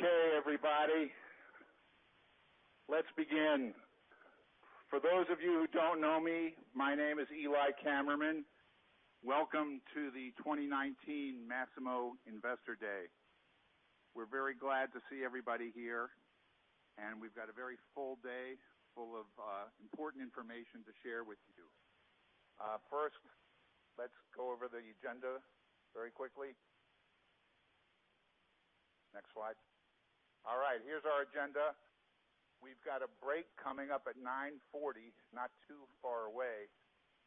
Okay, everybody. Let's begin. For those of you who don't know me, my name is Eli Kammerman. Welcome to the 2019 Masimo Investor Day. We're very glad to see everybody here, and we've got a very full day, full of important information to share with you. First, let's go over the agenda very quickly. Next slide. All right, here's our agenda. We've got a break coming up at 9:40 A.M., not too far away.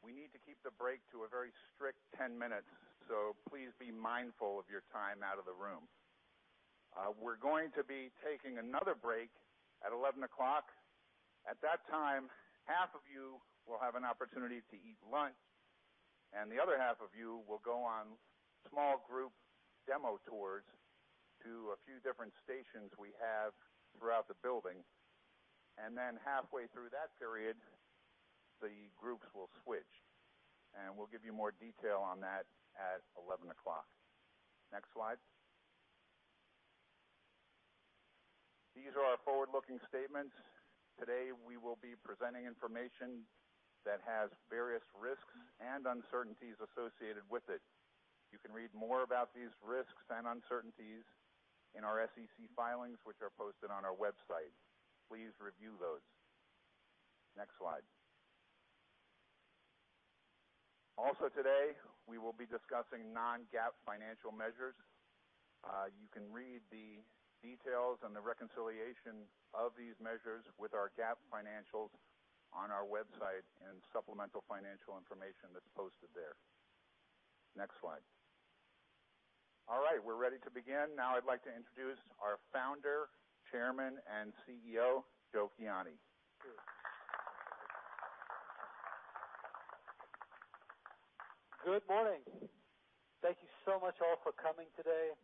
We need to keep the break to a very strict 10 minutes, so please be mindful of your time out of the room. We're going to be taking another break at 11:00 A.M. At that time, half of you will have an opportunity to eat lunch, and the other half of you will go on small group demo tours to a few different stations we have throughout the building. Halfway through that period, the groups will switch, and we'll give you more detail on that at 11:00 A.M. Next slide. These are our forward-looking statements. Today, we will be presenting information that has various risks and uncertainties associated with it. You can read more about these risks and uncertainties in our SEC filings, which are posted on our website. Please review those. Next slide. Also today, we will be discussing non-GAAP financial measures. You can read the details on the reconciliation of these measures with our GAAP financials on our website and supplemental financial information that's posted there. Next slide. All right, we're ready to begin. Now I'd like to introduce our founder, chairman, and CEO, Joe Kiani. Good morning. Thank you so much, all, for coming today.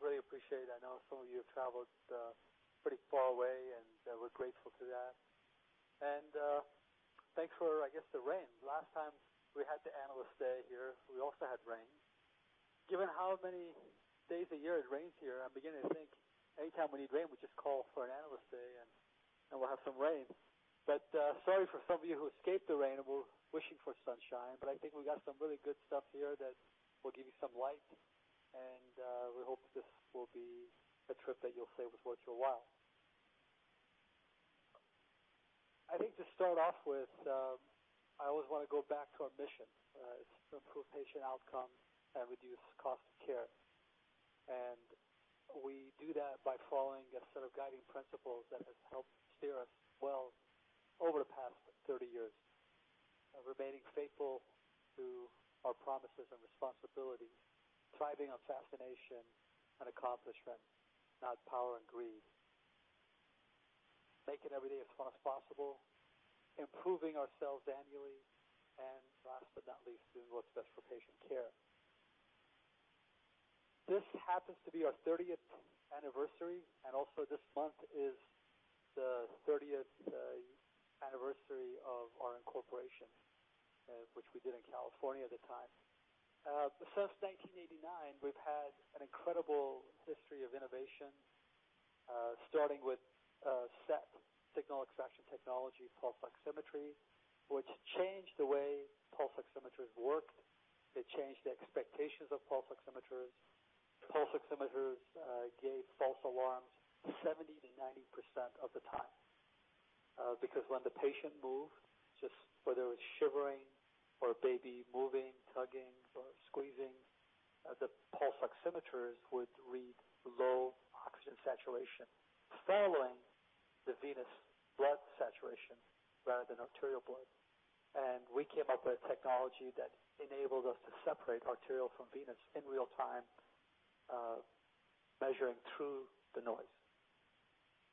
Really appreciate it. I know some of you have traveled pretty far away, and we're grateful for that. Thanks for, I guess, the rain. Last time we had the analyst day here, we also had rain. Given how many days a year it rains here, I'm beginning to think anytime we need rain, we just call for an analyst day and we'll have some rain. Sorry for some of you who escaped the rain and were wishing for sunshine, but I think we got some really good stuff here that will give you some light. We hope that this will be a trip that you'll savor for a while. I think to start off with, I always want to go back to our mission. It's to improve patient outcomes and reduce cost of care. We do that by following a set of guiding principles that has helped steer us well over the past 30 years, remaining faithful to our promises and responsibilities, thriving on fascination and accomplishment, not power and greed. Making every day as fun as possible, improving ourselves annually, and last but not least, doing what's best for patient care. This happens to be our 30th anniversary, and also this month is the 30th anniversary of our incorporation, which we did in California at the time. Since 1989, we've had an incredible history of innovation, starting with SET, Signal Extraction Technology, pulse oximetry, which changed the way pulse oximeters worked. It changed the expectations of pulse oximeters. Pulse oximeters gave false alarms 70% to 90% of the time, because when the patient moved, whether it was shivering or a baby moving, tugging, or squeezing, the pulse oximeters would read low oxygen saturation following the venous blood saturation rather than arterial blood. We came up with a technology that enabled us to separate arterial from venous in real time, measuring through the noise.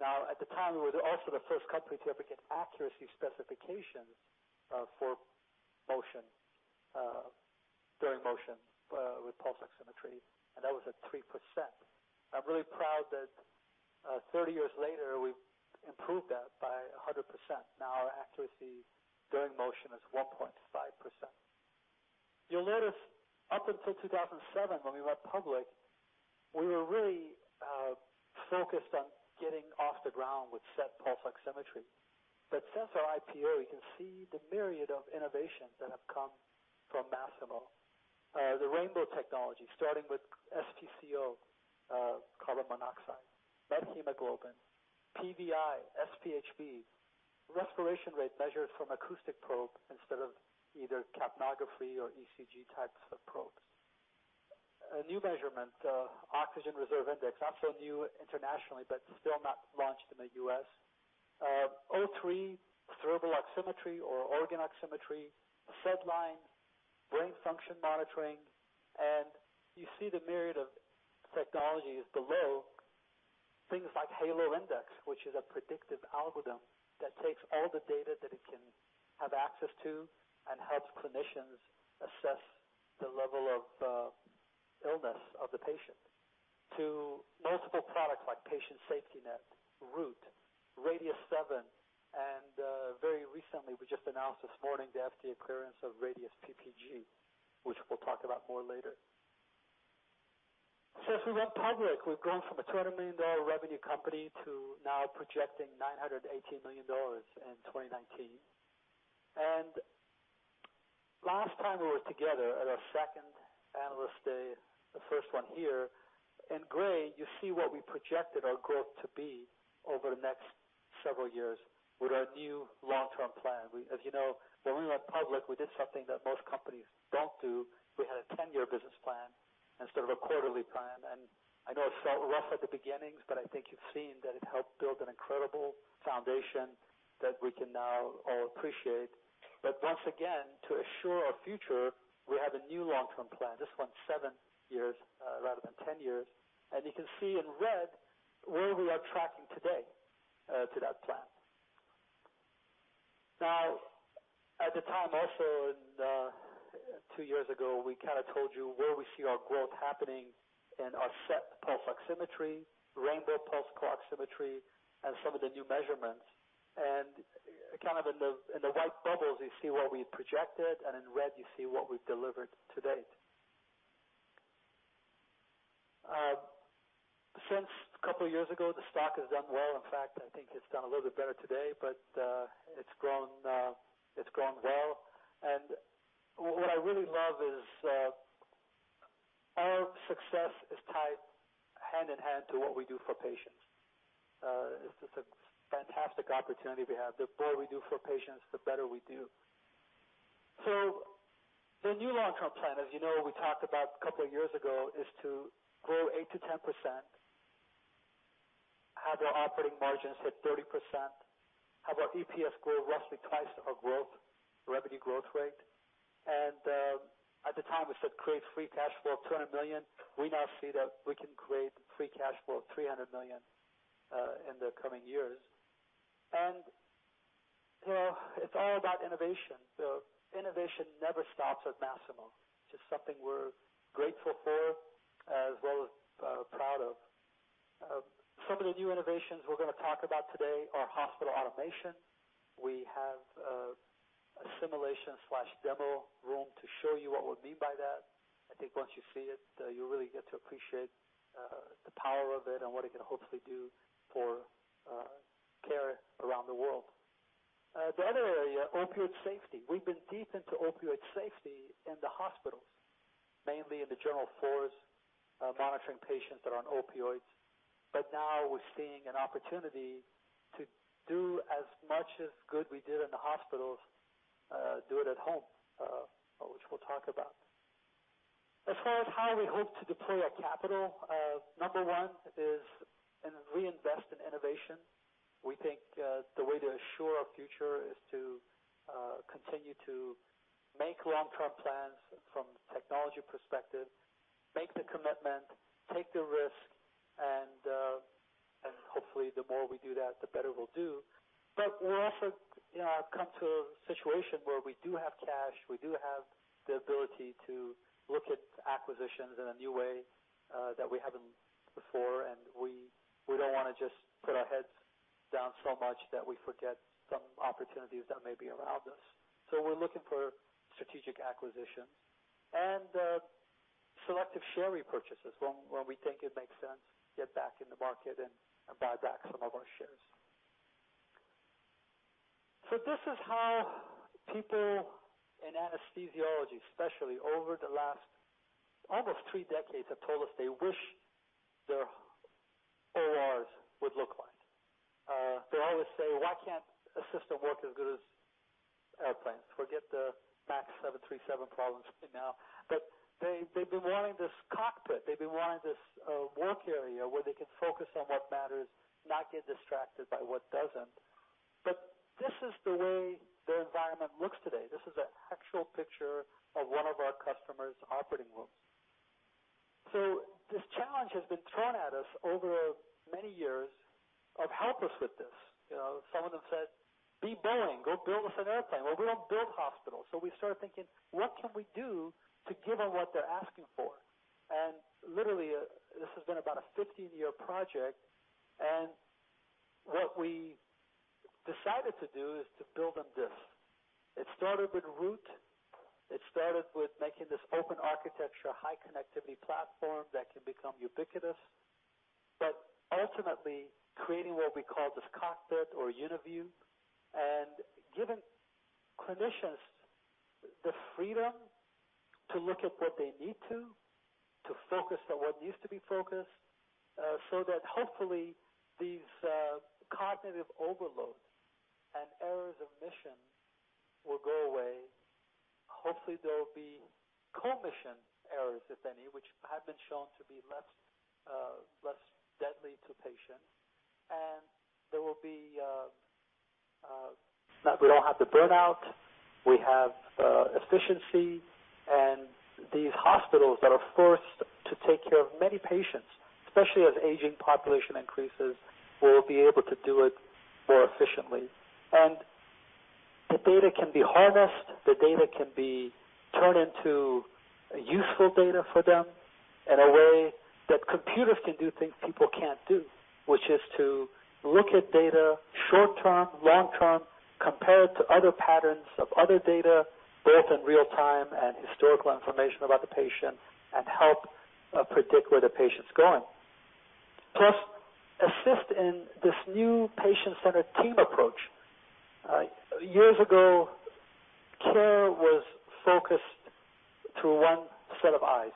At the time, we were also the first company to ever get accuracy specifications for motion, during motion, with pulse oximetry, and that was at 3%. I'm really proud that 30 years later, we've improved that by 100%. Our accuracy during motion is 1.5%. You'll notice up until 2007, when we went public, we were really focused on getting off the ground with SET pulse oximetry. Since our IPO, you can see the myriad of innovations that have come from Masimo. The rainbow technologies, starting with SpCO, carbon monoxide, Methemoglobin, PVI, SpHb, respiration rate measured from acoustic probe instead of either capnography or ECG types of probes. A new measurement, Oxygen Reserve Index, also new internationally, but still not launched in the U.S. O3, cerebral oximetry or organ oximetry, SedLine, brain function monitoring, and you see the myriad of technologies below, things like Halo ION, which is a predictive algorithm that takes all the data that it can have access to and helps clinicians assess the level of illness of the patient, to multiple products like Patient SafetyNet, Root, Masimo Radical-7, and very recently, we just announced this morning the FDA clearance of Masimo Radius PPG, which we'll talk about more later. As we went public, we've grown from a $200 million revenue company to now projecting $918 million in 2019. Last time we were together at our second analyst day, the first one here, in gray, you see what we projected our growth to be over the next several years with our new long-term plan. As you know, when we went public, we did something that most companies don't do. We had a 10-year business plan instead of a quarterly plan. I know it felt rough at the beginnings, but I think you've seen that it helped build an incredible foundation that we can now all appreciate. Once again, to assure our future, we have a new long-term plan. This one's seven years rather than 10 years. You can see in red where we are tracking today to that plan. At the time also, two years ago, we kind of told you where we see our growth happening in our SET pulse oximetry, rainbow Pulse CO-oximetry, and some of the new measurements. Kind of in the white bubbles, you see what we projected, and in red, you see what we've delivered to date. Since a couple of years ago, the stock has done well. In fact, I think it's done a little bit better today, but it's grown well. What I really love is our success is tied hand-in-hand to what we do for patients. It's just a fantastic opportunity we have. The more we do for patients, the better we do. The new long-term plan, as you know, we talked about a couple of years ago, is to grow 8%-10%, have our operating margins hit 30%, have our EPS grow roughly twice our revenue growth rate. At the time, we said create free cash flow of $200 million. We now see that we can create free cash flow of $300 million in the coming years. It's all about innovation. Innovation never stops at Masimo. It's just something we're grateful for as well as proud of. Some of the new innovations we're going to talk about today are hospital automation. We have a simulation/demo room to show you what we mean by that. I think once you see it, you really get to appreciate the power of it and what it can hopefully do for care around the world. The other area, opioid safety. We've been deep into opioid safety in the hospitals, mainly in the general floors, monitoring patients that are on opioids. Now we're seeing an opportunity to do as much as good we did in the hospitals, do it at home, which we'll talk about. As far as how we hope to deploy our capital, number one is reinvest in innovation. We think the way to assure our future is to continue to make long-term plans from a technology perspective, make the commitment, take the risk, hopefully, the more we do that, the better we'll do. We also come to a situation where we do have cash. We do have the ability to look at acquisitions in a new way that we haven't before. We don't want to just put our heads down so much that we forget some opportunities that may be around us. We're looking for strategic acquisitions and selective share repurchases when we think it makes sense to get back in the market and buy back some of our shares. This is how people in anesthesiology, especially over the last almost 3 decades, have told us they wish their ORs would look like. They always say, "Why can't a system work as good as airplanes?" Forget the 737 MAX problems right now. They've been wanting this cockpit. They've been wanting this work area where they can focus on what matters, not get distracted by what doesn't. This is the way their environment looks today. This is an actual picture of one of our customer's operating rooms. This challenge has been thrown at us over many years of, "Help us with this." Some of them said, "Be Boeing. Go build us an airplane." Well, we don't build hospitals. We started thinking, what can we do to give them what they're asking for? Literally, this has been about a 15-year project, what we decided to do is to build them this. It started with Root. It started with making this open architecture, high connectivity platform that can become ubiquitous. Ultimately creating what we call this cockpit or UniView and giving clinicians the freedom to look at what they need to focus on what needs to be focused, so that hopefully these cognitive overloads and errors of mission will go away. Hopefully, there will be commission errors, if any, which have been shown to be less deadly to patients. There will be that we don't have the burnout. We have efficiency, these hospitals that are forced to take care of many patients, especially as aging population increases, will be able to do it more efficiently. The data can be harnessed, the data can be turned into useful data for them in a way that computers can do things people can't do, which is to look at data short-term, long-term, compare it to other patterns of other data, both in real time and historical information about the patient, and help predict where the patient's going. Plus assist in this new patient-centered team approach. Years ago, care was focused through one set of eyes,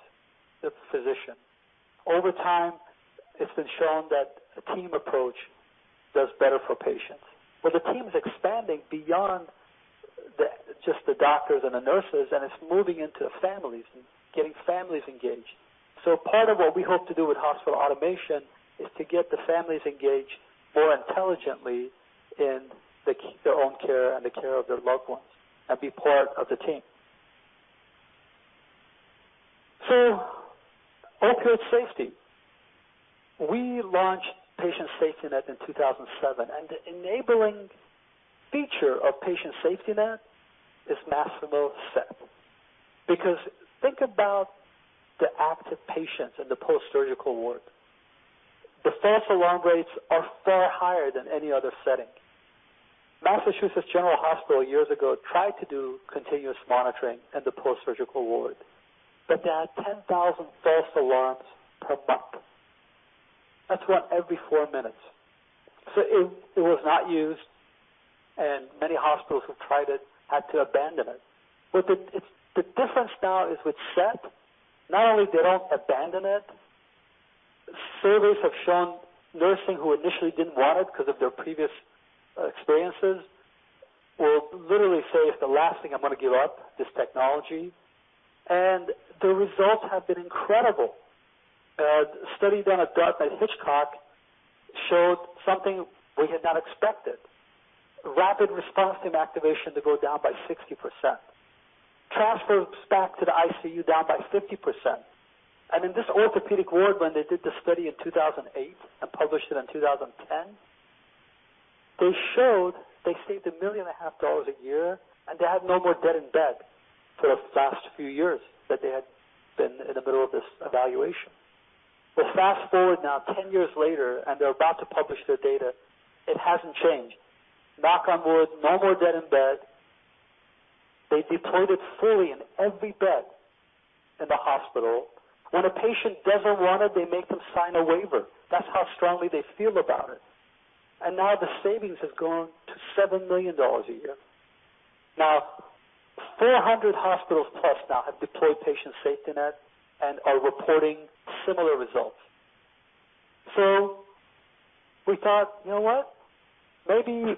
the physician. Over time, it's been shown that a team approach does better for patients. The team's expanding beyond just the doctors and the nurses, and it's moving into families and getting families engaged. Part of what we hope to do with hospital automation is to get the families engaged more intelligently in their own care and the care of their loved ones and be part of the team. Opioid safety. We launched Patient SafetyNet in 2007. The enabling feature of Patient SafetyNet is Masimo SET. Think about the active patients in the post-surgical ward. The false alarm rates are far higher than any other setting. Massachusetts General Hospital years ago tried to do continuous monitoring in the post-surgical ward, they had 10,000 false alarms per month. That's one every four minutes. It was not used, many hospitals who tried it had to abandon it. The difference now is with SET, not only they don't abandon it, surveys have shown nursing who initially didn't want it because of their previous experiences will literally say, "It's the last thing I'm going to give up, this technology." The results have been incredible. A study done at Dartmouth-Hitchcock showed something we had not expected. Rapid response team activation to go down by 60%, transfers back to the ICU down by 50%. In this orthopedic ward, when they did the study in 2008 and published it in 2010, they showed they saved a million and a half dollars a year, they had no more dead in bed for the last few years that they had been in the middle of this evaluation. Fast-forward now 10 years later, they're about to publish their data. It hasn't changed. Knock on wood, no more dead in bed. They deployed it fully in every bed in the hospital. When a patient doesn't want it, they make them sign a waiver. That's how strongly they feel about it. The savings has gone to $7 million a year. 400 hospitals plus now have deployed Patient SafetyNet and are reporting similar results. We thought, you know what? Maybe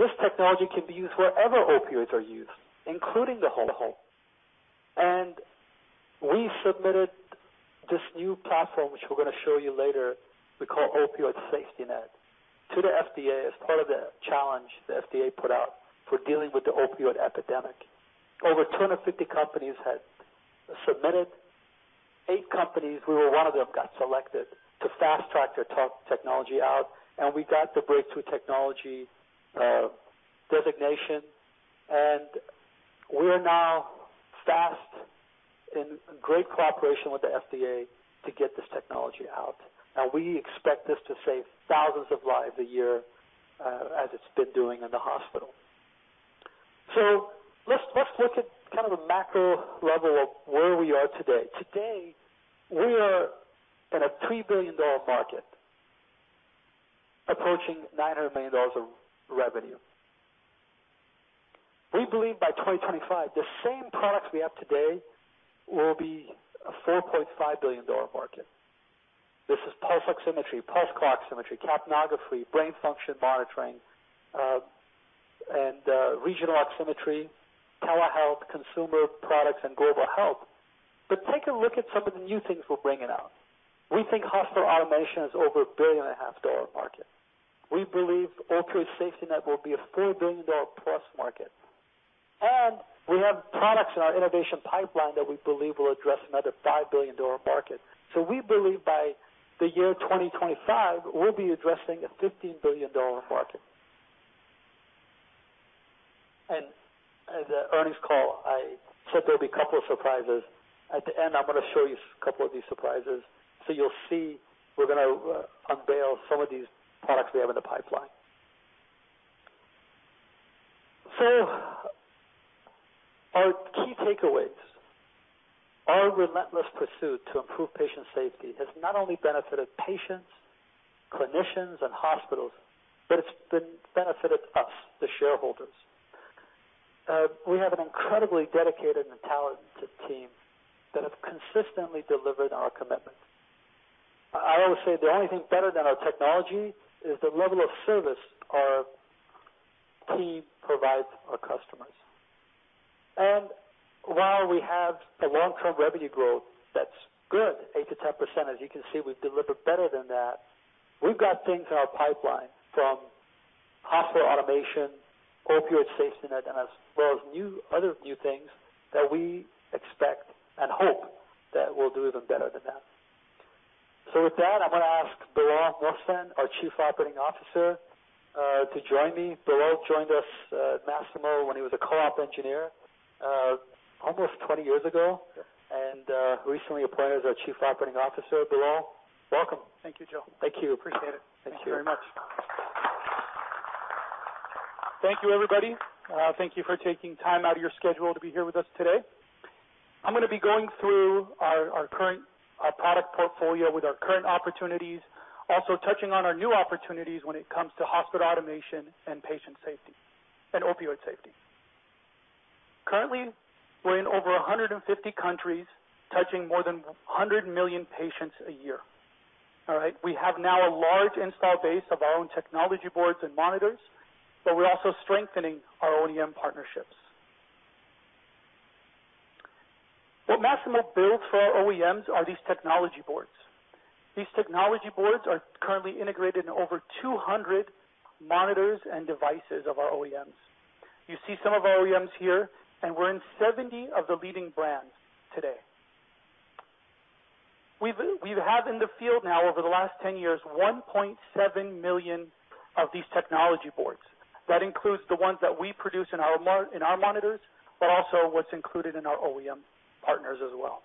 this technology can be used wherever opioids are used, including the home. We submitted this new platform, which we're going to show you later, we call Opioid SafetyNet, to the FDA as part of the challenge the FDA put out for dealing with the opioid epidemic. Over 250 companies had submitted. Eight companies, we were one of them, got selected to fast track their technology out, we got the breakthrough technology designation. We're now fast in great cooperation with the FDA to get this technology out. We expect this to save thousands of lives a year as it's been doing in the hospital. Let's look at kind of a macro level of where we are today. Today, we are in a $3 billion market, approaching $900 million of revenue. We believe by 2025, the same products we have today will be a $4.5 billion market. This is pulse oximetry, Pulse CO-oximetry, capnography, brain function monitoring, and regional oximetry, telehealth, consumer products, and global health. Take a look at some of the new things we're bringing out. We think hospital automation is over a $1.5 billion market. We believe Opioid SafetyNet will be a $4 billion plus market. We have products in our innovation pipeline that we believe will address another $5 billion market. We believe by the year 2025, we'll be addressing a $15 billion market. At the earnings call, I said there'll be a couple of surprises. At the end, I'm going to show you a couple of these surprises. You'll see we're going to unveil some of these products we have in the pipeline. Our key takeaways. Our relentless pursuit to improve patient safety has not only benefited patients, clinicians, and hospitals, but it's benefited us, the shareholders. We have an incredibly dedicated and talented team that have consistently delivered our commitment. I always say the only thing better than our technology is the level of service our team provides our customers. While we have a long-term revenue growth that's good, 8%-10%, as you can see, we've delivered better than that. We've got things in our pipeline from hospital automation, Opioid SafetyNet, as well as other new things that we expect and hope that we'll do even better than that. With that, I'm going to ask Bilal Muhsin, our Chief Operating Officer, to join me. Bilal joined us at Masimo when he was a co-op engineer almost 20 years ago and recently appointed as our Chief Operating Officer. Bilal, welcome. Thank you, Joe. Thank you. Appreciate it. Thank you. Thank you very much. Thank you, everybody. Thank you for taking time out of your schedule to be here with us today. I'm going to be going through our current product portfolio with our current opportunities, also touching on our new opportunities when it comes to hospital automation and patient safety and opioid safety. Currently, we're in over 150 countries, touching more than 100 million patients a year. All right? We have now a large install base of our own technology boards and monitors, but we're also strengthening our OEM partnerships. What Masimo builds for our OEMs are these technology boards. These technology boards are currently integrated in over 200 monitors and devices of our OEMs. We're in 70 of the leading brands today. We have in the field now, over the last 10 years, 1.7 million of these technology boards. That includes the ones that we produce in our monitors, but also what's included in our OEM partners as well.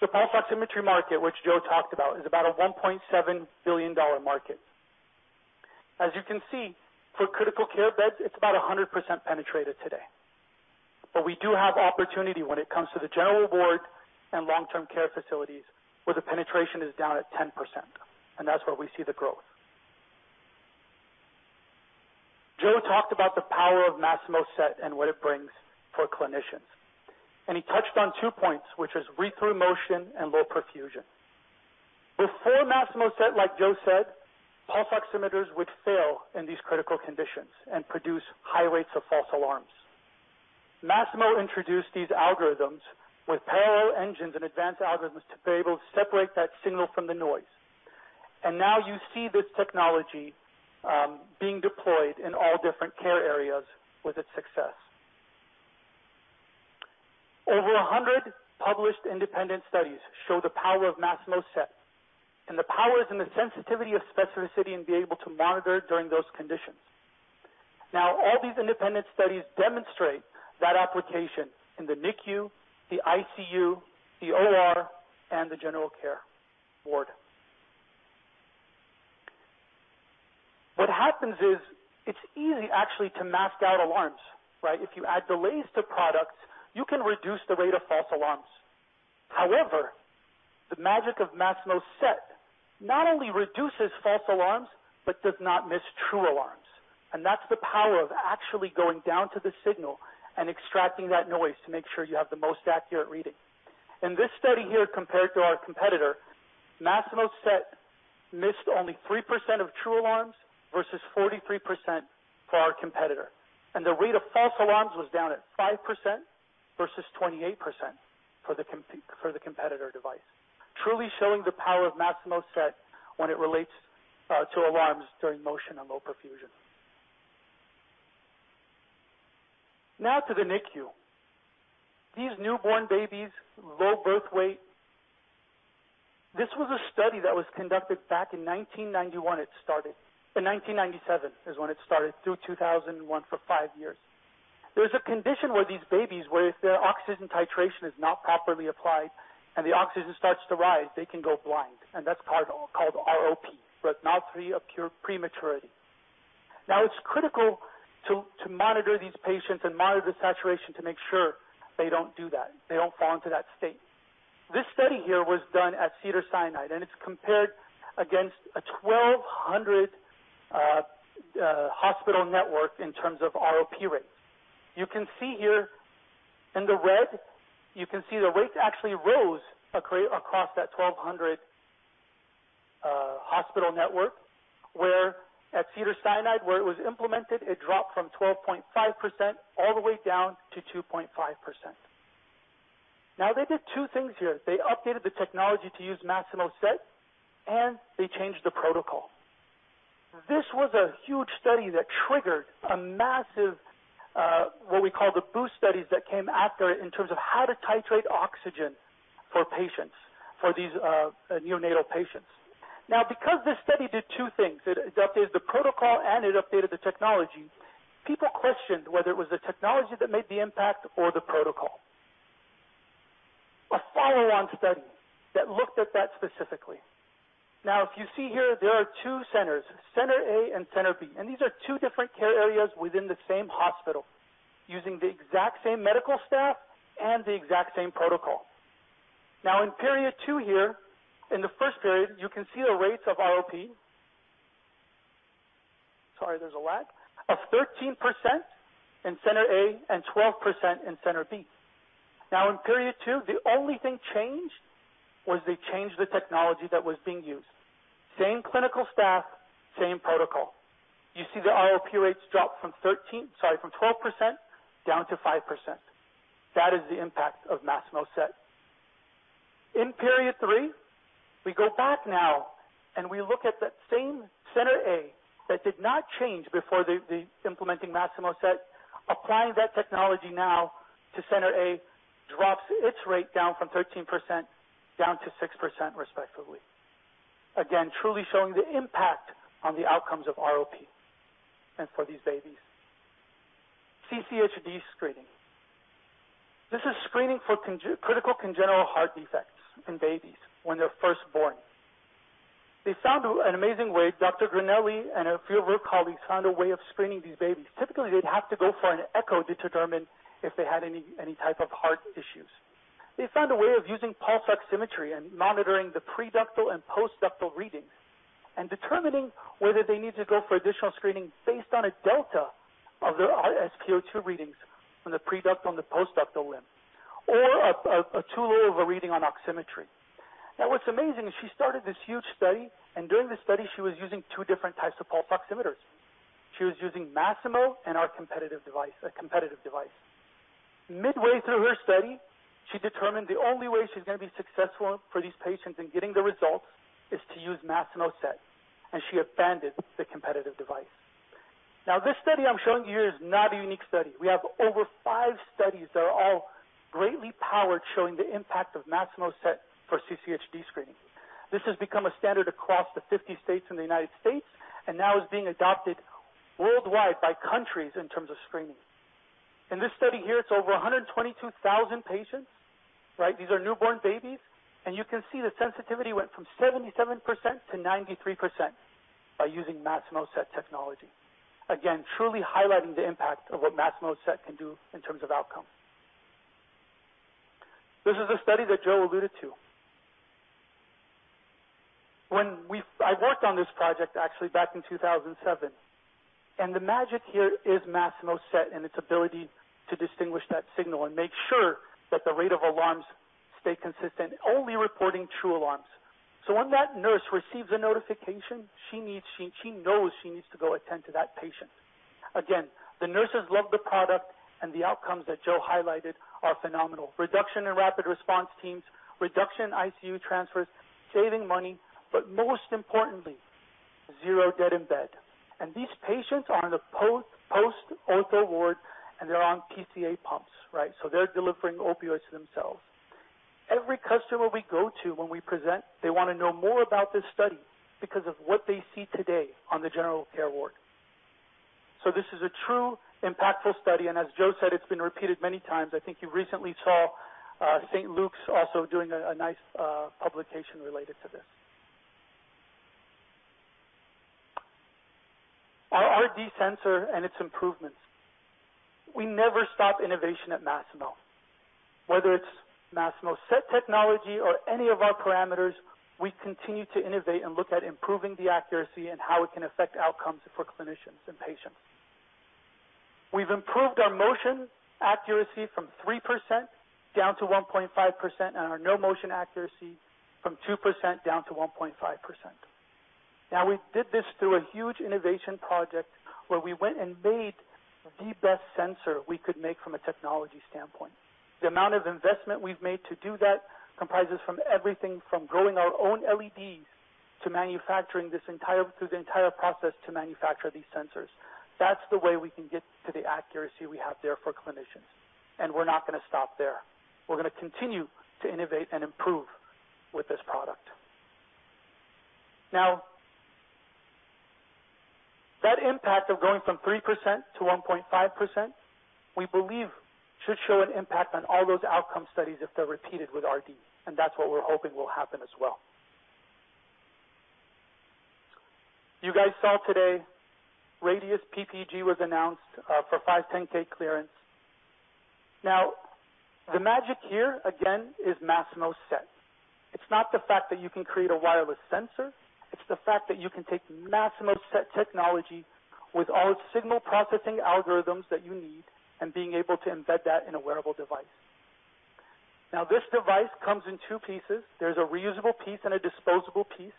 The pulse oximetry market, which Joe talked about, is about a $1.7 billion market. As you can see, for critical care beds, it's about 100% penetrated today. We do have opportunity when it comes to the general ward and long-term care facilities, where the penetration is down at 10%, and that's where we see the growth. Joe talked about the power of Masimo SET and what it brings for clinicians, and he touched on two points, which is read-through motion and low perfusion. Before Masimo SET, like Joe said, pulse oximeters would fail in these critical conditions and produce high rates of false alarms. Masimo introduced these algorithms with parallel engines and advanced algorithms to be able to separate that signal from the noise. Now you see this technology being deployed in all different care areas with its success. Over 100 published independent studies show the power of Masimo SET and the powers and the sensitivity of specificity in being able to monitor during those conditions. All these independent studies demonstrate that application in the NICU, the ICU, the OR, and the general care ward. What happens is it's easy, actually, to mask out alarms. If you add delays to products, you can reduce the rate of false alarms. However, the magic of Masimo SET not only reduces false alarms but does not miss true alarms, and that's the power of actually going down to the signal and extracting that noise to make sure you have the most accurate reading. In this study here, compared to our competitor, Masimo SET missed only 3% of true alarms versus 43% for our competitor. The rate of false alarms was down at 5% versus 28% for the competitor device, truly showing the power of Masimo SET when it relates to alarms during motion and low perfusion. To the NICU. These newborn babies, low birth weight. This was a study that was conducted back in 1991, it started. 1997 is when it started, through 2001 for five years. There's a condition where these babies, where if their oxygen titration is not properly applied and the oxygen starts to rise, they can go blind, and that's called ROP, retinopathy of prematurity. It's critical to monitor these patients and monitor the saturation to make sure they don't do that, they don't fall into that state. This study here was done at Cedars-Sinai, and it's compared against a 1,200 hospital network in terms of ROP rates. You can see here in the red, you can see the rates actually rose across that 1,200 hospital network, where at Cedars-Sinai, where it was implemented, it dropped from 12.5% all the way down to 2.5%. They did two things here. They updated the technology to use Masimo SET, and they changed the protocol. This was a huge study that triggered a massive, what we call the BOOST studies that came after it in terms of how to titrate oxygen for patients, for these neonatal patients. Because this study did two things, it updated the protocol and it updated the technology, people questioned whether it was the technology that made the impact or the protocol. A follow-on study that looked at that specifically. If you see here, there are two centers, Center A and Center B, and these are two different care areas within the same hospital using the exact same medical staff and the exact same protocol. In period two here, in the first period, you can see the rates of ROP, sorry, there's a lag, of 13% in Center A and 12% in Center B. In period two, the only thing changed was they changed the technology that was being used. Same clinical staff, same protocol. You see the ROP rates drop from 13, sorry, from 12% down to 5%. That is the impact of Masimo SET. In period three. We go back now and we look at that same Center A that did not change before the implementing Masimo SET, applying that technology now to Center A drops its rate down from 13% down to 6% respectively. Again, truly showing the impact on the outcomes of ROP and for these babies. CCHD screening. This is screening for critical congenital heart defects in babies when they're first born. They found an amazing way, Dr. Granelli and a few of her colleagues found a way of screening these babies. Typically, they'd have to go for an echo to determine if they had any type of heart issues. They found a way of using pulse oximetry and monitoring the pre-ductal and post-ductal readings, and determining whether they need to go for additional screening based on a delta of their SpO2 readings from the pre-ductal and the post-ductal limb, or a too low of a reading on oximetry. What's amazing is she started this huge study, and during the study, she was using two different types of pulse oximeters. She was using Masimo and our competitive device, a competitive device. Midway through her study, she determined the only way she's going to be successful for these patients in getting the results is to use Masimo SET, and she abandoned the competitive device. This study I'm showing you here is not a unique study. We have over five studies that are all greatly powered, showing the impact of Masimo SET for CCHD screening. This has become a standard across the 50 states in the U.S. and now is being adopted worldwide by countries in terms of screening. In this study here, it's over 122,000 patients. These are newborn babies, and you can see the sensitivity went from 77% to 93% by using Masimo SET technology. Again, truly highlighting the impact of what Masimo SET can do in terms of outcome. This is a study that Joe alluded to. I worked on this project actually back in 2007, and the magic here is Masimo SET and its ability to distinguish that signal and make sure that the rate of alarms stay consistent, only reporting true alarms. When that nurse receives a notification, she knows she needs to go attend to that patient. The nurses love the product, and the outcomes that Joe highlighted are phenomenal. Reduction in rapid response teams, reduction in ICU transfers, saving money, but most importantly, zero dead in bed. These patients are on a post-ortho ward, and they're on PCA pumps. They're delivering opioids to themselves. Every customer we go to when we present, they want to know more about this study because of what they see today on the general care ward. This is a true, impactful study, and as Joe said, it's been repeated many times. I think you recently saw St. Luke's also doing a nice publication related to this. Our RD sensor and its improvements. We never stop innovation at Masimo, whether it's Masimo SET technology or any of our parameters, we continue to innovate and look at improving the accuracy and how it can affect outcomes for clinicians and patients. We've improved our motion accuracy from 3% down to 1.5%, and our no-motion accuracy from 2% down to 1.5%. We did this through a huge innovation project where we went and made the best sensor we could make from a technology standpoint. The amount of investment we've made to do that comprises from everything from growing our own LEDs to manufacturing this entire, through the entire process to manufacture these sensors. That's the way we can get to the accuracy we have there for clinicians, and we're not going to stop there. We're going to continue to innovate and improve with this product. That impact of going from 3% to 1.5%, we believe should show an impact on all those outcome studies if they're repeated with RD, and that's what we're hoping will happen as well. You guys saw today Radius PPG was announced, for 510(k) clearance. The magic here, again, is Masimo SET. It's not the fact that you can create a wireless sensor, it's the fact that you can take Masimo SET technology with all its signal processing algorithms that you need and being able to embed that in a wearable device. This device comes in two pieces. There's a reusable piece and a disposable piece.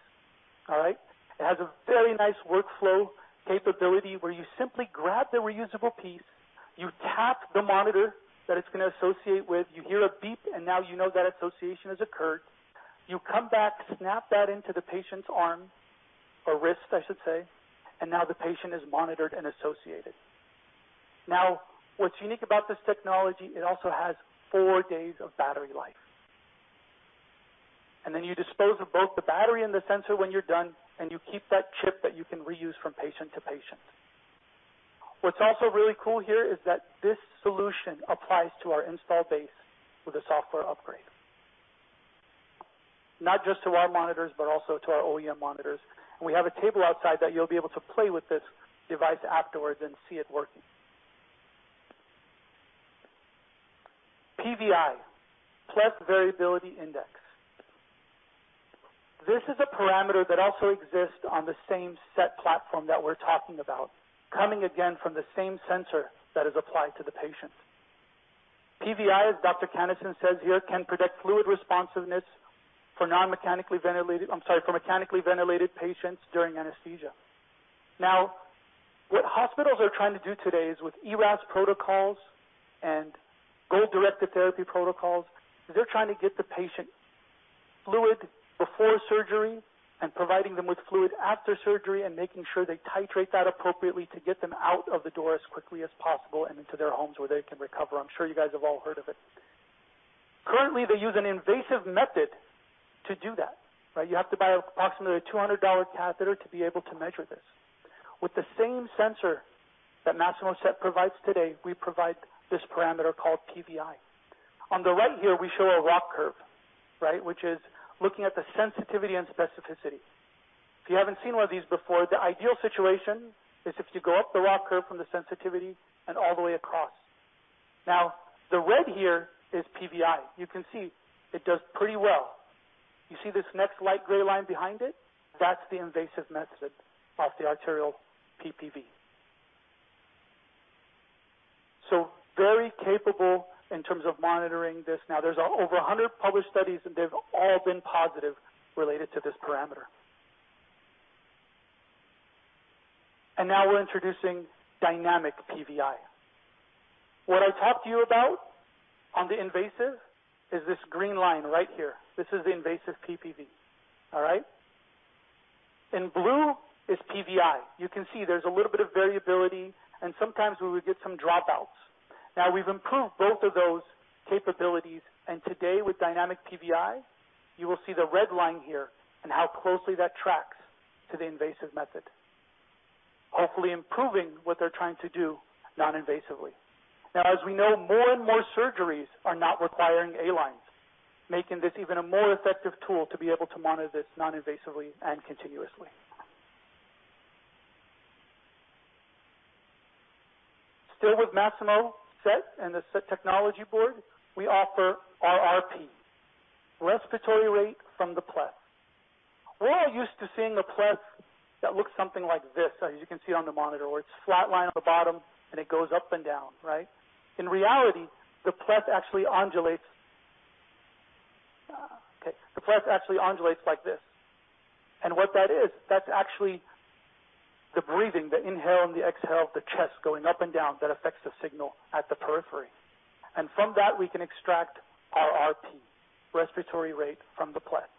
All right. It has a very nice workflow capability where you simply grab the reusable piece, you tap the monitor that it's going to associate with, you hear a beep, and now you know that association has occurred. You come back, snap that into the patient's arm, or wrist, I should say, and now the patient is monitored and associated. What's unique about this technology, it also has four days of battery life. Then you dispose of both the battery and the sensor when you're done, and you keep that chip that you can reuse from patient to patient. What's also really cool here is that this solution applies to our installed base with a software upgrade. Not just to our monitors, but also to our OEM monitors. We have a table outside that you'll be able to play with this device afterwards and see it working. PVi, Pleth Variability Index. This is a parameter that also exists on the same SET platform that we're talking about, coming again from the same sensor that is applied to the patient. PVI, as Dr. Cannesson says here, can predict fluid responsiveness for mechanically ventilated patients during anesthesia. What hospitals are trying to do today is with ERAS protocols and goal-directed therapy protocols, they're trying to get the patient fluid before surgery and providing them with fluid after surgery, and making sure they titrate that appropriately to get them out of the door as quickly as possible and into their homes where they can recover. I'm sure you guys have all heard of it. Currently, they use an invasive method to do that. You have to buy approximately a $200 catheter to be able to measure this. With the same sensor that Masimo SET provides today, we provide this parameter called PVI. On the right here, we show a ROC curve, which is looking at the sensitivity and specificity. If you haven't seen one of these before, the ideal situation is if you go up the ROC curve from the sensitivity and all the way across. The red here is PVI. You can see it does pretty well. You see this next light gray line behind it? That's the invasive method of the arterial PPV. Very capable in terms of monitoring this. There's over 100 published studies, and they've all been positive related to this parameter. Now we're introducing dynamic PVI. What I talked to you about on the invasive is this green line right here. This is the invasive PPV. All right. In blue is PVI. You can see there's a little bit of variability, and sometimes we would get some dropouts. We've improved both of those capabilities, and today with dynamic PVI, you will see the red line here and how closely that tracks to the invasive method, hopefully improving what they're trying to do non-invasively. As we know, more and more surgeries are not requiring A lines, making this even a more effective tool to be able to monitor this non-invasively and continuously. Still with Masimo SET and the SET Technology Board, we offer RRP, respiratory rate from the pleth. We're all used to seeing a pleth that looks something like this, as you can see on the monitor, where it's flat line on the bottom and it goes up and down, right? In reality, the pleth actually undulates like this. What that is, that's actually the breathing, the inhale and the exhale of the chest going up and down that affects the signal at the periphery. From that, we can extract RRP, respiratory rate from the pleth.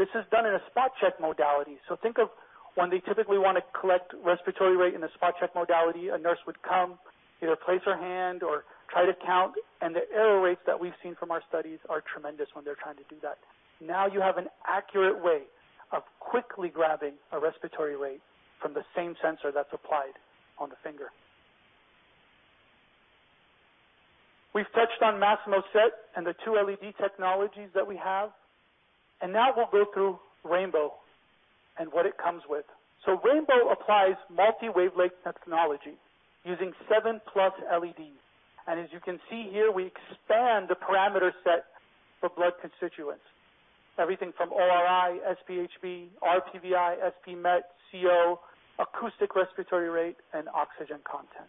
This is done in a spot check modality. Think of when they typically want to collect respiratory rate in a spot check modality, a nurse would come, either place her hand or try to count, and the error rates that we've seen from our studies are tremendous when they're trying to do that. You have an accurate way of quickly grabbing a respiratory rate from the same sensor that's applied on the finger. We've touched on Masimo SET and the two LED technologies that we have. Now we'll go through Rainbow and what it comes with. Rainbow applies multi-wavelength technology using seven plus LEDs. As you can see here, we expand the parameter set for blood constituents. Everything from ORi, SpHb, RPVi, SpMet, SpCO, acoustic respiratory rate, and SpOC.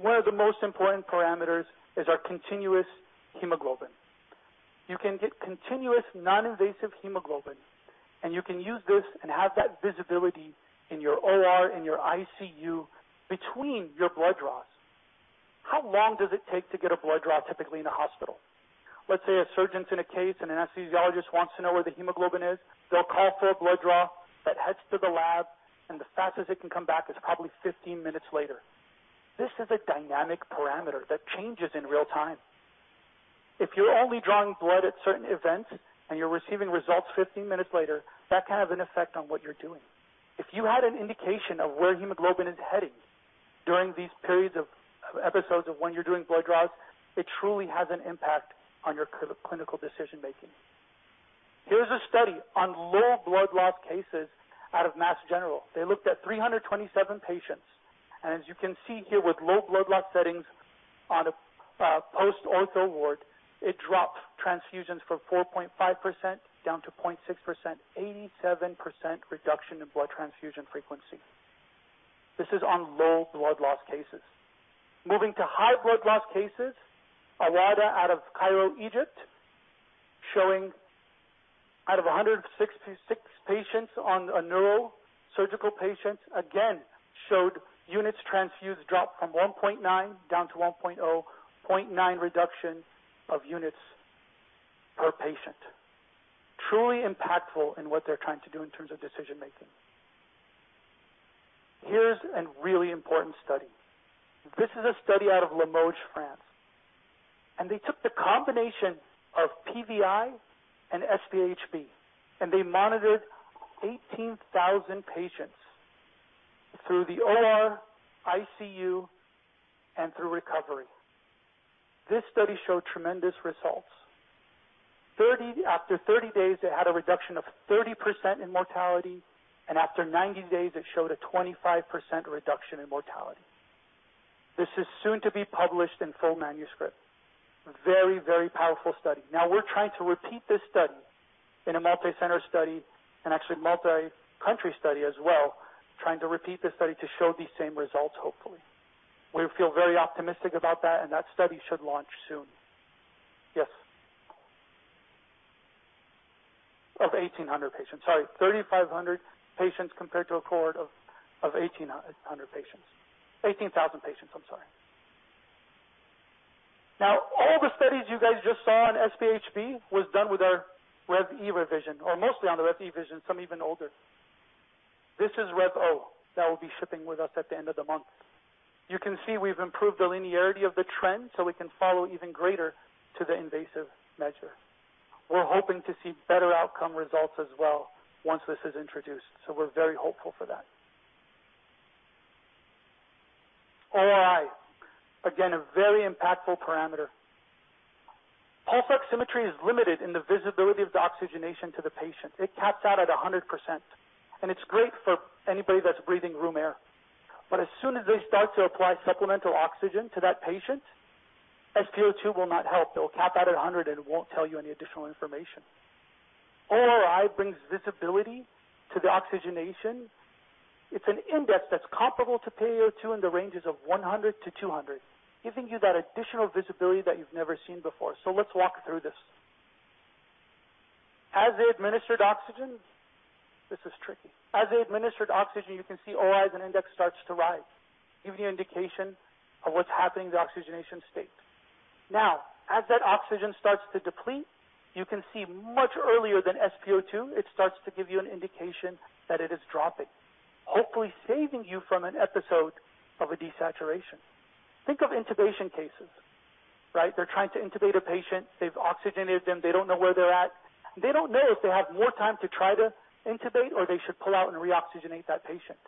One of the most important parameters is our continuous hemoglobin. You can get continuous non-invasive hemoglobin, and you can use this and have that visibility in your OR, in your ICU, between your blood draws. How long does it take to get a blood draw typically in a hospital? Let's say a surgeon's in a case and an anesthesiologist wants to know where the hemoglobin is. They'll call for a blood draw that heads to the lab, and the fastest it can come back is probably 15 minutes later. This is a dynamic parameter that changes in real-time. If you're only drawing blood at certain events and you're receiving results 15 minutes later, that can have an effect on what you're doing. If you had an indication of where hemoglobin is heading during these periods of episodes of when you're doing blood draws, it truly has an impact on your clinical decision-making. Here's a study on low blood loss cases out of Mass General. They looked at 327 patients, and as you can see here with low blood loss settings on a post-ortho ward, it dropped transfusions from 4.5% down to 0.6%, 87% reduction in blood transfusion frequency. This is on low blood loss cases. Moving to high blood loss cases, Awada out of Cairo, Egypt, showing out of 166 patients on a neuro surgical patient, again, showed units transfused dropped from 1.9 down to 1.0.9 reduction of units per patient. Truly impactful in what they're trying to do in terms of decision-making. Here's a really important study. This is a study out of Limoges, France. They took the combination of PVI and SpHb. They monitored 18,000 patients through the OR, ICU, and through recovery. This study showed tremendous results. After 30 days, it had a reduction of 30% in mortality, and after 90 days, it showed a 25% reduction in mortality. This is soon to be published in full manuscript. Very, very powerful study. We're trying to repeat this study in a multi-center study and actually multi-country study as well, trying to repeat this study to show these same results, hopefully. We feel very optimistic about that, and that study should launch soon. Yes. Of 1,800 patients. Sorry, 3,500 patients compared to a cohort of 1,800 patients. 18,000 patients, I'm sorry. All the studies you guys just saw on SpHb was done with our Rev E revision, or mostly on the Rev E revision, some even older. This is Rev O that will be shipping with us at the end of the month. You can see we've improved the linearity of the trend, so we can follow even greater to the invasive measure. We're hoping to see better outcome results as well once this is introduced. We're very hopeful for that. ORi, again, a very impactful parameter. Pulse oximetry is limited in the visibility of the oxygenation to the patient. It caps out at 100%. It's great for anybody that's breathing room air. As soon as they start to apply supplemental oxygen to that patient, SpO2 will not help. It'll cap out at 100%. It won't tell you any additional information. ORI brings visibility to the oxygenation. It's an index that's comparable to PaO2 in the ranges of 100-200, giving you that additional visibility that you've never seen before. Let's walk through this. As they administered oxygen, this is tricky. As they administered oxygen, you can see ORI as an index starts to rise, giving you indication of what's happening in the oxygenation state. Now, as that oxygen starts to deplete, you can see much earlier than SpO2, it starts to give you an indication that it is dropping, hopefully saving you from an episode of a desaturation. Think of intubation cases. They're trying to intubate a patient. They've oxygenated them. They don't know where they're at, and they don't know if they have more time to try to intubate, or they should pull out and reoxygenate that patient.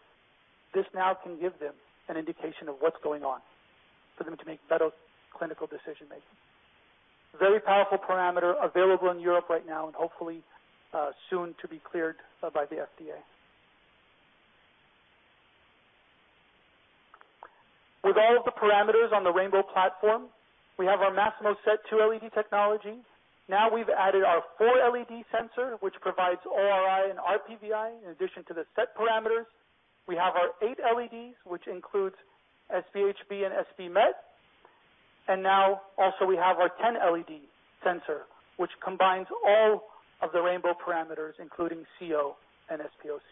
This now can give them an indication of what's going on for them to make better clinical decision-making. Very powerful parameter available in Europe right now, and hopefully soon to be cleared by the FDA. With all of the parameters on the Rainbow platform, we have our Masimo SET 2 LED technology. Now we've added our 4 LED sensor, which provides ORI and RPVi, in addition to the SET parameters. We have our 8 LEDs, which includes SpHb and SpMet. Now also we have our 10 LED sensor, which combines all of the Rainbow parameters, including SpCO and SpOC.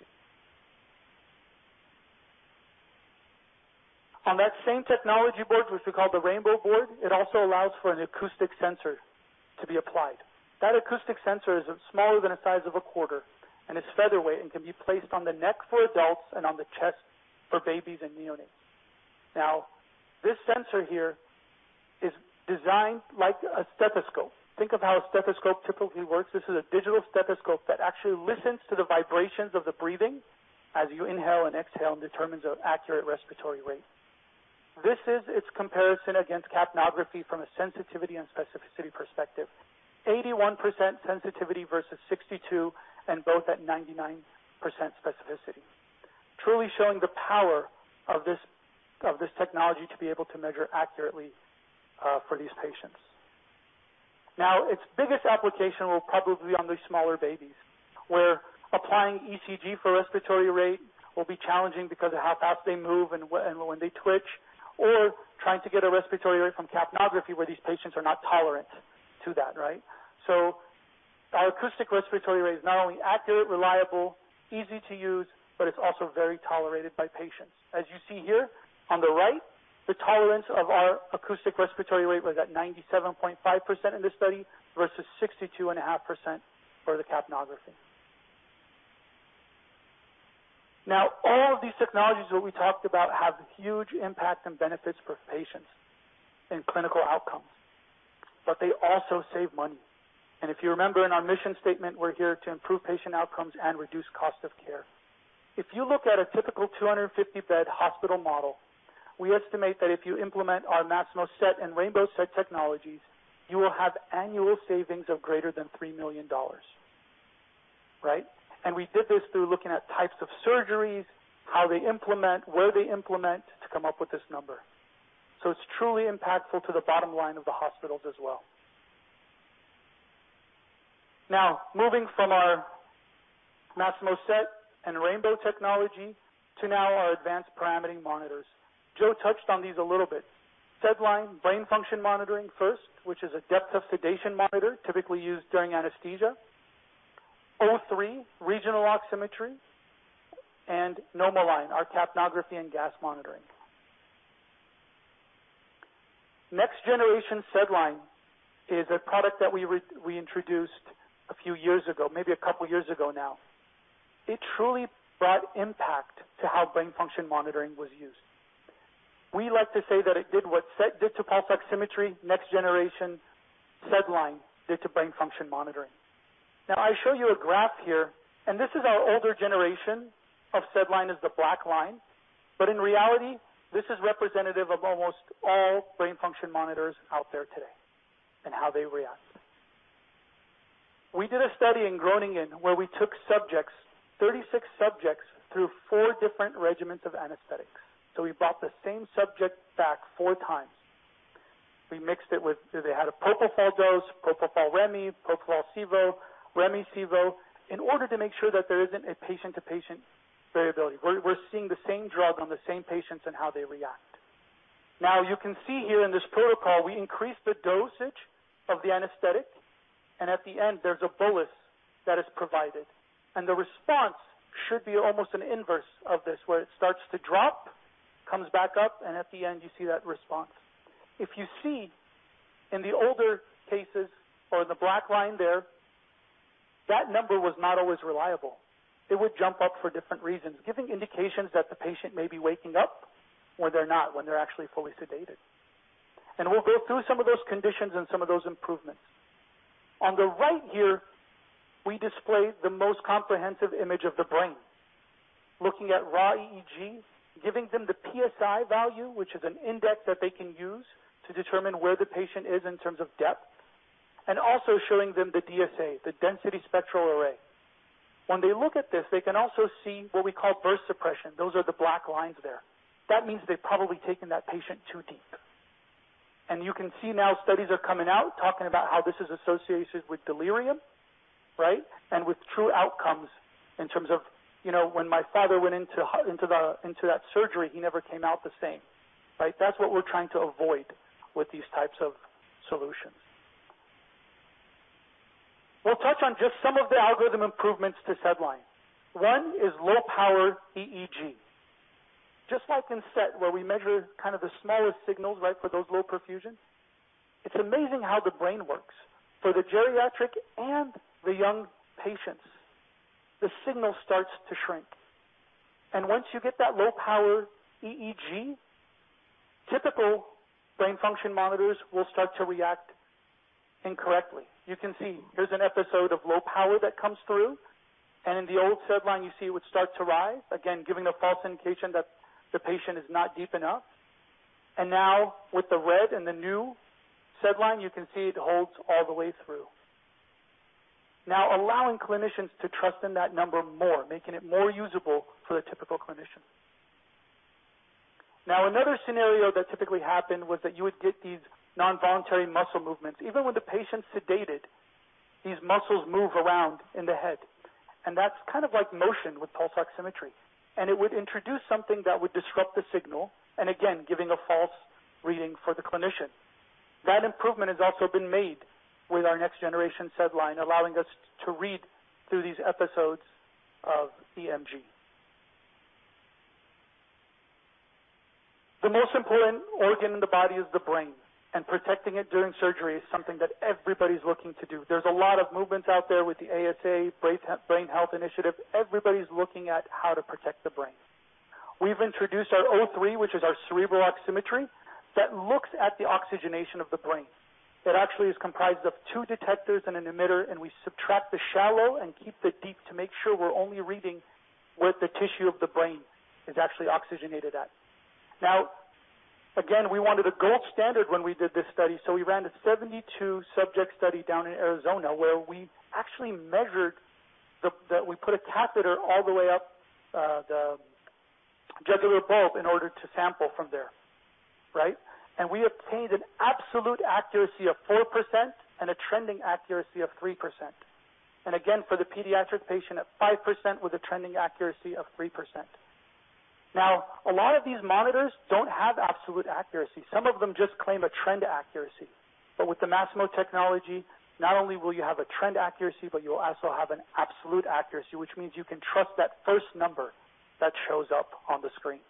On that same technology board, which we call the Rainbow board, it also allows for an acoustic sensor to be applied. That acoustic sensor is smaller than a size of a quarter, and it's featherweight and can be placed on the neck for adults and on the chest for babies and neonates. This sensor here is designed like a stethoscope. Think of how a stethoscope typically works. This is a digital stethoscope that actually listens to the vibrations of the breathing as you inhale and exhale, and determines an accurate respiratory rate. This is its comparison against capnography from a sensitivity and specificity perspective, 81% sensitivity versus 62%, and both at 99% specificity, truly showing the power of this technology to be able to measure accurately for these patients. Its biggest application will probably be on these smaller babies, where applying ECG for respiratory rate will be challenging because of how fast they move and when they twitch, or trying to get a respiratory rate from capnography where these patients are not tolerant to that. Our acoustic respiratory rate is not only accurate, reliable, easy to use, but it's also very tolerated by patients. As you see here on the right, the tolerance of our acoustic respiratory rate was at 97.5% in this study, versus 62.5% for the capnography. All of these technologies that we talked about have huge impact and benefits for patients in clinical outcomes. They also save money, and if you remember in our mission statement, we're here to improve patient outcomes and reduce cost of care. If you look at a typical 250-bed hospital model, we estimate that if you implement our Masimo SET and rainbow SET technologies, you will have annual savings of greater than $3 million. We did this through looking at types of surgeries, how they implement, where they implement, to come up with this number. It's truly impactful to the bottom line of the hospitals as well. Now, moving from our Masimo SET and rainbow technology to now our advanced parameter monitors. Joe touched on these a little bit. SedLine brain function monitoring first, which is a depth of sedation monitor typically used during anesthesia, O3 regional oximetry, and NomoLine, our capnography and gas monitoring. Next Generation SedLine is a product that we introduced a few years ago, maybe a couple years ago now. It truly brought impact to how brain function monitoring was used. We like to say that it did what SET did to pulse oximetry, Next Generation SedLine did to brain function monitoring. I show you a graph here, this is our older generation of SedLine as the black line. In reality, this is representative of almost all brain function monitors out there today and how they react. We did a study in Groningen, where we took subjects, 36 subjects, through four different regimens of anesthetics. We brought the same subject back four times. We mixed it with, they had a propofol dose, propofol-remi, propofol-sevo, remi-sevo, in order to make sure that there isn't a patient-to-patient variability. We're seeing the same drug on the same patients and how they react. You can see here in this protocol, we increase the dosage of the anesthetic, at the end, there's a bolus that is provided. The response should be almost an inverse of this, where it starts to drop, comes back up, and at the end, you see that response. If you see in the older cases or the black line there, that number was not always reliable. It would jump up for different reasons, giving indications that the patient may be waking up when they're not, when they're actually fully sedated. We'll go through some of those conditions and some of those improvements. On the right here, we display the most comprehensive image of the brain. Looking at raw EEG, giving them the PSI value, which is an index that they can use to determine where the patient is in terms of depth, and also showing them the DSA, the density spectral array. When they look at this, they can also see what we call burst suppression. Those are the black lines there. That means they've probably taken that patient too deep. You can see now studies are coming out talking about how this is associated with delirium, right, and with true outcomes in terms of when my father went into that surgery, he never came out the same, right? That's what we're trying to avoid with these types of solutions. We'll touch on just some of the algorithm improvements to SedLine. One is low-power EEG. Just like in SET, where we measure kind of the smallest signals for those low perfusions, it's amazing how the brain works. For the geriatric and the young patients, the signal starts to shrink. Once you get that low-power EEG, typical brain function monitors will start to react incorrectly. You can see here's an episode of low power that comes through. In the old SedLine, you see it would start to rise, again, giving a false indication that the patient's not deep enough. Now with the red and the new SedLine, you can see it holds all the way through. Allowing clinicians to trust in that number more, making it more usable for the typical clinician. Another scenario that typically happened was that you would get these non-voluntary muscle movements. Even when the patient's sedated, these muscles move around in the head, and that's kind of like motion with pulse oximetry, and it would introduce something that would disrupt the signal, and again, giving a false reading for the clinician. That improvement has also been made with our next generation SedLine, allowing us to read through these episodes of EMG. The most important organ in the body is the brain. Protecting it during surgery is something that everybody's looking to do. There's a lot of movements out there with the ASA Brain Health Initiative. Everybody's looking at how to protect the brain. We've introduced our O3, which is our cerebral oximetry, that looks at the oxygenation of the brain. It actually is comprised of two detectors and an emitter, and we subtract the shallow and keep the deep to make sure we're only reading where the tissue of the brain is actually oxygenated at. Again, we wanted a gold standard when we did this study, so we ran a 72-subject study down in Arizona where we actually measured, that we put a catheter all the way up the jugular bulb in order to sample from there. Right? We obtained an absolute accuracy of 4% and a trending accuracy of 3%. Again, for the pediatric patient at 5% with a trending accuracy of 3%. A lot of these monitors don't have absolute accuracy. Some of them just claim a trend accuracy. With the Masimo technology, not only will you have a trend accuracy, but you'll also have an absolute accuracy, which means you can trust that first number that shows up on the screen.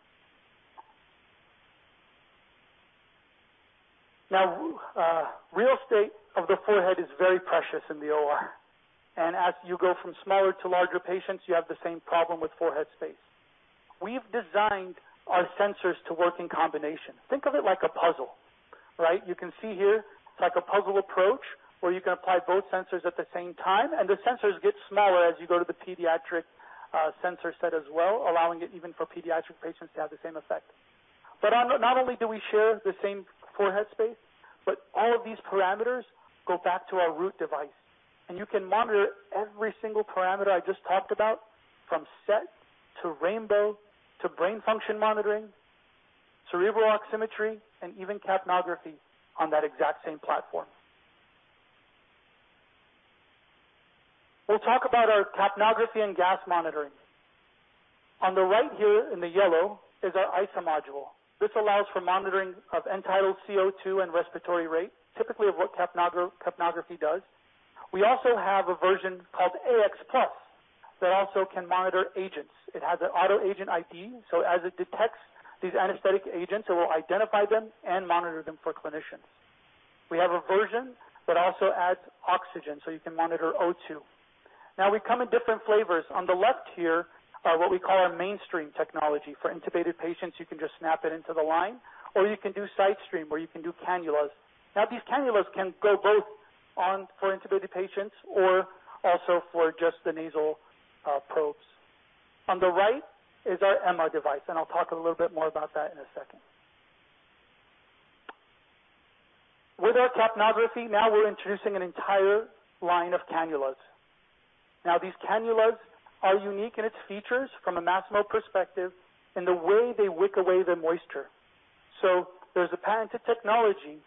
Real estate of the forehead is very precious in the OR, and as you go from smaller to larger patients, you have the same problem with forehead space. We've designed our sensors to work in combination. Think of it like a puzzle, right? You can see here, it's like a puzzle approach where you can apply both sensors at the same time, and the sensors get smaller as you go to the pediatric sensor set as well, allowing it even for pediatric patients to have the same effect. Not only do we share the same forehead space, but all of these parameters go back to our Root device, and you can monitor every single parameter I just talked about from SET, to rainbow, to brain function monitoring, cerebral oximetry, and even capnography on that exact same platform. We'll talk about our capnography and gas monitoring. On the right here in the yellow is our ISA module. This allows for monitoring of end-tidal CO2 and respiratory rate, typically of what capnography does. We also have a version called AX+ that also can monitor agents. It has an auto agent ID, as it detects these anesthetic agents, it will identify them and monitor them for clinicians. We have a version that also adds oxygen, you can monitor O2. We come in different flavors. On the left here are what we call our mainstream technology. For intubated patients, you can just snap it into the line, or you can do sidestream, or you can do cannulas. These cannulas can go both for intubated patients or also for just the nasal probes. On the right is our MR device, I'll talk a little bit more about that in a second. With our capnography, we're introducing an entire line of cannulas. These cannulas are unique in its features from a Masimo perspective in the way they wick away the moisture. There's a patented technology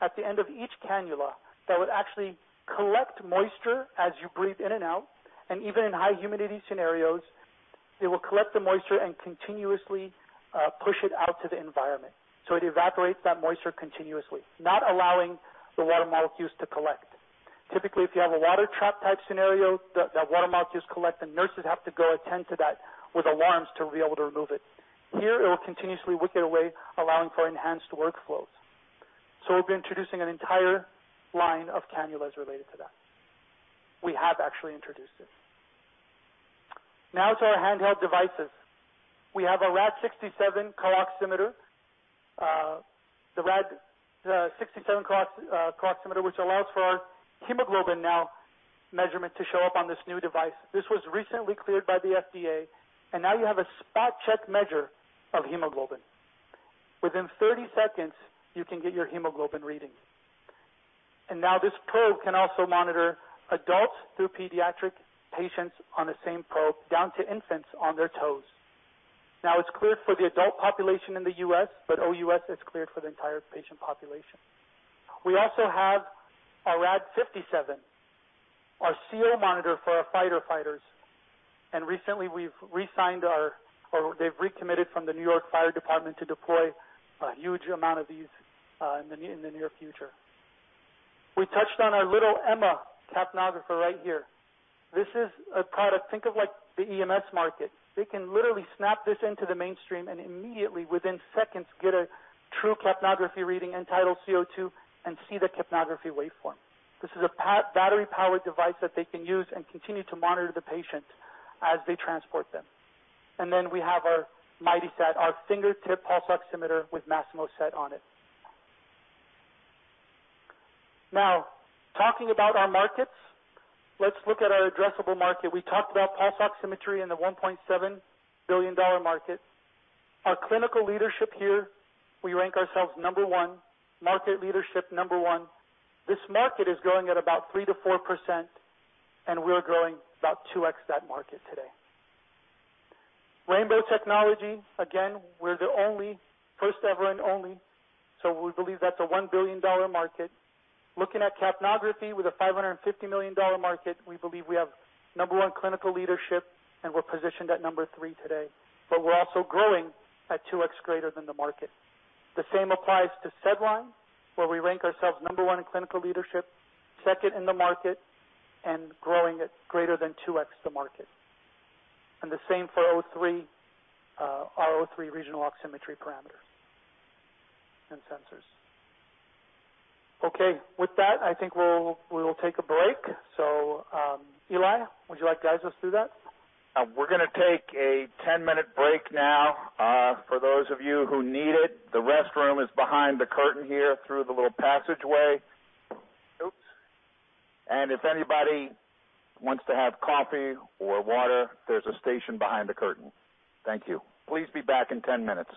at the end of each cannula that would actually collect moisture as you breathe in and out, even in high humidity scenarios, it will collect the moisture and continuously push it out to the environment. It evaporates that moisture continuously, not allowing the water molecules to collect. Typically, if you have a water trap-type scenario, that water molecules collect, and nurses have to go attend to that with alarms to be able to remove it. Here, it will continuously wick it away, allowing for enhanced workflows. We'll be introducing an entire line of cannulas related to that. We have actually introduced it. To our handheld devices. We have a Rad-67 CO-oximeter, which allows for our hemoglobin measurement to show up on this new device. This was recently cleared by the FDA, you have a spot-check measure of hemoglobin. Within 30 seconds, you can get your hemoglobin reading. This probe can also monitor adults through pediatric patients on the same probe, down to infants on their toes. It's cleared for the adult population in the U.S., but OUS is cleared for the entire patient population. We also have our Rad-57, our CO monitor for our firefighters. Recently, they've recommitted from the New York Fire Department to deploy a huge amount of these in the near future. We touched on our little EMMA capnographer right here. This is a product, think of the EMS market. They can literally snap this into the mainstream immediately, within seconds, get a true capnography reading, end-tidal CO2, and see the capnography waveform. This is a battery-powered device that they can use and continue to monitor the patient as they transport them. We have our MightySat, our fingertip pulse oximeter with Masimo SET on it. Talking about our markets, let's look at our addressable market. We talked about pulse oximetry in the $1.7 billion market. Our clinical leadership here, we rank ourselves number one. Market leadership, number one. This market is growing at about 3%-4%, we're growing about 2x that market today. rainbow technology, again, we're the first ever and only, we believe that's a $1 billion market. Looking at capnography, with a $550 million market, we believe we have number one clinical leadership, we're positioned at number three today. We're also growing at 2x greater than the market. The same applies to SedLine, where we rank ourselves number one in clinical leadership, second in the market, growing at greater than 2x the market. For our O3 regional oximetry parameter and sensors. Okay. With that, I think we will take a break. Eli, would you like to guide us through that? We're going to take a 10-minute break now. For those of you who need it, the restroom is behind the curtain here through the little passageway. Oops. If anybody wants to have coffee or water, there's a station behind the curtain. Thank you. Please be back in 10 minutes.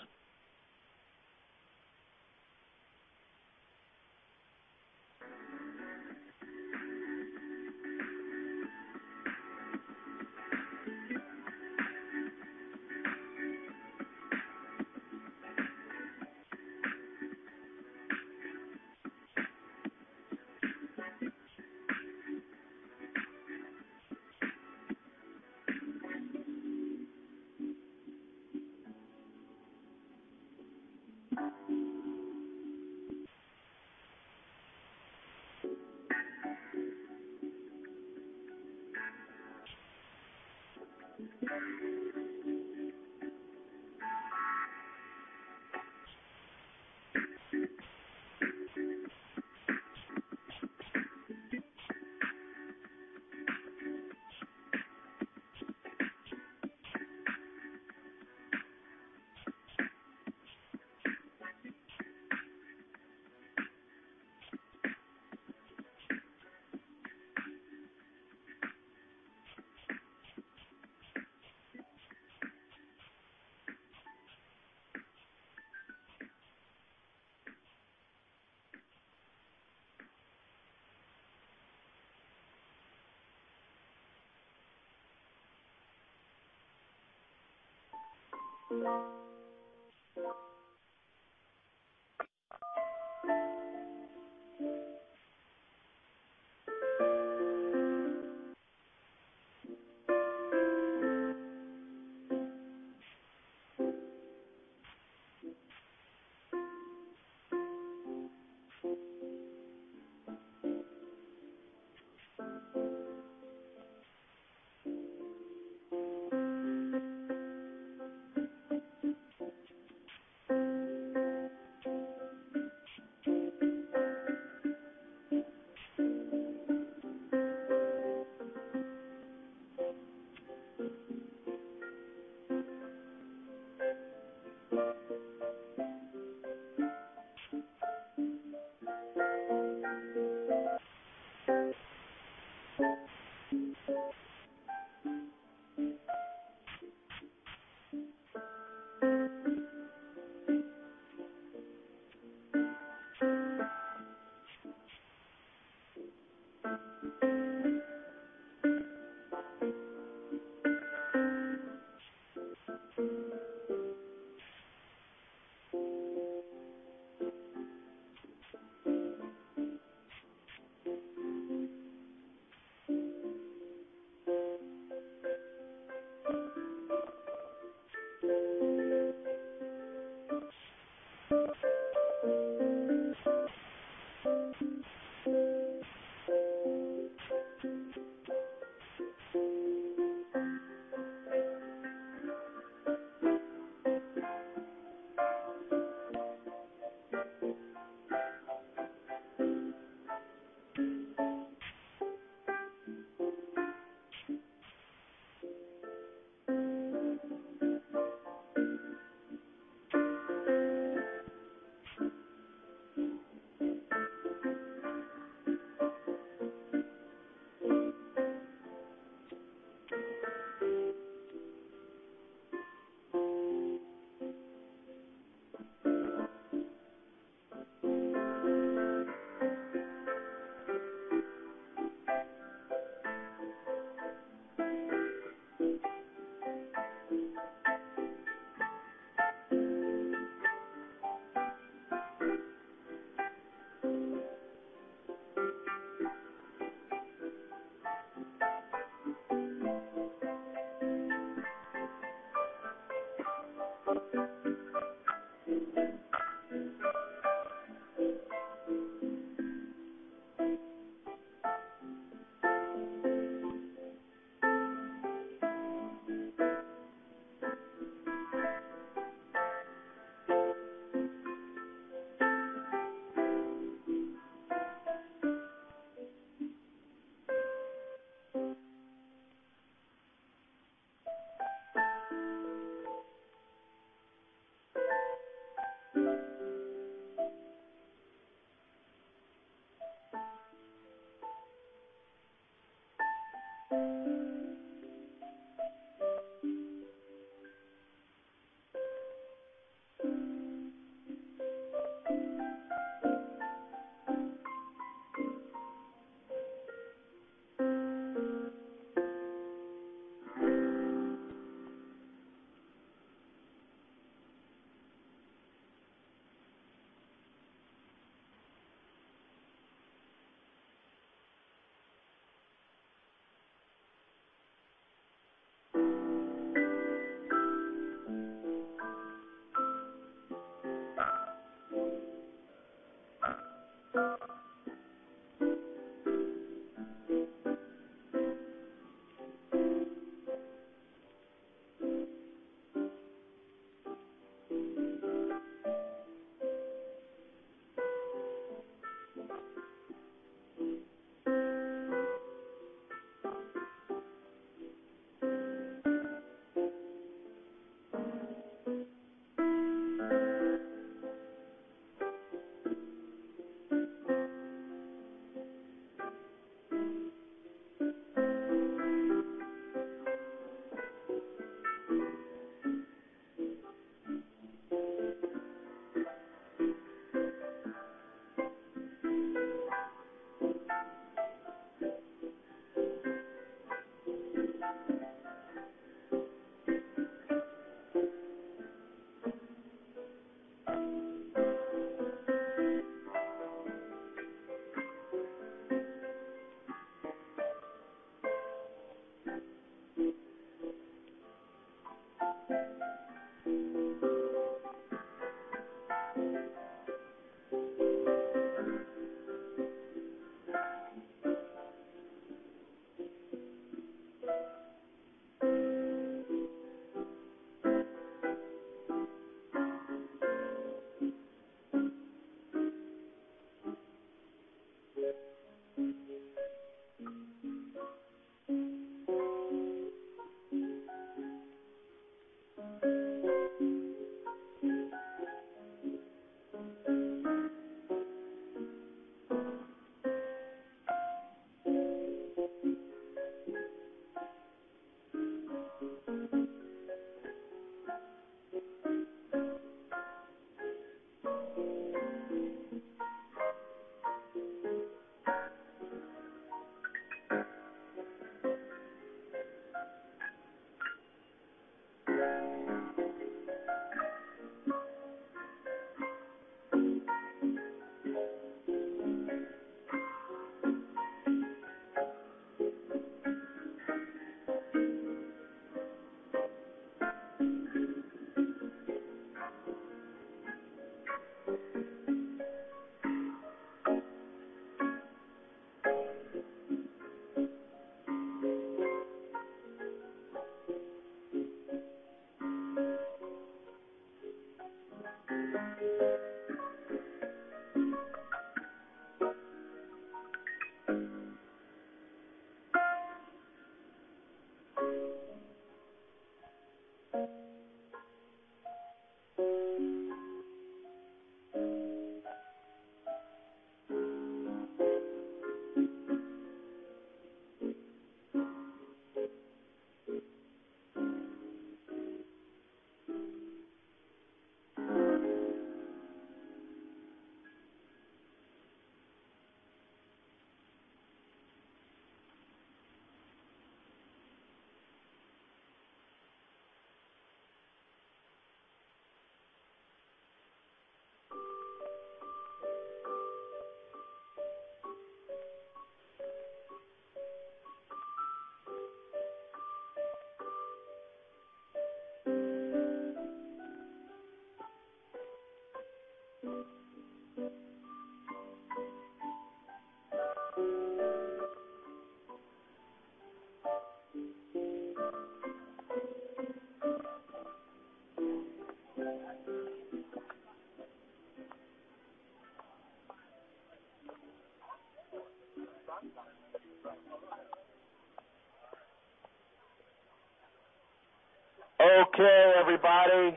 Okay, everybody.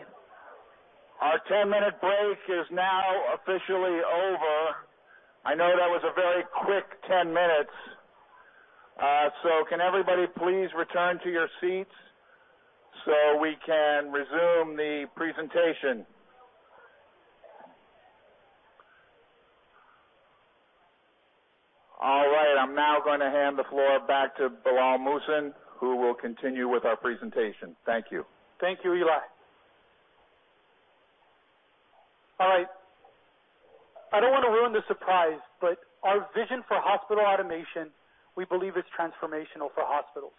Our 10-minute break is now officially over. I know that was a very quick 10 minutes. Can everybody please return to your seats so we can resume the presentation? All right. I'm now going to hand the floor back to Bilal Muhsin, who will continue with our presentation. Thank you. Thank you, Eli. All right. I don't want to ruin the surprise, our vision for hospital automation, we believe, is transformational for hospitals.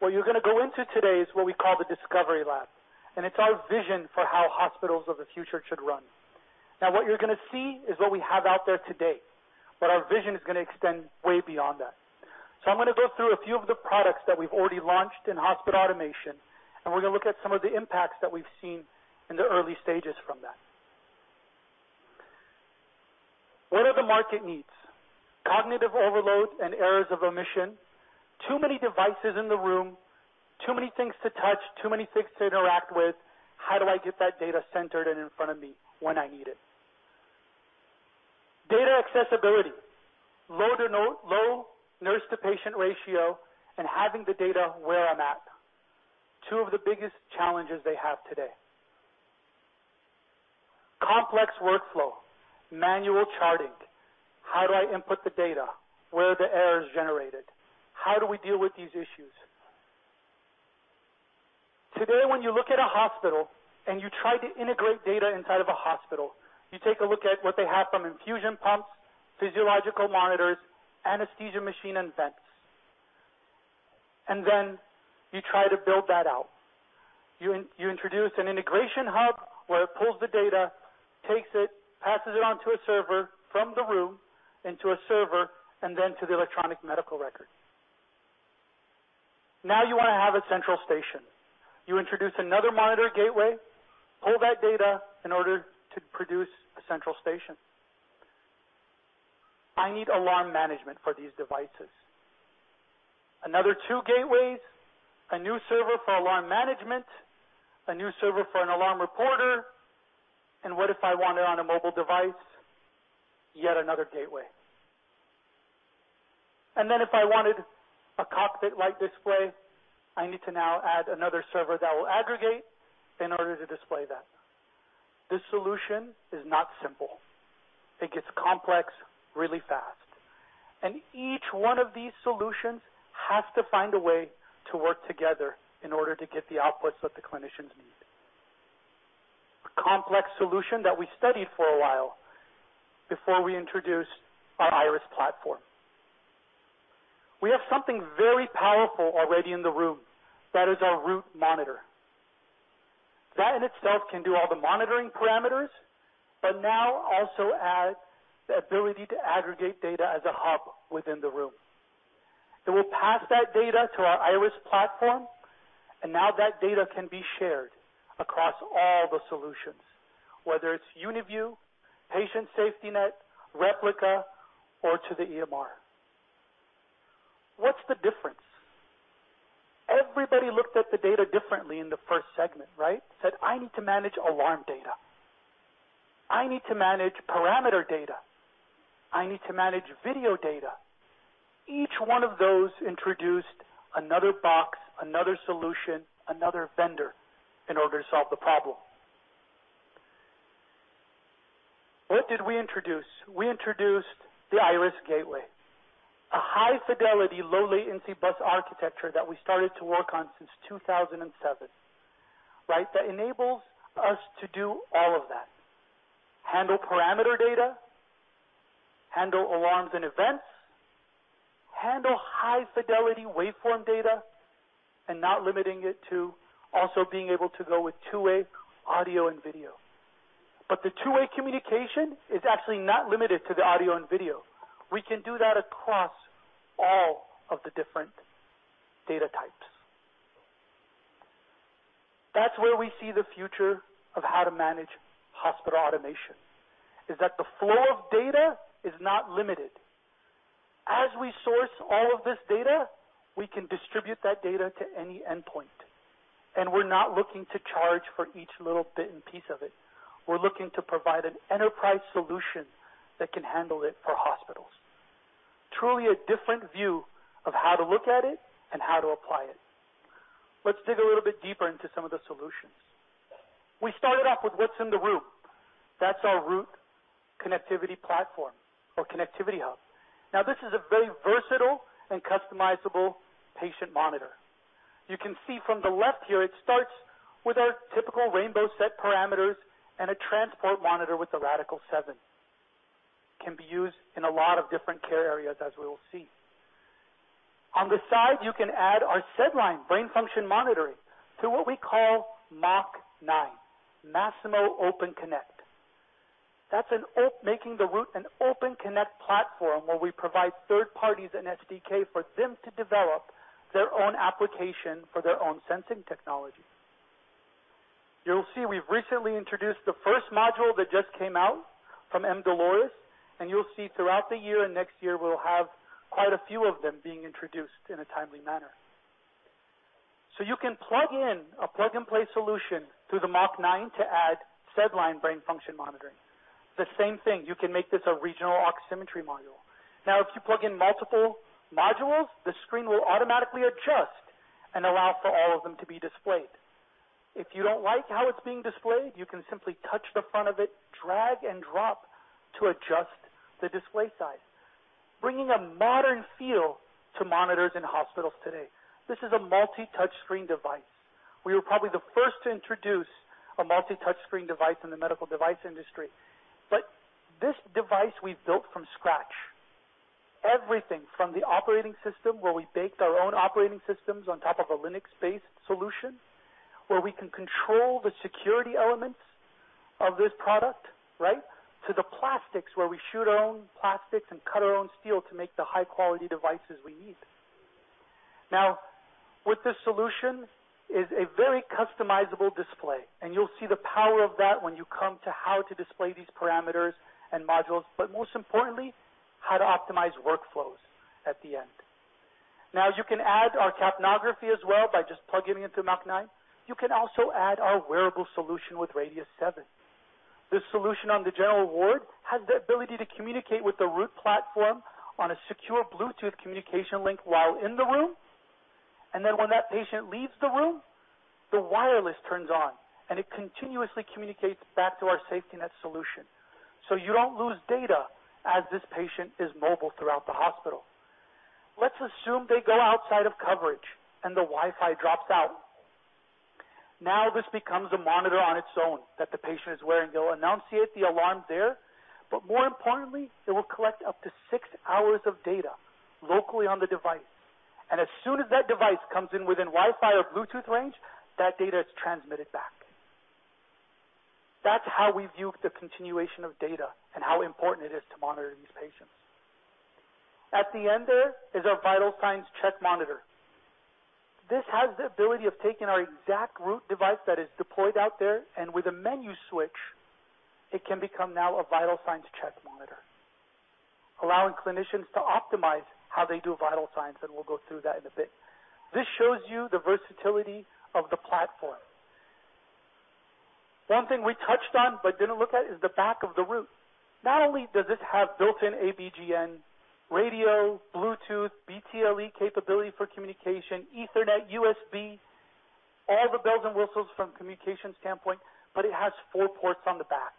What you're going to go into today is what we call the Discovery Lab, and it's our vision for how hospitals of the future should run. Now, what you're going to see is what we have out there today, but our vision is going to extend way beyond that. I'm going to go through a few of the products that we've already launched in hospital automation, and we're going to look at some of the impacts that we've seen in the early stages from that. What are the market needs? Cognitive overload and errors of omission. Too many devices in the room, too many things to touch, too many things to interact with. How do I get that data centered and in front of me when I need it? Data accessibility, low nurse-to-patient ratio, and having the data where I'm at, two of the biggest challenges they have today. Complex workflow, manual charting. How do I input the data? Where are the errors generated? How do we deal with these issues? Today, when you look at a hospital and you try to integrate data inside of a hospital, you take a look at what they have from infusion pumps, physiological monitors, anesthesia machine, and vents. Then you try to build that out. You introduce an integration hub where it pulls the data, takes it, passes it onto a server from the room into a server, then to the electronic medical record. Now you want to have a central station. You introduce another monitor gateway, pull that data in order to produce a central station. I need alarm management for these devices. Another two gateways, a new server for alarm management, a new server for an alarm reporter. What if I want it on a mobile device? Yet another gateway. If I wanted a cockpit-like display, I need to now add another server that will aggregate in order to display that. This solution is not simple. It gets complex really fast. Each one of these solutions has to find a way to work together in order to get the outputs that the clinicians need. A complex solution that we studied for a while before we introduced our Iris platform. We have something very powerful already in the room. That is our Root monitor. That in itself can do all the monitoring parameters, but now also adds the ability to aggregate data as a hub within the room. It will pass that data to our Iris platform, now that data can be shared across all the solutions, whether it's UniView, Patient SafetyNet, Replica, or to the EMR. What's the difference? Everybody looked at the data differently in the first segment, right? Said, "I need to manage alarm data. I need to manage parameter data. I need to manage video data." Each one of those introduced another box, another solution, another vendor in order to solve the problem. What did we introduce? We introduced the Iris Gateway, a high-fidelity, low-latency bus architecture that we started to work on since 2007, that enables us to do all of that. Handle parameter data, handle alarms and events, handle high-fidelity waveform data, not limiting it to also being able to go with two-way audio and video. The two-way communication is actually not limited to the audio and video. We can do that across all of the different data types. That's where we see the future of how to manage hospital automation, is that the flow of data is not limited. As we source all of this data, we can distribute that data to any endpoint, we're not looking to charge for each little bit and piece of it. We're looking to provide an enterprise solution that can handle it for hospitals. Truly a different view of how to look at it and how to apply it. Let's dig a little bit deeper into some of the solutions. We started off with what's in the room. That's our Root connectivity platform or connectivity hub. This is a very versatile and customizable patient monitor. You can see from the left here, it starts with our typical rainbow SET parameters and a transport monitor with the Radical-7. Can be used in a lot of different care areas, as we will see. On the side, you can add our SedLine brain function monitoring to what we call MOC-9, Masimo Open Connect. That's making the Root an open connect platform where we provide third parties an SDK for them to develop their own application for their own sensing technology. You'll see we've recently introduced the first module that just came out from MDoloris, and you'll see throughout the year and next year, we'll have quite a few of them being introduced in a timely manner. You can plug in a plug-and-play solution to the MOC-9 to add SedLine brain function monitoring. The same thing, you can make this a regional oximetry module. If you plug in multiple modules, the screen will automatically adjust and allow for all of them to be displayed. If you don't like how it's being displayed, you can simply touch the front of it, drag and drop to adjust the display size, bringing a modern feel to monitors in hospitals today. This is a multi-touch screen device. We were probably the first to introduce a multi-touch screen device in the medical device industry. This device we've built from scratch. Everything from the operating system, where we baked our own operating systems on top of a Linux-based solution, where we can control the security elements of this product, right? To the plastics, where we shoot our own plastics and cut our own steel to make the high-quality devices we need. With this solution is a very customizable display, and you'll see the power of that when you come to how to display these parameters and modules, but most importantly, how to optimize workflows at the end. You can add our capnography as well by just plugging it into MOC-9. You can also add our wearable solution with Radius-7. This solution on the general ward has the ability to communicate with the Root platform on a secure Bluetooth communication link while in the room, and then when that patient leaves the room, the wireless turns on and it continuously communicates back to our SafetyNet solution. You don't lose data as this patient is mobile throughout the hospital. Let's assume they go outside of coverage and the Wi-Fi drops out. This becomes a monitor on its own that the patient is wearing. It'll annunciate the alarm there, but more importantly, it will collect up to six hours of data locally on the device, and as soon as that device comes in within Wi-Fi or Bluetooth range, that data is transmitted back. That's how we view the continuation of data and how important it is to monitor these patients. At the end there is our vital signs check monitor. This has the ability of taking our exact Root device that is deployed out there, and with a menu switch, it can become now a vital signs check monitor, allowing clinicians to optimize how they do vital signs, and we'll go through that in a bit. This shows you the versatility of the platform. One thing we touched on but didn't look at is the back of the Root. Not only does this have built-in a/b/g/n radio, Bluetooth, BTLE capability for communication, Ethernet, USB, all the bells and whistles from communication standpoint, but it has four ports on the back.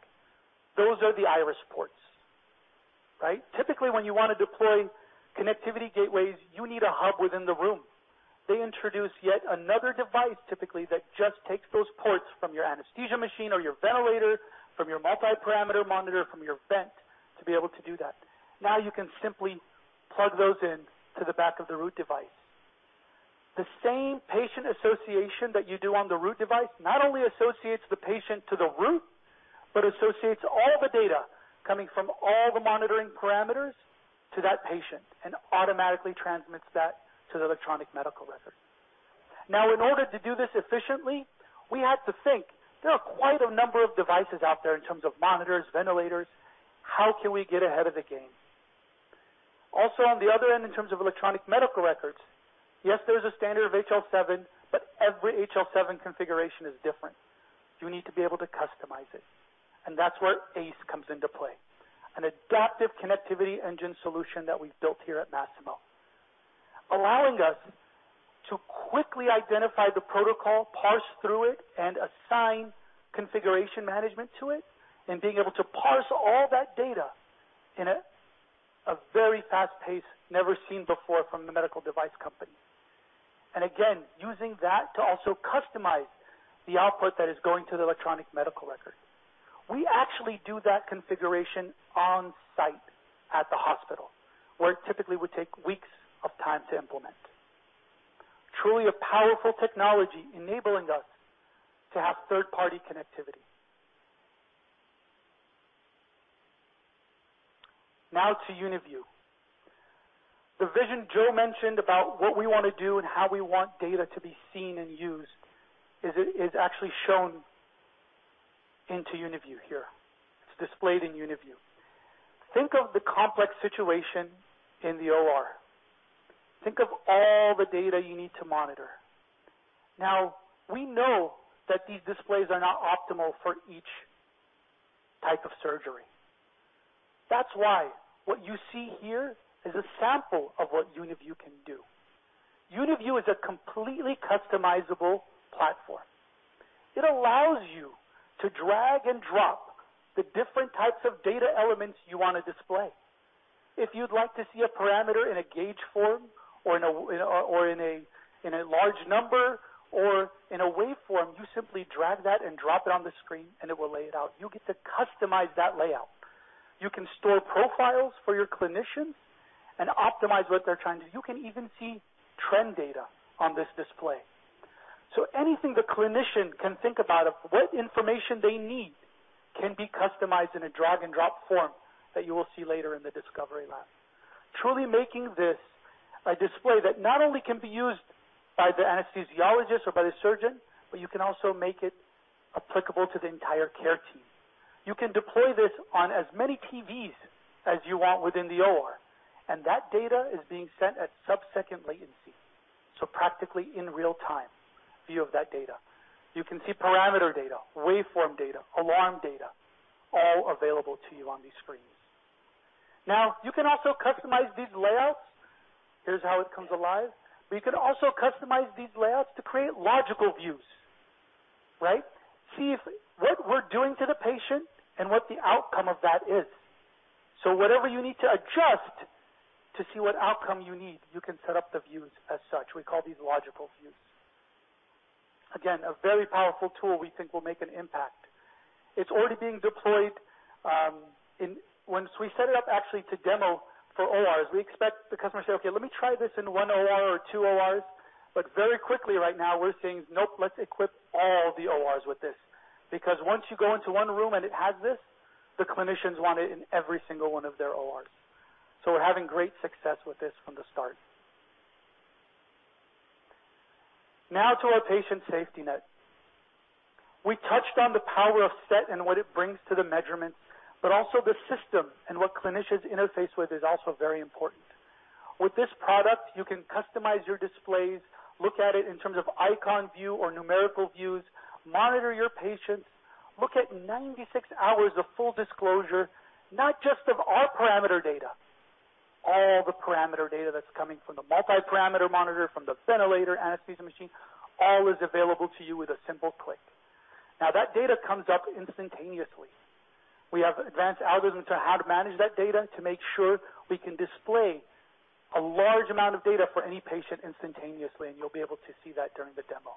Those are the Iris ports. Typically, when you want to deploy connectivity gateways, you need a hub within the room. They introduce yet another device, typically, that just takes those ports from your anesthesia machine or your ventilator, from your multi-parameter monitor, from your vent to be able to do that. Now you can simply plug those into the back of the Root device. The same patient association that you do on the Root device not only associates the patient to the Root, but associates all the data coming from all the monitoring parameters to that patient and automatically transmits that to the electronic medical record. In order to do this efficiently, we had to think. There are quite a number of devices out there in terms of monitors, ventilators. How can we get ahead of the game? Also, on the other end, in terms of electronic medical records, yes, there's a standard of HL7, but every HL7 configuration is different. You need to be able to customize it, and that's where ACE comes into play, an Adaptive Connectivity Engine solution that we've built here at Masimo, allowing us to quickly identify the protocol, parse through it, and assign configuration management to it, and being able to parse all that data in a very fast pace, never seen before from the medical device company. Again, using that to also customize the output that is going to the electronic medical record. We actually do that configuration on-site at the hospital, where it typically would take weeks of time to implement. Truly a powerful technology enabling us to have third-party connectivity. To UniView. The vision Joe mentioned about what we want to do and how we want data to be seen and used is actually shown into UniView here. It's displayed in UniView. Think of the complex situation in the OR. Think of all the data you need to monitor. We know that these displays are not optimal for each type of surgery. That's why what you see here is a sample of what UniView can do. UniView is a completely customizable platform. It allows you to drag and drop the different types of data elements you want to display. If you'd like to see a parameter in a gauge form or in a large number or in a waveform, you simply drag that and drop it on the screen, and it will lay it out. You get to customize that layout. You can store profiles for your clinicians and optimize what they're trying to do. You can even see trend data on this display. Anything the clinician can think about of what information they need can be customized in a drag-and-drop form that you will see later in the discovery lab. Truly making this a display that not only can be used by the anesthesiologist or by the surgeon, but you can also make it applicable to the entire care team. You can deploy this on as many TVs as you want within the OR, and that data is being sent at sub-second latency, practically in real-time view of that data. You can see parameter data, waveform data, alarm data, all available to you on these screens. You can also customize these layouts. Here's how it comes alive. You can also customize these layouts to create logical views. See what we're doing to the patient and what the outcome of that is. Whatever you need to adjust to see what outcome you need, you can set up the views as such. We call these logical views. Again, a very powerful tool we think will make an impact. It's already being deployed. Once we set it up actually to demo for ORs, we expect the customer to say, "Okay, let me try this in one OR or two ORs." Very quickly right now, we're saying, "Nope, let's equip all the ORs with this." Because once you go into one room and it has this, the clinicians want it in every single one of their ORs. We're having great success with this from the start. To our Patient SafetyNet. We touched on the power of SET and what it brings to the measurements, but also the system and what clinicians interface with is also very important. With this product, you can customize your displays, look at it in terms of icon view or numerical views, monitor your patients, look at 96 hours of full disclosure, not just of our parameter data, all the parameter data that's coming from the multi-parameter monitor, from the ventilator, anesthesia machine, all is available to you with a simple click. That data comes up instantaneously. We have advanced algorithms on how to manage that data to make sure we can display a large amount of data for any patient instantaneously, and you'll be able to see that during the demo.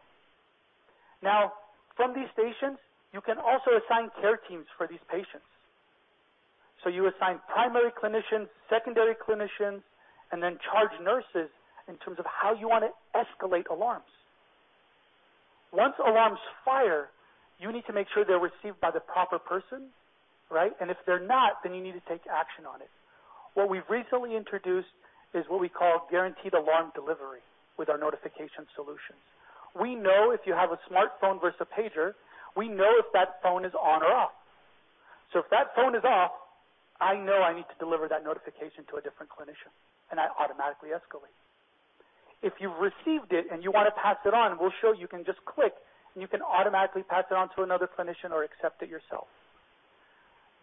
From these stations, you can also assign care teams for these patients. You assign primary clinicians, secondary clinicians, and then charge nurses in terms of how you want to escalate alarms. Once alarms fire, you need to make sure they're received by the proper person. If they're not, then you need to take action on it. What we've recently introduced is what we call guaranteed alarm delivery with our notification solutions. We know if you have a smartphone versus a pager, we know if that phone is on or off. If that phone is off, I know I need to deliver that notification to a different clinician, and I automatically escalate. If you've received it and you want to pass it on, we'll show you can just click, and you can automatically pass it on to another clinician or accept it yourself.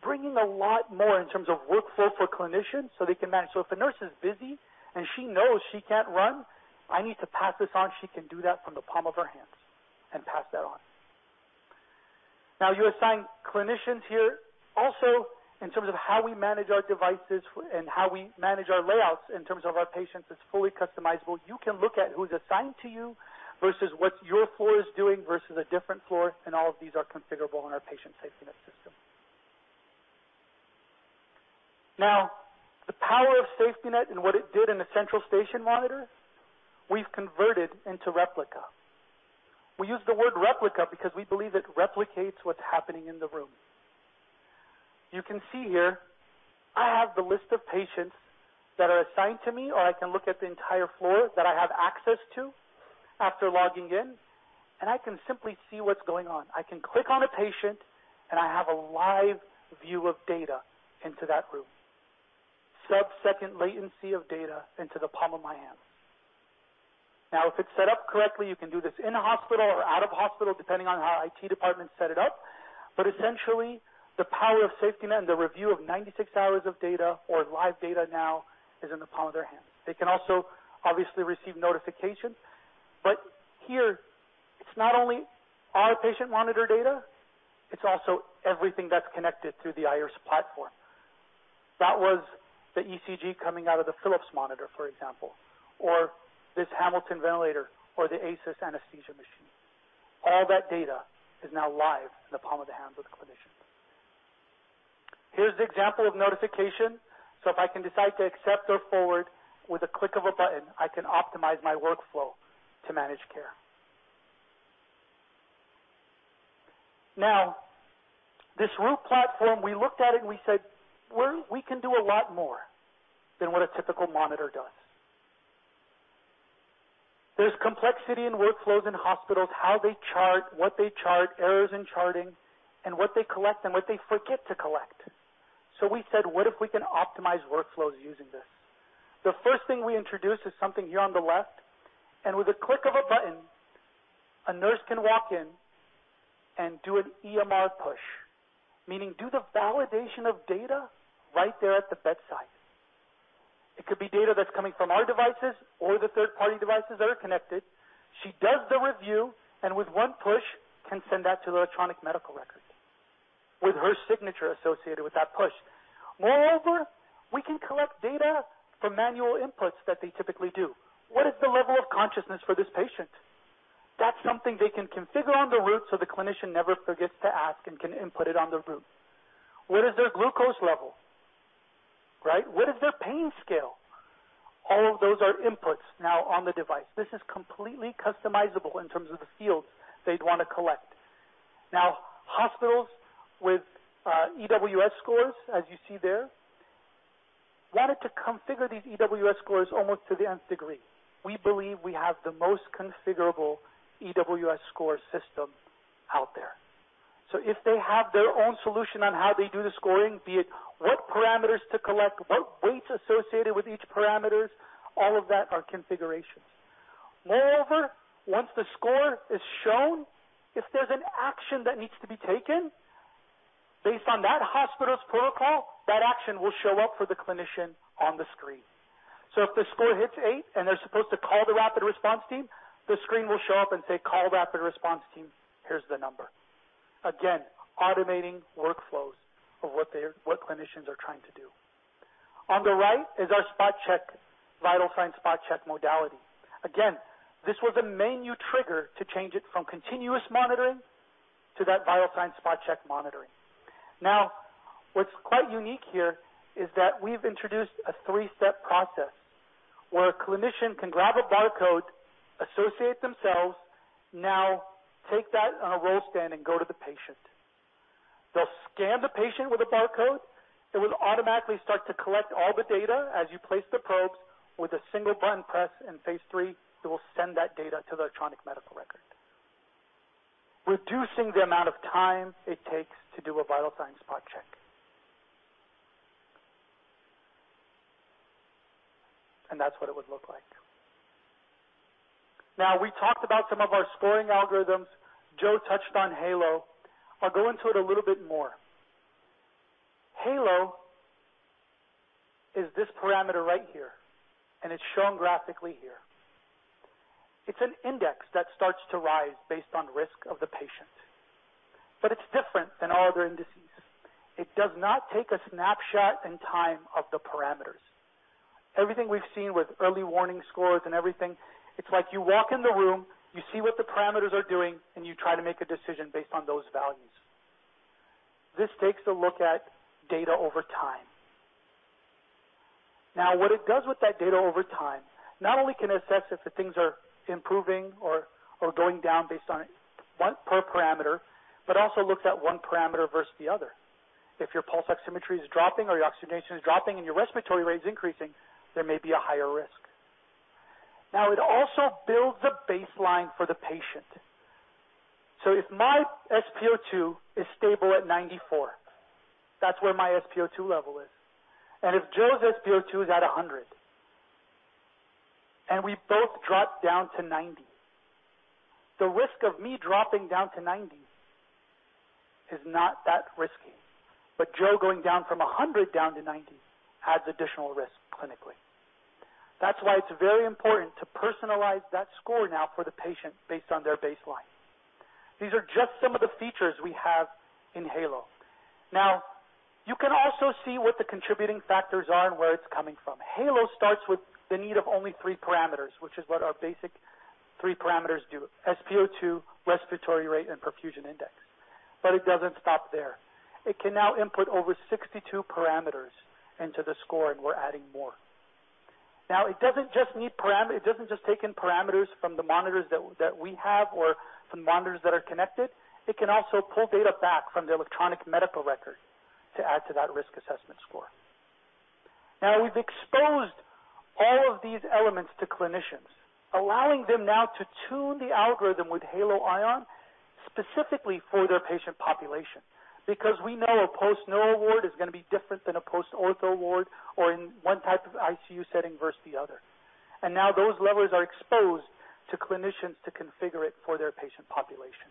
Bringing a lot more in terms of workflow for clinicians so they can manage. If a nurse is busy and she knows she can't run, I need to pass this on, she can do that from the palm of her hands and pass that on. You assign clinicians here also in terms of how we manage our devices and how we manage our layouts in terms of our patients. It's fully customizable. You can look at who's assigned to you versus what your floor is doing versus a different floor, and all of these are configurable on our Patient SafetyNet system. The power of SafetyNet and what it did in the central station monitor, we've converted into Replica. We use the word Replica because we believe it replicates what's happening in the room. You can see here I have the list of patients that are assigned to me, or I can look at the entire floor that I have access to after logging in, and I can simply see what's going on. I can click on a patient, and I have a live view of data into that room. Sub-second latency of data into the palm of my hand. If it's set up correctly, you can do this in a hospital or out of hospital, depending on how IT departments set it up. Essentially, the power of SafetyNet and the review of 96 hours of data or live data now is in the palm of their hand. They can also obviously receive notifications. Here, it's not only our patient monitor data, it's also everything that's connected through the Iris platform. That was the ECG coming out of the Philips monitor, for example, or this Hamilton ventilator or the Aisys anesthesia machine. All that data is now live in the palm of the hands of the clinician. Here's the example of notification. If I can decide to accept or forward with a click of a button, I can optimize my workflow to manage care. This Root platform, we looked at it and we said, we can do a lot more than what a typical monitor does. There's complexity in workflows in hospitals, how they chart, what they chart, errors in charting, and what they collect and what they forget to collect. We said, what if we can optimize workflows using this? The first thing we introduced is something here on the left, and with a click of a button, a nurse can walk in and do an EMR push, meaning do the validation of data right there at the bedside. It could be data that's coming from our devices or the third-party devices that are connected. She does the review, and with one push can send that to the electronic medical record with her signature associated with that push. Moreover, we can collect data from manual inputs that they typically do. What is the level of consciousness for this patient? That's something they can configure on the Root so the clinician never forgets to ask and can input it on the Root. What is their glucose level? What is their pain scale? All of those are inputs now on the device. This is completely customizable in terms of the fields they'd want to collect. Hospitals with EWS scores, as you see there, wanted to configure these EWS scores almost to the nth degree. We believe we have the most configurable EWS score system out there. If they have their own solution on how they do the scoring, be it what parameters to collect, what weights associated with each parameters, all of that are configurations. Moreover, once the score is shown, if there's an action that needs to be taken based on that hospital's protocol, that action will show up for the clinician on the screen. If the score hits 8 and they're supposed to call the rapid response team, the screen will show up and say, "Call rapid response team. Here's the number." Automating workflows of what clinicians are trying to do. On the right is our vital sign spot check modality. This was a menu trigger to change it from continuous monitoring to that vital sign spot check monitoring. What's quite unique here is that we've introduced a three-step process where a clinician can grab a barcode, associate themselves, take that on a roll stand and go to the patient. They'll scan the patient with a barcode. It will automatically start to collect all the data as you place the probes with a single button press, and phase 3, it will send that data to the electronic medical record, reducing the amount of time it takes to do a vital sign spot check. That's what it would look like. We talked about some of our scoring algorithms. Joe touched on Halo. I'll go into it a little bit more. Halo is this parameter right here, and it's shown graphically here. It's an index that starts to rise based on risk of the patient, but it's different than all other indices. It does not take a snapshot in time of the parameters. Everything we've seen with early warning scores and everything, it's like you walk in the room, you see what the parameters are doing, and you try to make a decision based on those values. This takes a look at data over time. What it does with that data over time, not only can assess if the things are improving or going down based on per parameter, but also looks at one parameter versus the other. If your pulse oximetry is dropping or your oxygenation is dropping and your respiratory rate is increasing, there may be a higher risk. It also builds a baseline for the patient. If my SpO2 is stable at 94, that's where my SpO2 level is, and if Joe's SpO2 is at 100, and we both drop down to 90, the risk of me dropping down to 90 is not that risky. But Joe going down from 100 down to 90 has additional risk clinically. That's why it's very important to personalize that score now for the patient based on their baseline. These are just some of the features we have in Halo. You can also see what the contributing factors are and where it's coming from. Halo starts with the need of only three parameters, which is what our basic three parameters do, SpO2, respiratory rate, and perfusion index. It doesn't stop there. It can now input over 62 parameters into the score, and we're adding more. It doesn't just take in parameters from the monitors that we have or from monitors that are connected. It can also pull data back from the electronic medical record to add to that risk assessment score. We've exposed all of these elements to clinicians, allowing us now to tune the algorithm with Halo ION specifically for their patient population. We know a post-neuro ward is going to be different than a post-ortho ward or in one type of ICU setting versus the other. Now those levers are exposed to clinicians to configure it for their patient population.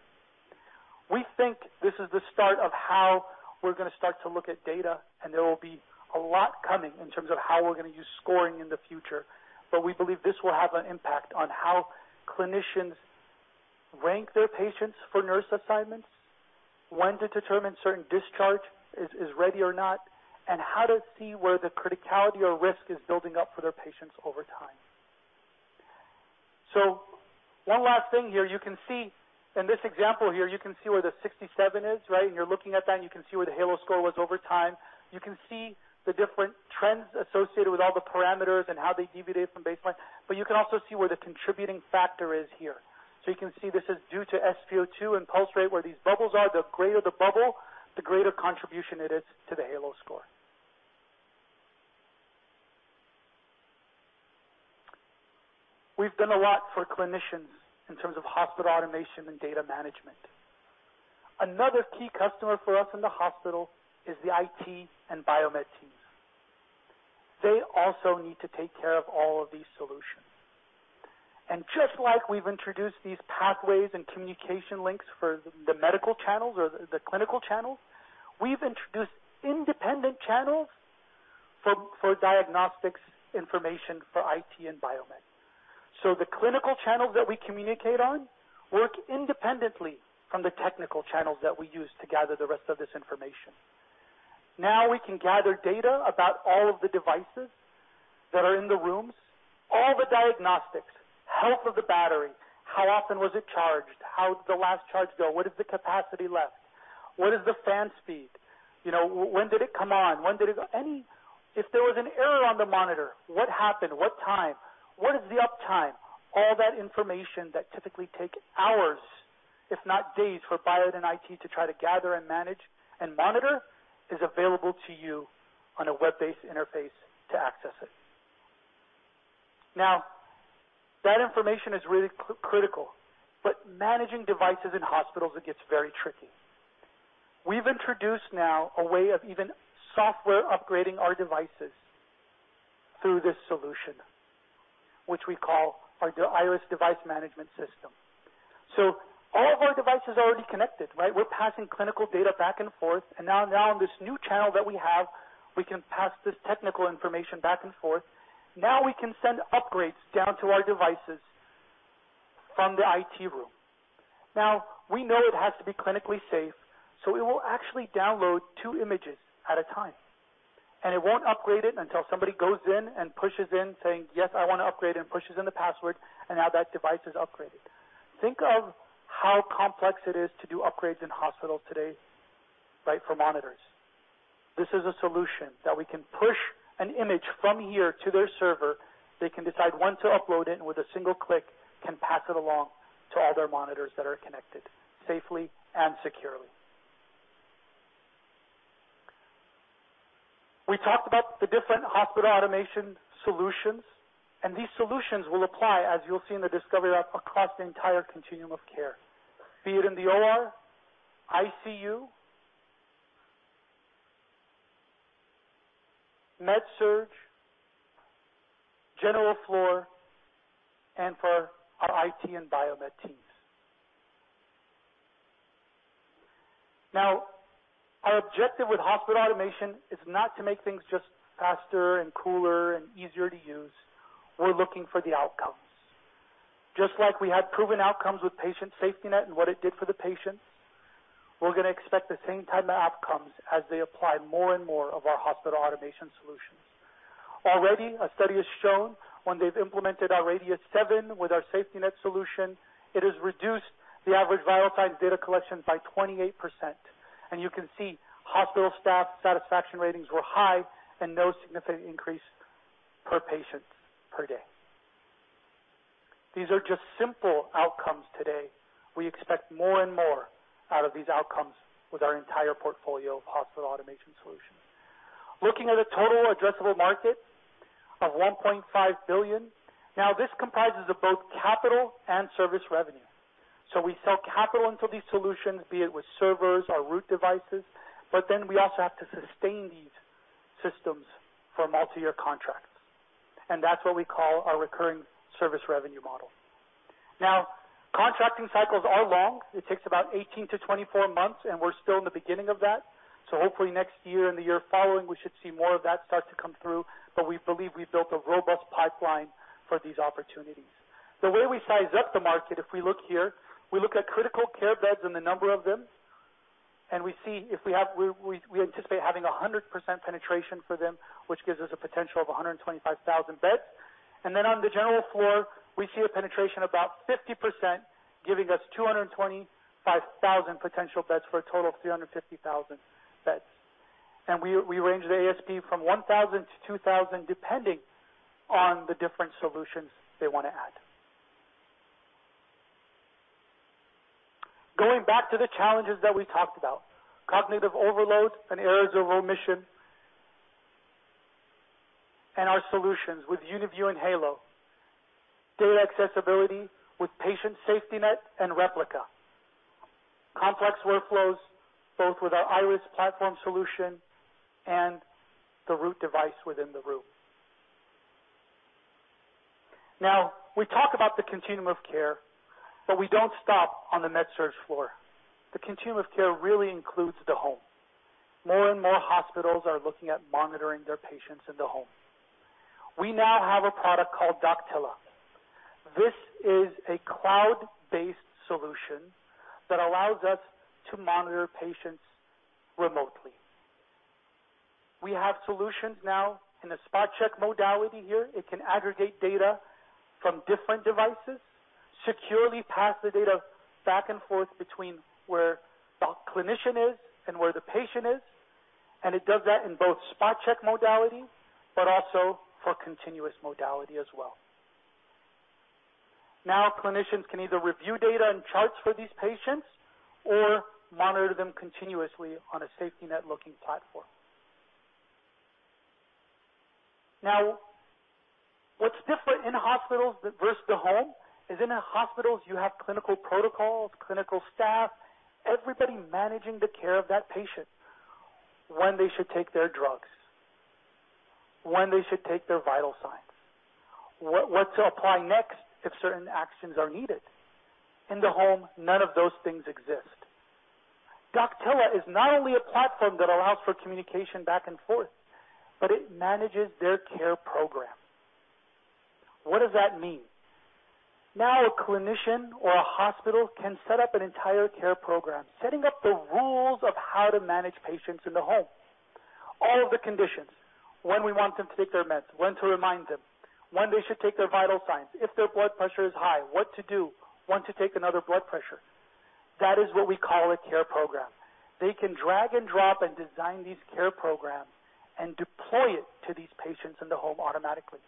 We think this is the start of how we're going to start to look at data, and there will be a lot coming in terms of how we're going to use scoring in the future. We believe this will have an impact on how clinicians rank their patients for nurse assignments, when to determine certain discharge is ready or not, and how to see where the criticality or risk is building up for their patients over time. One last thing here, in this example here, you can see where the 67 is, right? You're looking at that, and you can see where the Halo score was over time. You can see the different trends associated with all the parameters and how they deviated from baseline, but you can also see where the contributing factor is here. You can see this is due to SpO2 and pulse rate where these bubbles are. The greater the bubble, the greater contribution it is to the Halo score. We've done a lot for clinicians in terms of hospital automation and data management. Another key customer for us in the hospital is the IT and biomed teams. They also need to take care of all of these solutions. Just like we've introduced these pathways and communication links for the medical channels or the clinical channels, we've introduced independent channels for diagnostics information for IT and biomed. The clinical channels that we communicate on work independently from the technical channels that we use to gather the rest of this information. We can gather data about all of the devices that are in the rooms, all the diagnostics, health of the battery, how often was it charged, how did the last charge go, what is the capacity left? What is the fan speed? When did it come on? If there was an error on the monitor, what happened? What time? What is the uptime? All that information that typically take hours, if not days, for biomed and IT to try to gather and manage and monitor is available to you on a web-based interface to access it. That information is really critical, but managing devices in hospitals, it gets very tricky. We've introduced now a way of even software upgrading our devices through this solution, which we call our Iris Device Management System. All of our devices are already connected, right? We're passing clinical data back and forth, and now on this new channel that we have, we can pass this technical information back and forth. We can send upgrades down to our devices from the IT room. We know it has to be clinically safe, so it will actually download two images at a time, and it won't upgrade it until somebody goes in and pushes in saying, "Yes, I want to upgrade," and pushes in the password, and now that device is upgraded. Think of how complex it is to do upgrades in hospitals today, for monitors. This is a solution that we can push an image from here to their server. They can decide when to upload it, and with a single click, can pass it along to other monitors that are connected safely and securely. These solutions will apply, as you will see in the discovery app, across the entire continuum of care, be it in the OR, ICU, med-surg, general floor, and for our IT and biomed teams. Our objective with hospital automation is not to make things just faster and cooler and easier to use. We are looking for the outcomes. Like we had proven outcomes with Patient SafetyNet and what it did for the patients, we are going to expect the same type of outcomes as they apply more and more of our hospital automation solutions. Already, a study has shown when they've implemented our Radius-7 with our SafetyNet solution, it has reduced the average vital signs data collection by 28%. You can see hospital staff satisfaction ratings were high and no significant increase per patients per day. These are just simple outcomes today. We expect more and more out of these outcomes with our entire portfolio of hospital automation solutions. Looking at a total addressable market of $1.5 billion. This comprises of both capital and service revenue. We sell capital into these solutions, be it with servers or Root devices, but then we also have to sustain these systems for multi-year contracts. That's what we call our recurring service revenue model. Contracting cycles are long. It takes about 18 to 24 months, and we're still in the beginning of that. Hopefully next year and the year following, we should see more of that start to come through. We believe we have built a robust pipeline for these opportunities. The way we size up the market, if we look here, we look at critical care beds and the number of them, and we anticipate having 100% penetration for them, which gives us a potential of 125,000 beds. On the general floor, we see a penetration about 50%, giving us 225,000 potential beds for a total of 350,000 beds. We range the ASP from $1,000 to $2,000, depending on the different solutions they want to add. Going back to the challenges that we talked about, cognitive overload and errors of omission, our solutions with UniView and Halo. Data accessibility with Patient SafetyNet and Replica. Complex workflows, both with our Iris Platform solution and the Root device within the Root. We talk about the continuum of care, but we don't stop on the med-surg floor. The continuum of care really includes the home. More and more hospitals are looking at monitoring their patients in the home. We now have a product called Doctella. This is a cloud-based solution that allows us to monitor patients remotely. We have solutions now in the spot-check modality here. It can aggregate data from different devices, securely pass the data back and forth between where the clinician is and where the patient is, and it does that in both spot-check modality, but also for continuous modality as well. Clinicians can either review data and charts for these patients or monitor them continuously on a SafetyNet-looking platform. What's different in hospitals versus the home is in the hospitals, you have clinical protocols, clinical staff, everybody managing the care of that patient. When they should take their drugs. When they should take their vital signs. What to apply next if certain actions are needed. In the home, none of those things exist. Doctella is not only a platform that allows for communication back and forth, but it manages their care program. What does that mean? A clinician or a hospital can set up an entire care program, setting up the rules of how to manage patients in the home. All of the conditions, when we want them to take their meds, when to remind them, when they should take their vital signs. If their blood pressure is high, what to do, when to take another blood pressure. That is what we call a care program. They can drag and drop and design these care programs and deploy it to these patients in the home automatically.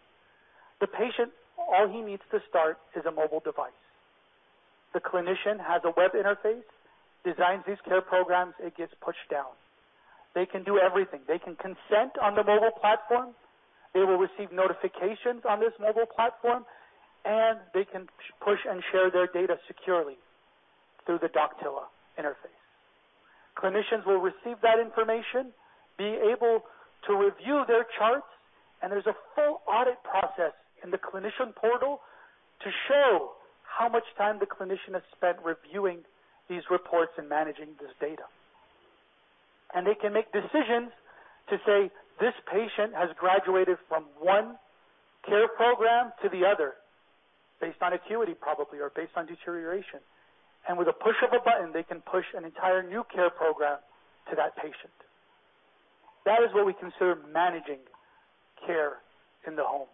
The patient, all he needs to start is a mobile device. The clinician has a web interface, designs these care programs, it gets pushed down. They can do everything. They can consent on the mobile platform, they will receive notifications on this mobile platform, and they can push and share their data securely through the Doctella interface. Clinicians will receive that information, be able to review their charts, and there's a full audit process in the clinician portal to show how much time the clinician has spent reviewing these reports and managing this data. They can make decisions to say, "This patient has graduated from one care program to the other," based on acuity probably, or based on deterioration. With a push of a button, they can push an entire new care program to that patient. That is what we consider managing care in the home.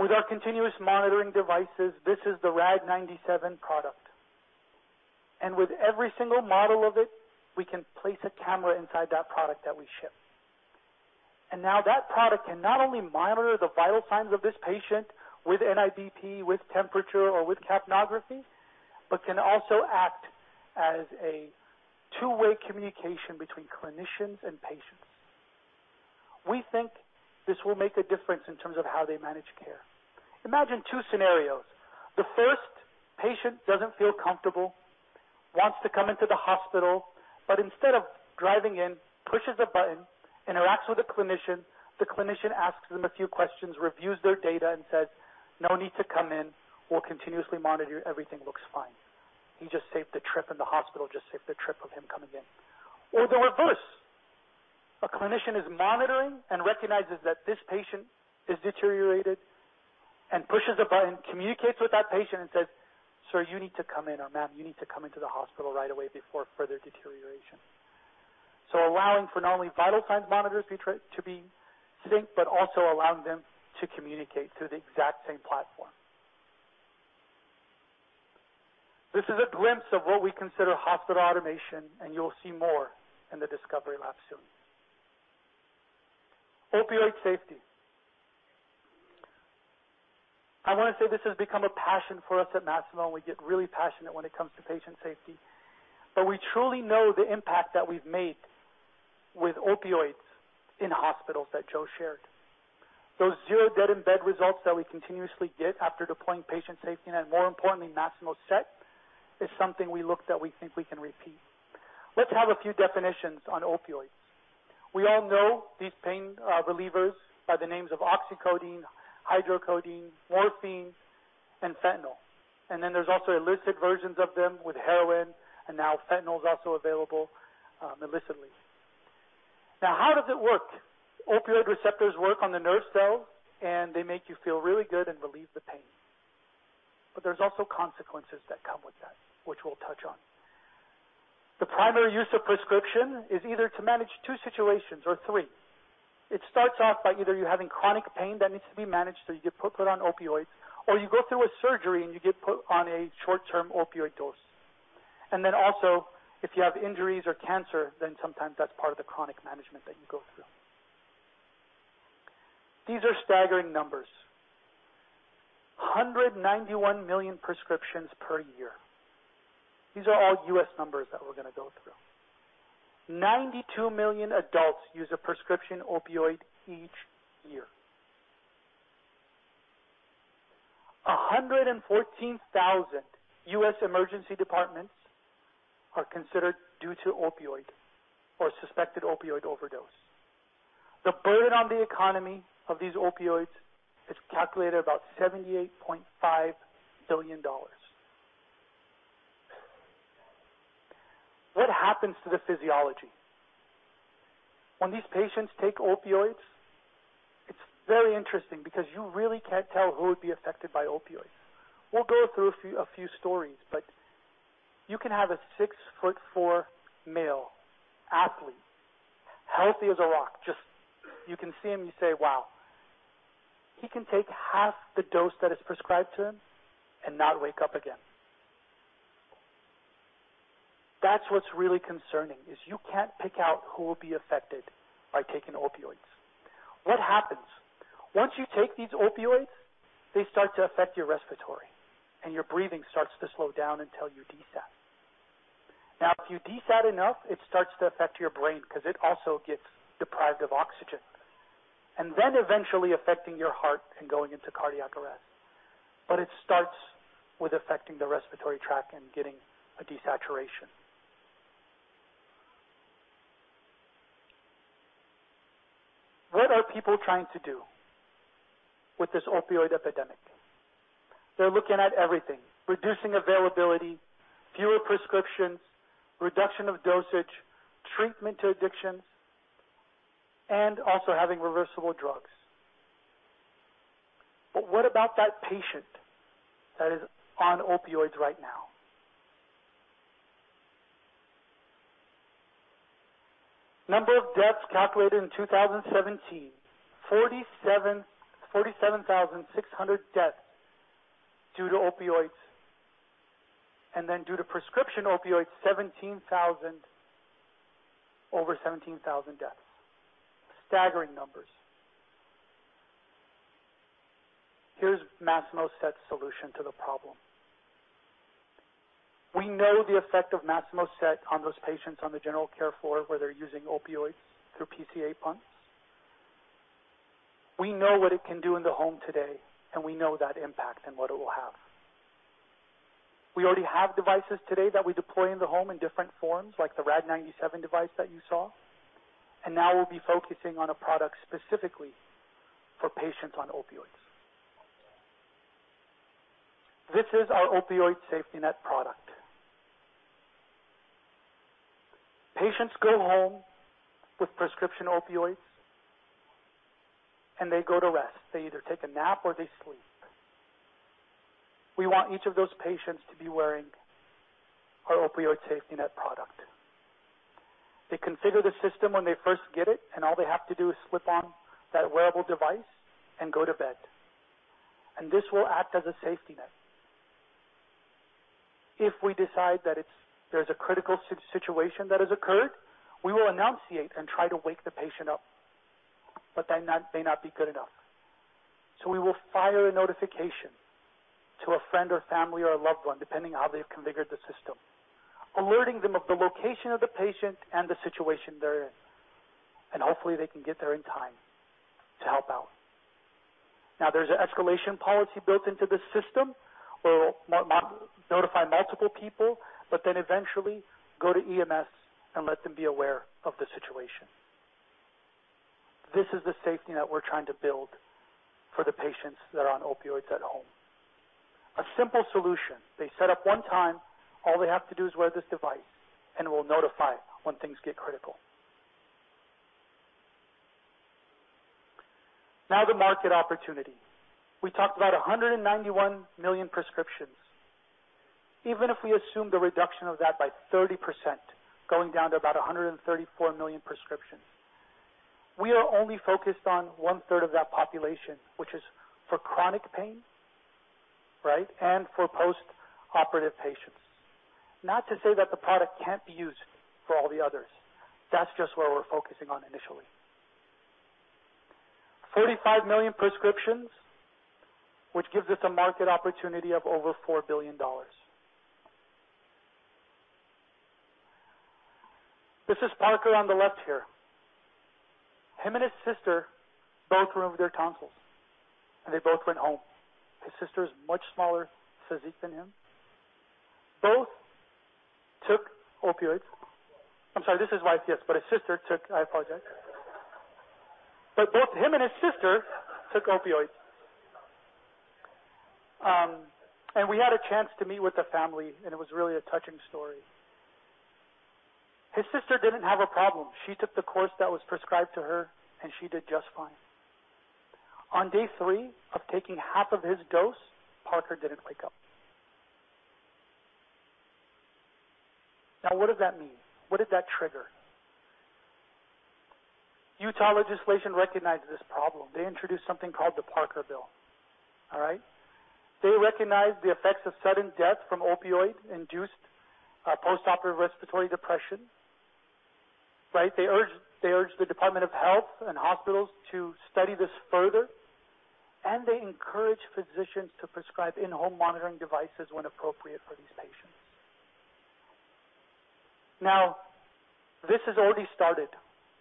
With our continuous monitoring devices, this is the Rad-97 product. With every single model of it, we can place a camera inside that product that we ship. Now that product can not only monitor the vital signs of this patient with NIBP, with temperature, or with capnography, but can also act as a two-way communication between clinicians and patients. We think this will make a difference in terms of how they manage care. Imagine two scenarios. The first patient doesn't feel comfortable, wants to come into the hospital, but instead of driving in, pushes a button, interacts with a clinician. The clinician asks them a few questions, reviews their data, and says, "No need to come in. We'll continuously monitor. Everything looks fine." He just saved a trip, and the hospital just saved a trip of him coming in. The reverse. A clinician is monitoring and recognizes that this patient is deteriorated and pushes a button, communicates with that patient, and says, "Sir, you need to come in," or, "Ma'am, you need to come into the hospital right away before further deterioration." Allowing for not only vital signs monitors to be synced, but also allowing them to communicate through the exact same platform. This is a glimpse of what we consider hospital automation, and you'll see more in the Discovery Lab soon. Opioid safety. I want to say this has become a passion for us at Masimo, and we get really passionate when it comes to patient safety, but we truly know the impact that we've made with opioids in hospitals that Joe shared. Those zero dead in bed results that we continuously get after deploying patient safety, and more importantly, Masimo SET, is something we look that we think we can repeat. Let's have a few definitions on opioids. We all know these pain relievers by the names of oxycodone, hydrocodone, morphine, and fentanyl. There's also illicit versions of them with heroin, and now fentanyl is also available illicitly. How does it work? Opioid receptors work on the nerve cell, and they make you feel really good and relieve the pain. There's also consequences that come with that, which we'll touch on. The primary use of prescription is either to manage two situations or three. It starts off by either you having chronic pain that needs to be managed, so you get put on opioids, or you go through a surgery and you get put on a short-term opioid dose. If you have injuries or cancer, then sometimes that's part of the chronic management that you go through. These are staggering numbers. 191 million prescriptions per year. These are all U.S. numbers that we're going to go through. 92 million adults use a prescription opioid each year. 114,000 U.S. emergency departments are considered due to opioid or suspected opioid overdose. The burden on the economy of these opioids is calculated about $78.5 billion. What happens to the physiology when these patients take opioids? It's very interesting because you really can't tell who would be affected by opioids. We'll go through a few stories, but you can have a 6 foot 4 male athlete, healthy as a rock, just you can see him, you say, "Wow." He can take half the dose that is prescribed to him and not wake up again. That's what's really concerning, is you can't pick out who will be affected by taking opioids. What happens? Once you take these opioids, they start to affect your respiratory, and your breathing starts to slow down until you desat. If you desat enough, it starts to affect your brain because it also gets deprived of oxygen. Eventually affecting your heart and going into cardiac arrest. It starts with affecting the respiratory tract and getting a desaturation. What are people trying to do with this opioid epidemic? They're looking at everything, reducing availability, fewer prescriptions, reduction of dosage, treatment to addictions, and also having reversible drugs. What about that patient that is on opioids right now? Number of deaths calculated in 2017, 47,600 deaths due to opioids, and then due to prescription opioids, over 17,000 deaths. Staggering numbers. Here's Masimo SET solution to the problem. We know the effect of Masimo SET on those patients on the general care floor, where they're using opioids through PCA pumps. We know what it can do in the home today, and we know that impact and what it will have. We already have devices today that we deploy in the home in different forms, like the Rad-97 device that you saw. We'll be focusing on a product specifically for patients on opioids. This is our Opioid SafetyNet product. Patients go home with prescription opioids, and they go to rest. They either take a nap or they sleep. We want each of those patients to be wearing our Opioid Safety Net product. They configure the system when they first get it, and all they have to do is slip on that wearable device and go to bed. This will act as a safety net. If we decide that there's a critical situation that has occurred, we will annunciate and try to wake the patient up. That may not be good enough. We will fire a notification to a friend or family or a loved one, depending how they've configured the system, alerting them of the location of the patient and the situation they're in, and hopefully, they can get there in time to help out. There's an escalation policy built into this system. We'll notify multiple people, eventually go to EMS and let them be aware of the situation. This is the safety net we're trying to build for the patients that are on opioids at home. A simple solution. They set up one time. All they have to do is wear this device, and it will notify when things get critical. The market opportunity. We talked about 191 million prescriptions. Even if we assume the reduction of that by 30%, going down to about 134 million prescriptions, we are only focused on one-third of that population, which is for chronic pain and for post-operative patients. Not to say that the product can't be used for all the others. That's just where we're focusing on initially. 45 million prescriptions, which gives us a market opportunity of over $4 billion. This is Parker on the left here. Him and his sister both removed their tonsils, they both went home. His sister is much smaller physique than him. Both took opioids. I'm sorry, this is wife, yes. His sister took. I apologize. Both him and his sister took opioids. We had a chance to meet with the family, and it was really a touching story. His sister didn't have a problem. She took the course that was prescribed to her, and she did just fine. On day three of taking half of his dose, Parker didn't wake up. What does that mean? What did that trigger? Utah legislation recognized this problem. They introduced something called the Parker Bill. All right? They recognized the effects of sudden death from opioid-induced post-operative respiratory depression. They urged the Department of Health and hospitals to study this further, they encouraged physicians to prescribe in-home monitoring devices when appropriate for these patients. This has already started.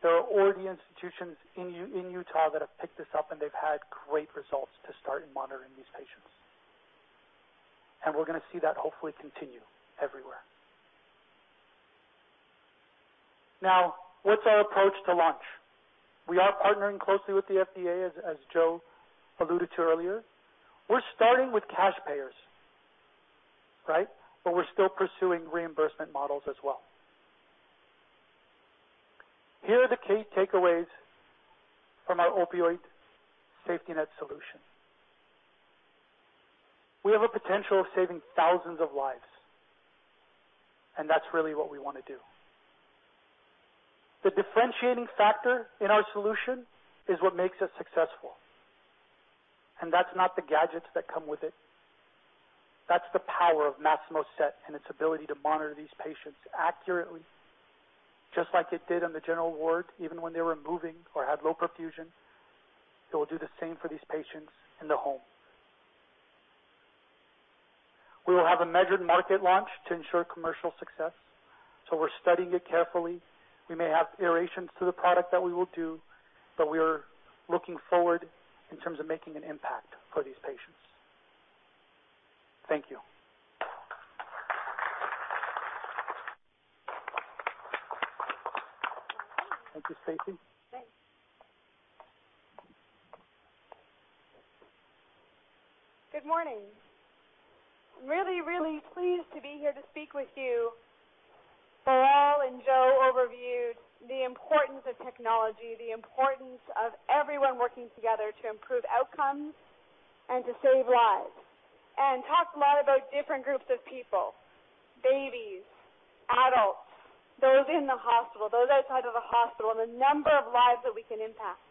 There are already institutions in Utah that have picked this up, and they've had great results to start monitoring these patients. We're going to see that hopefully continue everywhere. What's our approach to launch? We are partnering closely with the FDA, as Joe alluded to earlier. We're starting with cash payers. We're still pursuing reimbursement models as well. Here are the key takeaways from our Opioid Safety Net solution. We have a potential of saving thousands of lives, and that's really what we want to do. The differentiating factor in our solution is what makes us successful, and that's not the gadgets that come with it. That's the power of Masimo SET and its ability to monitor these patients accurately, just like it did in the general ward, even when they were moving or had low perfusion. It will do the same for these patients in the home. We will have a measured market launch to ensure commercial success. We're studying it carefully. We may have iterations to the product that we will do, but we are looking forward in terms of making an impact for these patients. Thank you. Thank you, Stacey. Thanks. Good morning. I'm really, really pleased to be here to speak with you. Bilal and Joe overviewed the importance of technology, the importance of everyone working together to improve outcomes and to save lives, and talked a lot about different groups of people, babies, adults, those in the hospital, those outside of the hospital, the number of lives that we can impact.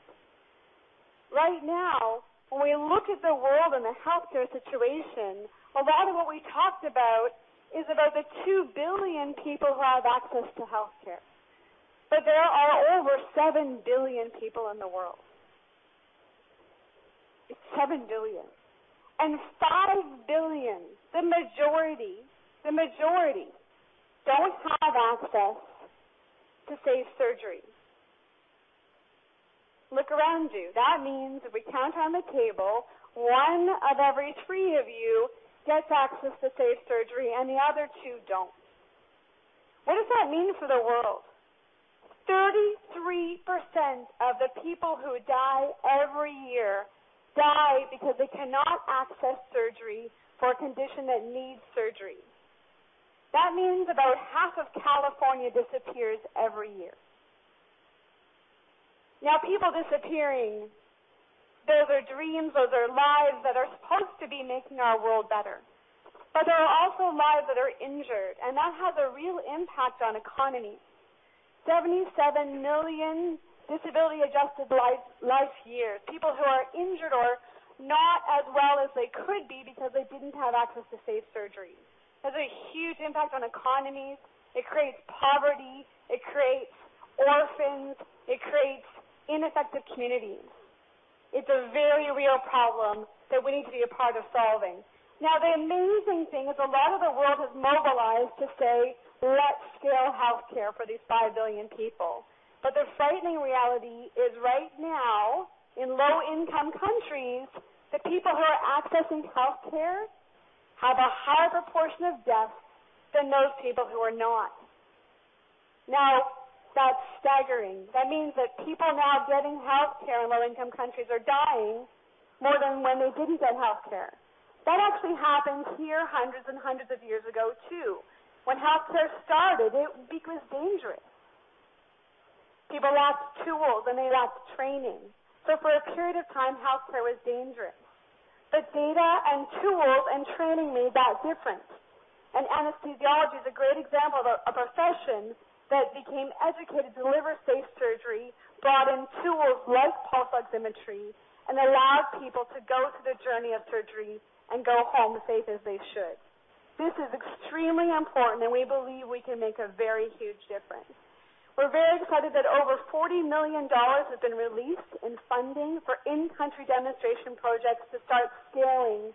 Right now, when we look at the world and the healthcare situation, a lot of what we talked about is about the 2 billion people who have access to healthcare. There are over 7 billion people in the world. It's 7 billion. Five billion, the majority, don't have access to safe surgery. Look around you. That means if we count around the table, one of every three of you gets access to safe surgery, and the other two don't. What does that mean for the world? 33% of the people who die every year die because they cannot access surgery for a condition that needs surgery. That means about half of California disappears every year. People disappearing, those are dreams, those are lives that are supposed to be making our world better. There are also lives that are injured, and that has a real impact on economies. 77 million disability-adjusted life years. People who are injured or not as well as they could be because they didn't have access to safe surgeries. It has a huge impact on economies. It creates poverty. It creates orphans. It creates ineffective communities. It's a very real problem that we need to be a part of solving. The amazing thing is a lot of the world has mobilized to say, "Let's scale healthcare for these 5 billion people." The frightening reality is right now, in low-income countries, the people who are accessing healthcare have a higher proportion of deaths than those people who are not. That's staggering. That means that people now getting healthcare in low-income countries are dying more than when they didn't get healthcare. That actually happened here hundreds and hundreds of years ago, too. When healthcare started, it was dangerous. People lacked tools, and they lacked training. For a period of time, healthcare was dangerous. Data and tools and training made that difference. Anesthesiology is a great example of a profession that became educated to deliver safe surgery, brought in tools like pulse oximetry, and allowed people to go through the journey of surgery and go home safe as they should. This is extremely important, and we believe we can make a very huge difference. We are very excited that over $40 million has been released in funding for in-country demonstration projects to start scaling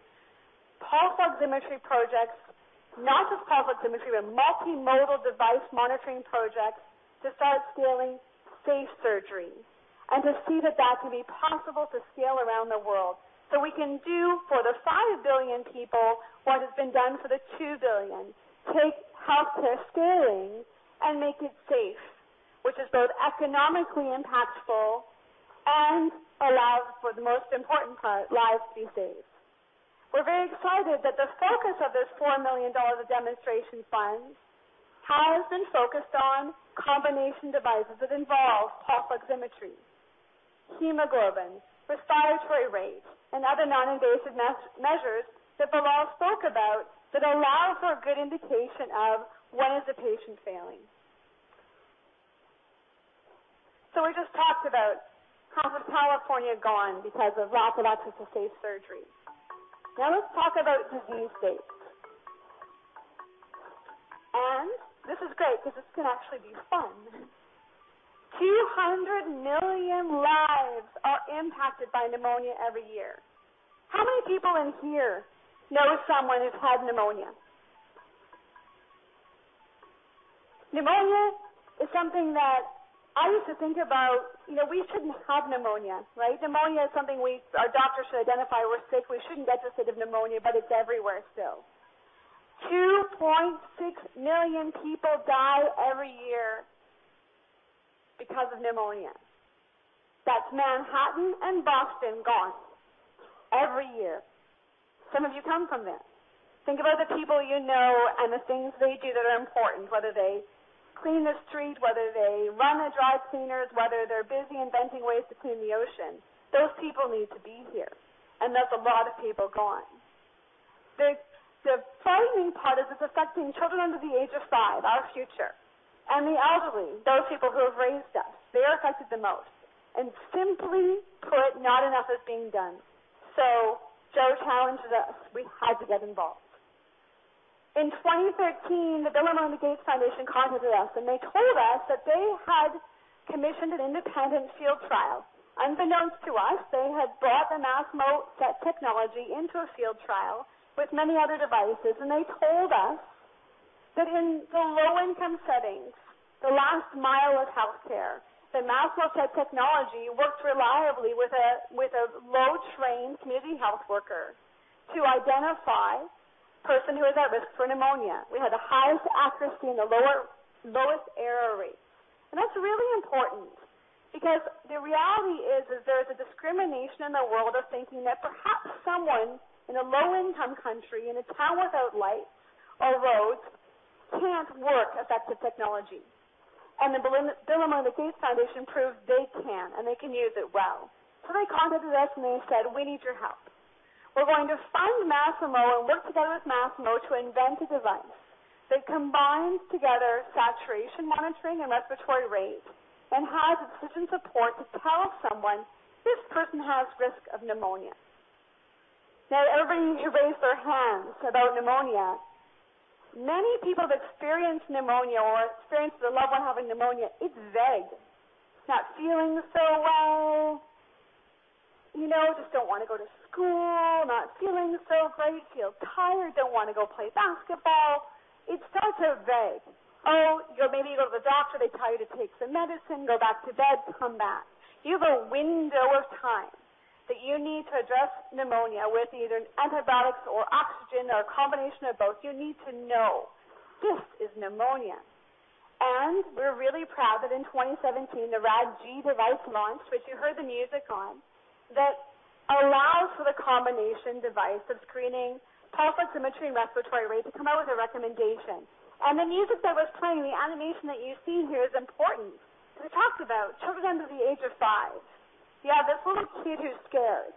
pulse oximetry projects, not just pulse oximetry, but multimodal device monitoring projects to start scaling safe surgery and to see that that can be possible to scale around the world so we can do for the 5 billion people what has been done for the 2 billion, take healthcare scaling and make it safe, which is both economically impactful and allows for the most important part, lives to be saved. We're very excited that the focus of this $4 million demonstration fund has been focused on combination devices that involve pulse oximetry, hemoglobin, respiratory rate, and other non-invasive measures that Bilal spoke about that allow for a good indication of when is a patient failing. We just talked about half of California gone because of lack of access to safe surgery. Now let's talk about disease states. This is great because this can actually be fun. 200 million lives are impacted by pneumonia every year. How many people in here know someone who's had pneumonia? Pneumonia is something that I used to think about, we shouldn't have pneumonia, right? Pneumonia is something our doctor should identify. We're sick. We shouldn't get this sort of pneumonia, but it's everywhere still. 2.6 million people die every year because of pneumonia. That's Manhattan and Boston gone every year. Some of you come from there. Think about the people you know and the things they do that are important, whether they clean the street, whether they run a dry cleaners, whether they're busy inventing ways to clean the ocean. Those people need to be here. That's a lot of people gone. The frightening part is it's affecting children under the age of five, our future, and the elderly, those people who have raised us. They are affected the most. Simply put, not enough is being done. Joe challenged us. We had to get involved. In 2013, the Bill and Melinda Gates Foundation contacted us and they told us that they had commissioned an independent field trial. Unbeknownst to us, they had brought the Masimo SET technology into a field trial with many other devices. They told us that in the low-income settings, the last mile of healthcare, the Masimo technology works reliably with a low-trained community health worker to identify a person who is at risk for pneumonia. We had the highest accuracy and the lowest error rates. That's really important because the reality is there's a discrimination in the world of thinking that perhaps someone in a low-income country, in a town without lights or roads, can't work effective technology. The Bill and Melinda Gates Foundation proved they can, and they can use it well. They contacted us and they said, "We need your help. We're going to fund Masimo and work together with Masimo to invent a device that combines together saturation monitoring and respiratory rate and has decision support to tell someone this person has risk of pneumonia." Everybody needs to raise their hands about pneumonia. Many people have experienced pneumonia or experienced a loved one having pneumonia. It's vague. Not feeling so well. Just don't want to go to school, not feeling so great, feel tired, don't want to go play basketball. It's sort of vague. Maybe you go to the doctor, they tell you to take some medicine, go back to bed, come back. You have a window of time that you need to address pneumonia with either antibiotics or oxygen or a combination of both. You need to know this is pneumonia. We're really proud that in 2017, the Rad-G device launched, which you heard the music on, that allows for the combination device of screening pulse oximetry and respiratory rate to come out with a recommendation. The music that was playing, the animation that you've seen here is important. We talked about children under the age of five. You have this little kid who's scared.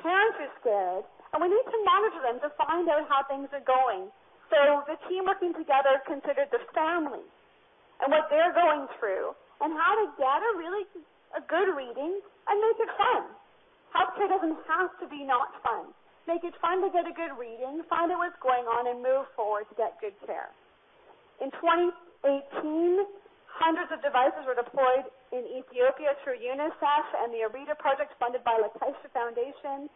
Parents are scared. We need to monitor them to find out how things are going. The team working together considered this family and what they're going through and how to get a really good reading and make it fun. Healthcare doesn't have to be not fun. Make it fun to get a good reading, find out what's going on, and move forward to get good care. In 2018, hundreds of devices were deployed in Ethiopia through UNICEF and the IRIDA project funded by the La Caixa Foundation,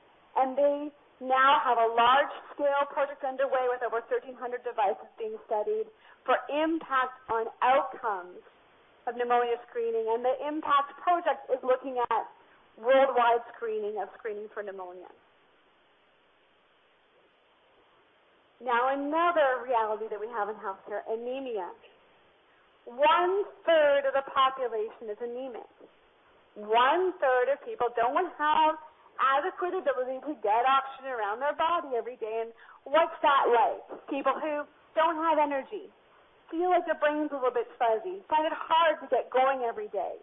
they now have a large-scale project underway with over 1,300 devices being studied for impact on outcomes of pneumonia screening. The impact project is looking at worldwide screening of screening for pneumonia. Another reality that we have in healthcare, anemia. One third of the population is anemic. One third of people don't have adequate ability to get oxygen around their body every day. What's that like? People who don't have energy, feel like their brain's a little bit fuzzy, find it hard to get going every day.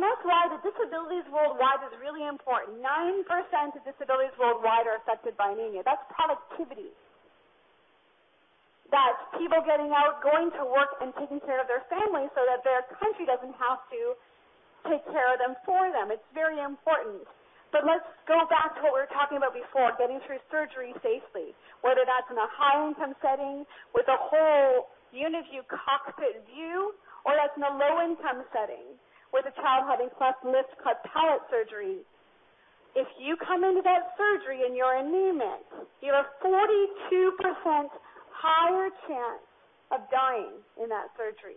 That's why the disabilities worldwide is really important. 9% of disabilities worldwide are affected by anemia. That's productivity. That's people getting out, going to work, and taking care of their families so that their country doesn't have to take care of them for them. It's very important. Let's go back to what we were talking about before, getting through surgery safely, whether that's in a high-income setting with a whole UniView cockpit view, or that's in a low-income setting with a child having cleft lip, cleft palate surgery. If you come into that surgery and you're anemic, you have 42% higher chance of dying in that surgery.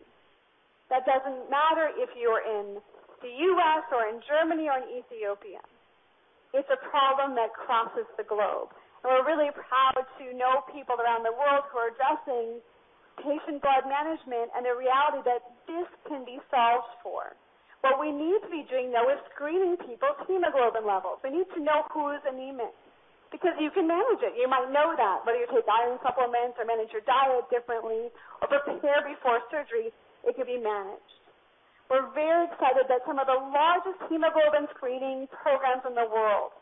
That doesn't matter if you're in the U.S. or in Germany or in Ethiopia. It's a problem that crosses the globe. We're really proud to know people around the world who are addressing patient blood management and the reality that this can be solved for. What we need to be doing, though, is screening people's hemoglobin levels. We need to know who is anemic. You can manage it. You might know that. Whether you take iron supplements or manage your diet differently or prepare before surgery, it can be managed. We're very excited that some of the largest hemoglobin screening programs in the world,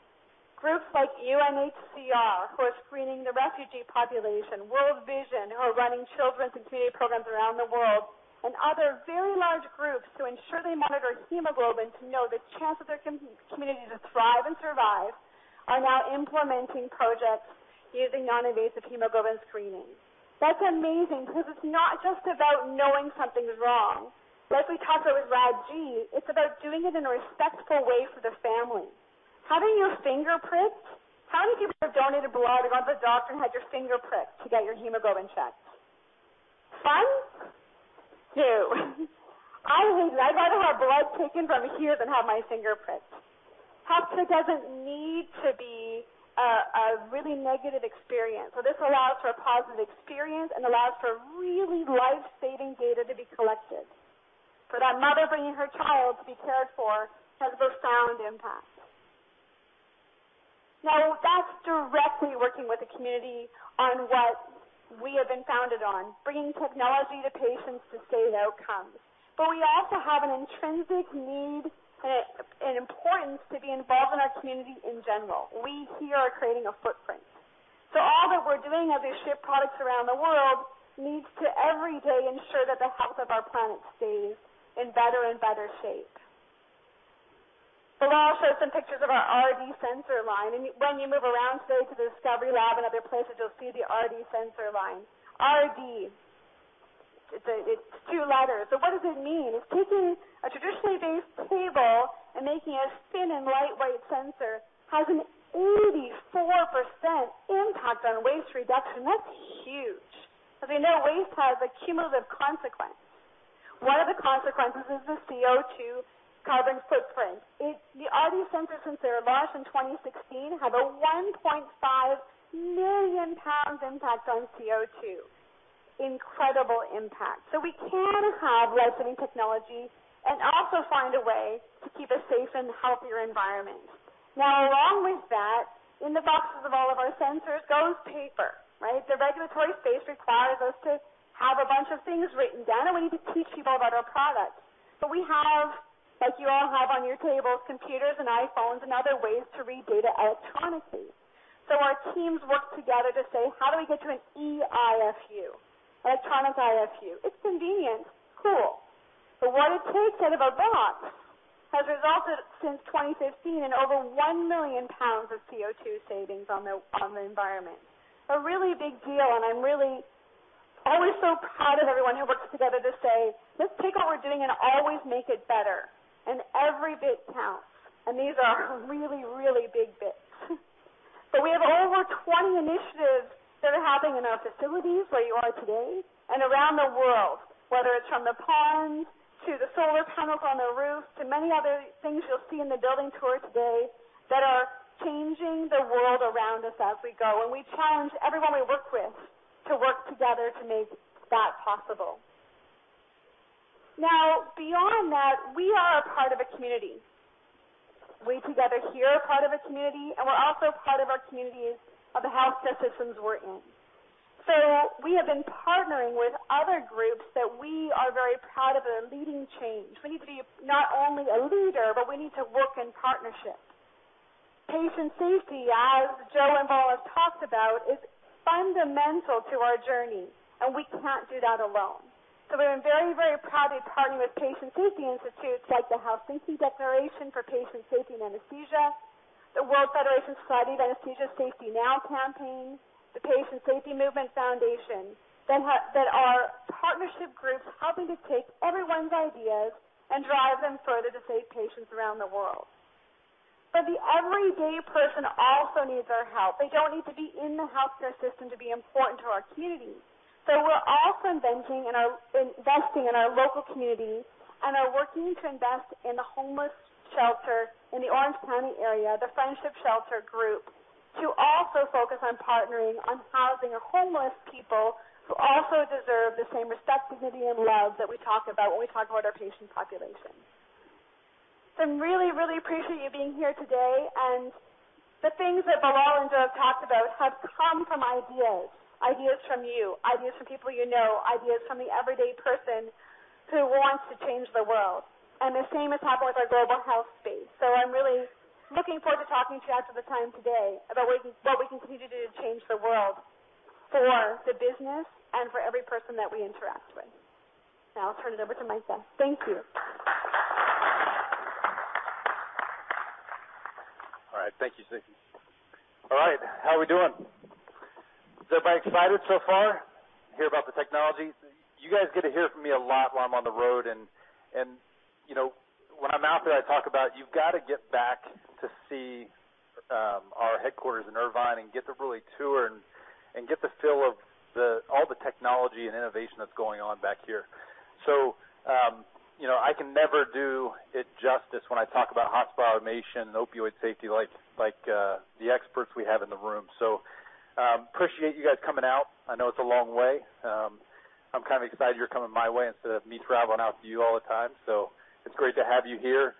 groups like UNHCR, who are screening the refugee population, World Vision, who are running children's and community programs around the world, and other very large groups to ensure they monitor hemoglobin to know the chance of their community to thrive and survive, are now implementing projects using non-invasive hemoglobin screening. That's amazing because it's not just about knowing something's wrong. Like we talked about with Rad-G, it's about doing it in a respectful way for the family. Having your finger pricked. How many people have donated blood or gone to the doctor and had your finger pricked to get your hemoglobin checked? Fun? No. I would rather have blood taken from here than have my finger pricked. Healthcare doesn't need to be a really negative experience. This allows for a positive experience and allows for really life-saving data to be collected. For that mother bringing her child to be cared for has a profound impact. That's directly working with the community on what we have been founded on, bringing technology to patients to save outcomes. We also have an intrinsic need and importance to be involved in our community in general. We here are creating a footprint. All that we're doing as we ship products around the world needs to every day ensure that the health of our planet stays in better and better shape. Bilal showed some pictures of our RD sensor line, and when you move around today to the discovery lab and other places, you'll see the RD sensor line. RD, it's two letters, but what does it mean? It's taking a traditionally based cable and making a thin and lightweight sensor. Has an 84% impact on waste reduction. That's huge. Because we know waste has a cumulative consequence. One of the consequences is the CO2 carbon footprint. The RD sensors, since they were launched in 2016, have a 1.5 million pounds impact on CO2. Incredible impact. We can have life-saving technology and also find a way to keep a safe and healthier environment. Along with that, in the boxes of all of our sensors goes paper, right? The regulatory space requires us to have a bunch of things written down, and we need to teach people about our products. We have, like you all have on your tables, computers and iPhones and other ways to read data electronically. Our teams worked together to say, how do we get to an eIFU, electronic IFU? It's convenient, cool. What it takes out of a box has resulted, since 2015, in over 1 million pounds of CO2 savings on the environment. A really big deal, and I'm really always so proud of everyone who works together to say, "Let's take what we're doing and always make it better." Every bit counts, and these are really, really big bits. We have over 20 initiatives that are happening in our facilities, where you are today, and around the world, whether it's from the ponds to the solar panels on the roof, to many other things you'll see in the building tour today, that are changing the world around us as we go. We challenge everyone we work with to work together to make that possible. Beyond that, we are a part of a community. We together here are part of a community, and we're also part of our communities of the healthcare systems we're in. We have been partnering with other groups that we are very proud of that are leading change. We need to be not only a leader, but we need to work in partnership. Patient safety, as Joe and Bilal have talked about, is fundamental to our journey, and we cannot do that alone. We're very, very proud to partner with patient safety institutes like the Helsinki Declaration on Patient Safety in Anaesthesiology, the World Federation of Societies of Anaesthesiologists SAFE-T Now campaign, the Patient Safety Movement Foundation, that are partnership groups helping to take everyone's ideas and drive them further to save patients around the world. The everyday person also needs our help. They don't need to be in the healthcare system to be important to our community. We're also investing in our local community and are working to invest in the homeless shelter in the Orange County area, the Friendship Shelter, to also focus on partnering on housing of homeless people who also deserve the same respect, dignity, and love that we talk about when we talk about our patient population. I really, really appreciate you being here today, and the things that Bilal and Joe have talked about have come from ideas. Ideas from you, ideas from people you know, ideas from the everyday person who wants to change the world. The same is happening with our global health space. I'm really looking forward to talking to you after the time today about what we can continue to do to change the world for the business and for every person that we interact with. Now I'll turn it over to Micah Young. Thank you. All right. Thank you, Cindy. All right. How are we doing? Is everybody excited so far to hear about the technology? You guys get to hear from me a lot while I'm on the road, and when I'm out there, I talk about you've got to get back to see our headquarters in Irvine and get to really tour and get the feel of all the technology and innovation that's going on back here. I can never do it justice when I talk about hospital automation and opioid safety like the experts we have in the room. Appreciate you guys coming out. I know it's a long way. I'm kind of excited you're coming my way instead of me traveling out to you all the time, so it's great to have you here.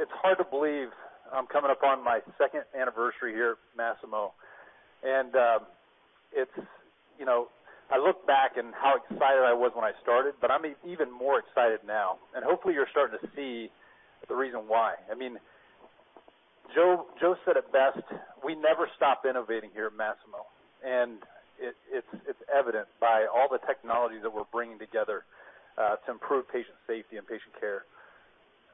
It's hard to believe I'm coming up on my second anniversary here at Masimo. I look back and how excited I was when I started, but I'm even more excited now. Hopefully you're starting to see the reason why. Joe said it best, we never stop innovating here at Masimo. It's evident by all the technology that we're bringing together to improve patient safety and patient care.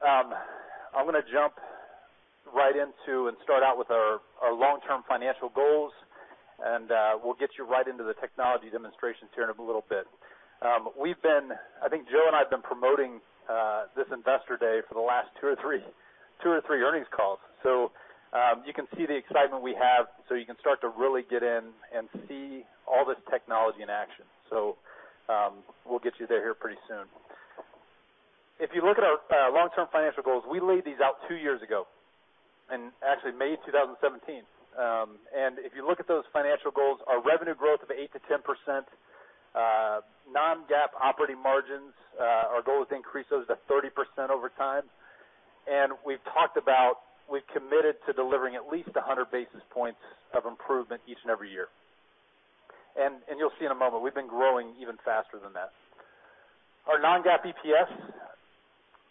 I'm going to jump right into and start out with our long-term financial goals, and we'll get you right into the technology demonstrations here in a little bit. I think Joe and I have been promoting this investor day for the last two or three earnings calls. You can see the excitement we have, you can start to really get in and see all this technology in action. We'll get you there here pretty soon. If you look at our long-term financial goals, we laid these out two years ago in, actually, May 2017. If you look at those financial goals, our revenue growth of 8%-10%, non-GAAP operating margins, our goal is to increase those to 30% over time. We've talked about, we've committed to delivering at least 100 basis points of improvement each and every year. You'll see in a moment, we've been growing even faster than that. Our non-GAAP EPS,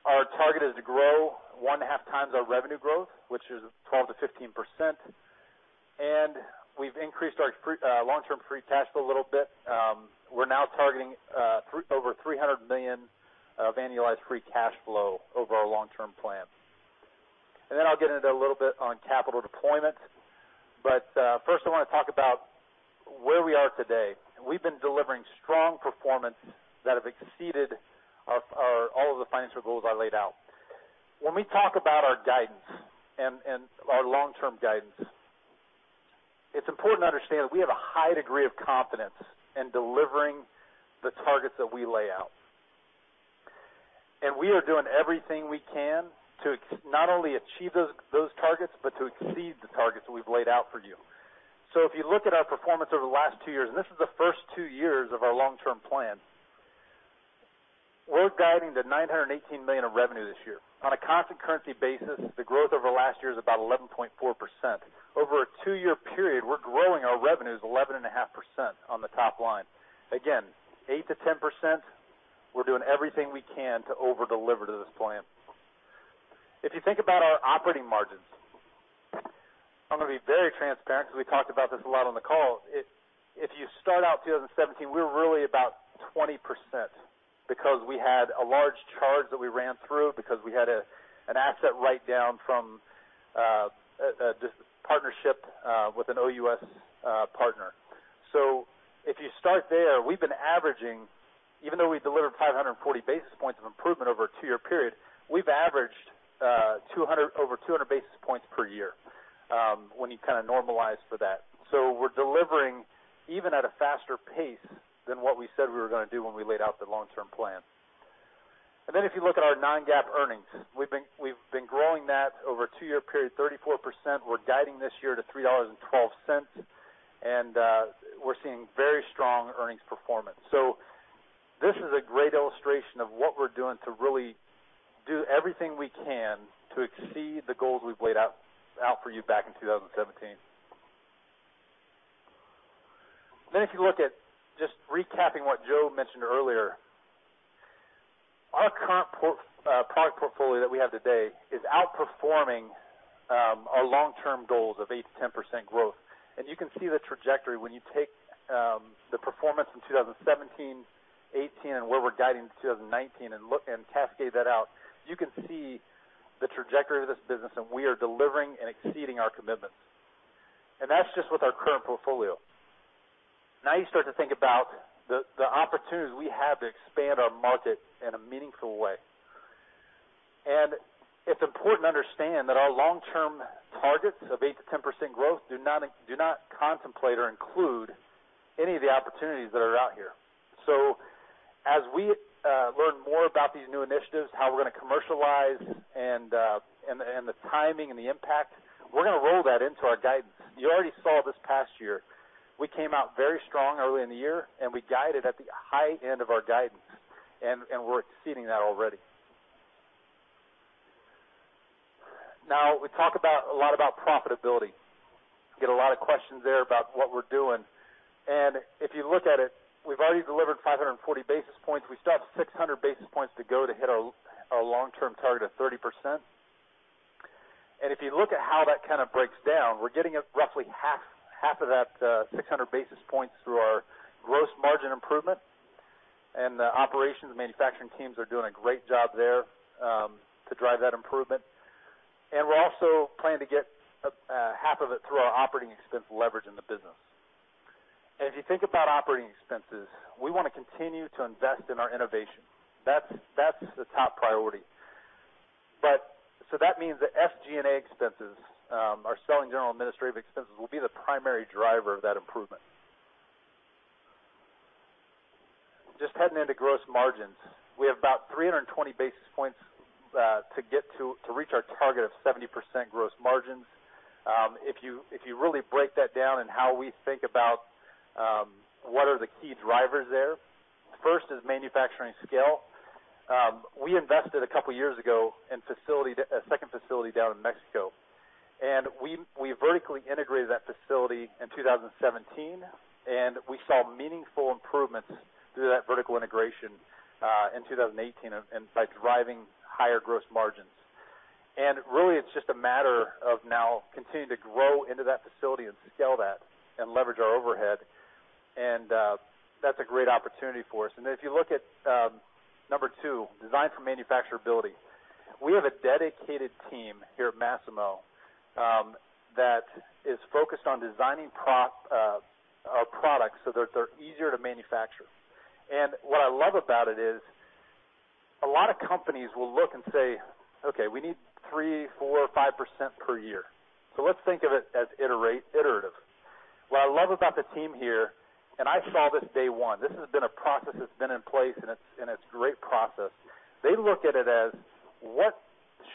our target is to grow one and a half times our revenue growth, which is 12%-15%. We've increased our long-term free cash flow a little bit. We're now targeting over $300 million of annualized free cash flow over our long-term plan. Then I'll get into a little bit on capital deployment. First I want to talk about where we are today. We've been delivering strong performance that have exceeded all of the financial goals I laid out. When we talk about our guidance and our long-term guidance, it's important to understand that we have a high degree of confidence in delivering the targets that we lay out. We are doing everything we can to not only achieve those targets, but to exceed the targets that we've laid out for you. If you look at our performance over the last two years, and this is the first two years of our long-term plan, we're guiding to $918 million of revenue this year. On a constant currency basis, the growth over the last year is about 11.4%. Over a two-year period, we're growing our revenues 11.5% on the top line. Again, 8%-10%, we're doing everything we can to over-deliver to this plan. If you think about our operating margins, I'm going to be very transparent because we talked about this a lot on the call. If you start out 2017, we were really about 20% because we had a large charge that we ran through because we had an asset write-down from just partnership with an OUS partner. If you start there, we've been averaging, even though we delivered 540 basis points of improvement over a two-year period, we've averaged over 200 basis points per year when you kind of normalize for that. If you look at our non-GAAP earnings, we've been growing that over a two-year period, 34%. We're guiding this year to $3.12, and we're seeing very strong earnings performance. This is a great illustration of what we're doing to really do everything we can to exceed the goals we've laid out for you back in 2017. If you look at just recapping what Joe mentioned earlier, our current product portfolio that we have today is outperforming our long-term goals of 8%-10% growth. You can see the trajectory when you take the performance in 2017, 2018, and where we're guiding in 2019 and cascade that out. You can see the trajectory of this business, and we are delivering and exceeding our commitments. That's just with our current portfolio. You start to think about the opportunities we have to expand our market in a meaningful way. It's important to understand that our long-term targets of 8%-10% growth do not contemplate or include any of the opportunities that are out here. As we learn more about these new initiatives, how we're going to commercialize and the timing and the impact, we're going to roll that into our guidance. You already saw this past year, we came out very strong early in the year, and we guided at the high end of our guidance, and we're exceeding that already. We talk a lot about profitability. Get a lot of questions there about what we're doing. If you look at it, we've already delivered 540 basis points. We still have 600 basis points to go to hit our long-term target of 30%. If you look at how that kind of breaks down, we're getting roughly half of that 600 basis points through our gross margin improvement, and the operations and manufacturing teams are doing a great job there to drive that improvement. We're also planning to get half of it through our operating expense leverage in the business. If you think about operating expenses, we want to continue to invest in our innovation. That's the top priority. That means the SG&A expenses, our selling, general, and administrative expenses, will be the primary driver of that improvement. Just heading into gross margins, we have about 320 basis points to reach our target of 70% gross margins. If you really break that down and how we think about what are the key drivers there, first is manufacturing scale. We invested a couple of years ago in a second facility down in Mexico, and we vertically integrated that facility in 2017, and we saw meaningful improvements through that vertical integration in 2018 by driving higher gross margins. Really, it's just a matter of now continuing to grow into that facility and scale that and leverage our overhead. That's a great opportunity for us. If you look at number 2, design for manufacturability, we have a dedicated team here at Masimo that is focused on designing products so that they're easier to manufacture. What I love about it is a lot of companies will look and say, "Okay, we need 3%, 4%, 5% per year." Let's think of it as iterative. What I love about the team here, and I saw this day 1, this has been a process that's been in place, and it's a great process. They look at it as, what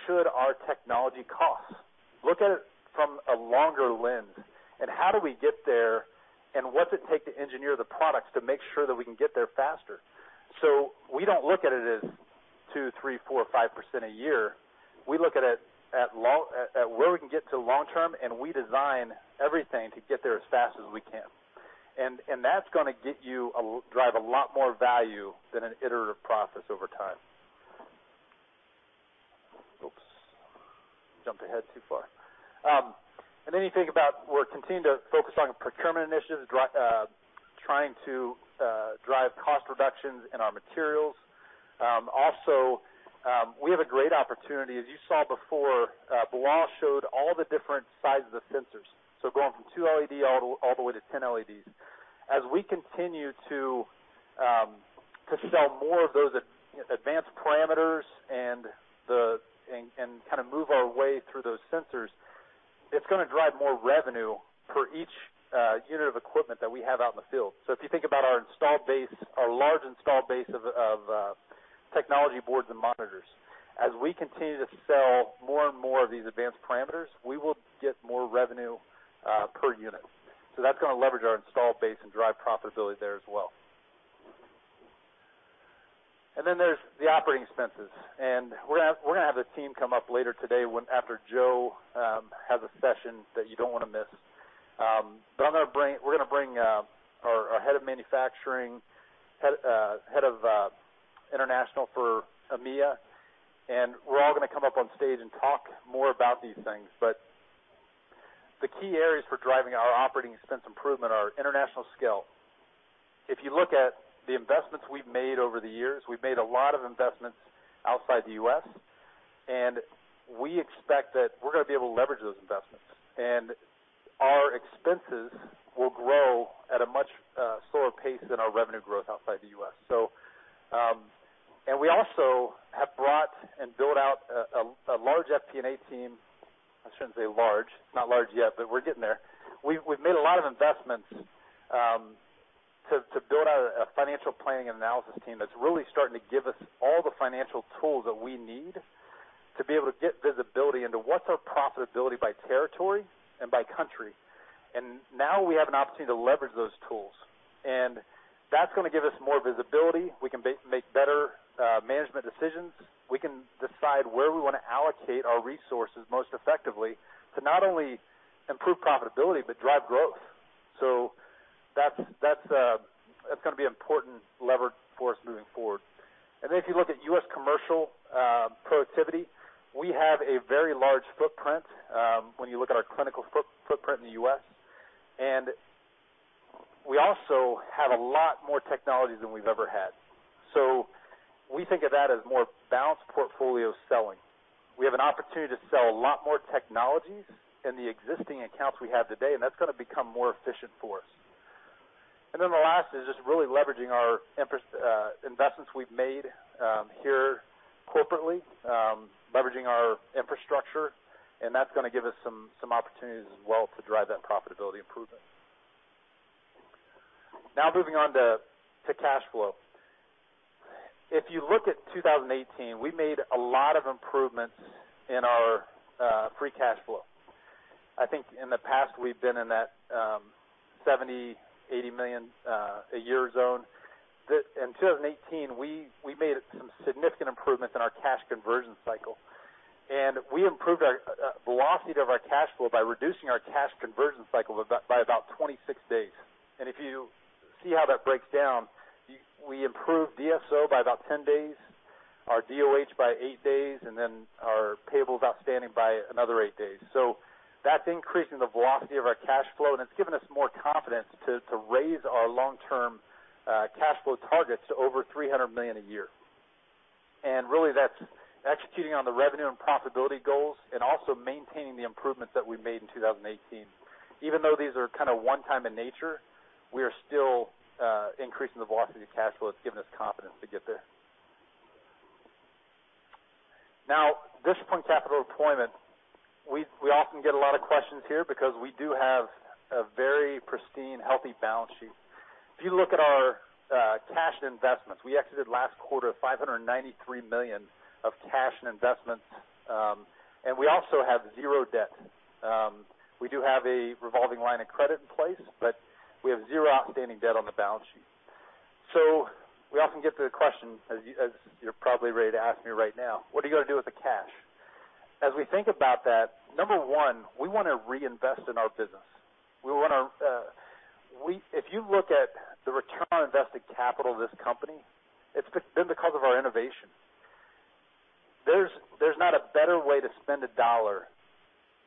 should our technology cost? Look at it from a longer lens, how do we get there, what's it take to engineer the products to make sure that we can get there faster? We don't look at it as 2%, 3%, 4%, 5% a year. We look at it at where we can get to long term, we design everything to get there as fast as we can. That's going to drive a lot more value than an iterative process over time. Oops. Jumped ahead too far. You think about we're continuing to focus on procurement initiatives, trying to drive cost reductions in our materials. Also, we have a great opportunity. As you saw before, Bilal showed all the different sizes of sensors, so going from two LED all the way to 10 LEDs. As we continue to sell more of those advanced parameters and move our way through those sensors, it's going to drive more revenue per each unit of equipment that we have out in the field. If you think about our large installed base of technology boards and monitors, as we continue to sell more and more of these advanced parameters, we will get more revenue per unit. That's going to leverage our installed base and drive profitability there as well. There's the operating expenses, we're going to have the team come up later today after Joe has a session that you don't want to miss. We're going to bring our head of manufacturing, head of international for EMEA, we're all going to come up on stage and talk more about these things. The key areas for driving our operating expense improvement are international scale. If you look at the investments we've made over the years, we've made a lot of investments outside the U.S., we expect that we're going to be able to leverage those investments, our expenses will grow at a much slower pace than our revenue growth outside the U.S. We also have brought and built out a large FP&A team. I shouldn't say large, not large yet, but we're getting there. We've made a lot of investments to build out a financial planning and analysis team that's really starting to give us all the financial tools that we need to be able to get visibility into what's our profitability by territory and by country. Now we have an opportunity to leverage those tools, that's going to give us more visibility. We can make better management decisions. We can decide where we want to allocate our resources most effectively to not only improve profitability but drive growth. That's going to be an important lever for us moving forward. If you look at U.S. commercial productivity, we have a very large footprint when you look at our clinical footprint in the U.S., we also have a lot more technologies than we've ever had. We think of that as more balanced portfolio selling. We have an opportunity to sell a lot more technologies in the existing accounts we have today, that's going to become more efficient for us. The last is just really leveraging our investments we've made here corporately, leveraging our infrastructure, that's going to give us some opportunities as well to drive that profitability improvement. Now, moving on to cash flow. If you look at 2018, we made a lot of improvements in our free cash flow. I think in the past, we've been in that $70 million, $80 million a year zone. In 2018, we made some significant improvements in our cash conversion cycle, and we improved our velocity of our cash flow by reducing our cash conversion cycle by about 26 days. If you see how that breaks down, we improved DSO by about 10 days, our DOH by eight days, and our payables outstanding by another eight days. That's increasing the velocity of our cash flow, and it's given us more confidence to raise our long-term cash flow targets to over $300 million a year. Really, that's executing on the revenue and profitability goals and also maintaining the improvements that we made in 2018. Even though these are kind of one-time in nature, we are still increasing the velocity of cash flow. It's given us confidence to get there. Now, disciplined capital deployment. We often get a lot of questions here because we do have a very pristine, healthy balance sheet. If you look at our cash and investments, we exited last quarter with $593 million of cash and investments, and we also have zero debt. We do have a revolving line of credit in place, but we have zero outstanding debt on the balance sheet. We often get the question, as you're probably ready to ask me right now, what are you going to do with the cash? As we think about that, number one, we want to reinvest in our business. If you look at the return on invested capital of this company, it's been because of our innovation. There's not a better way to spend a dollar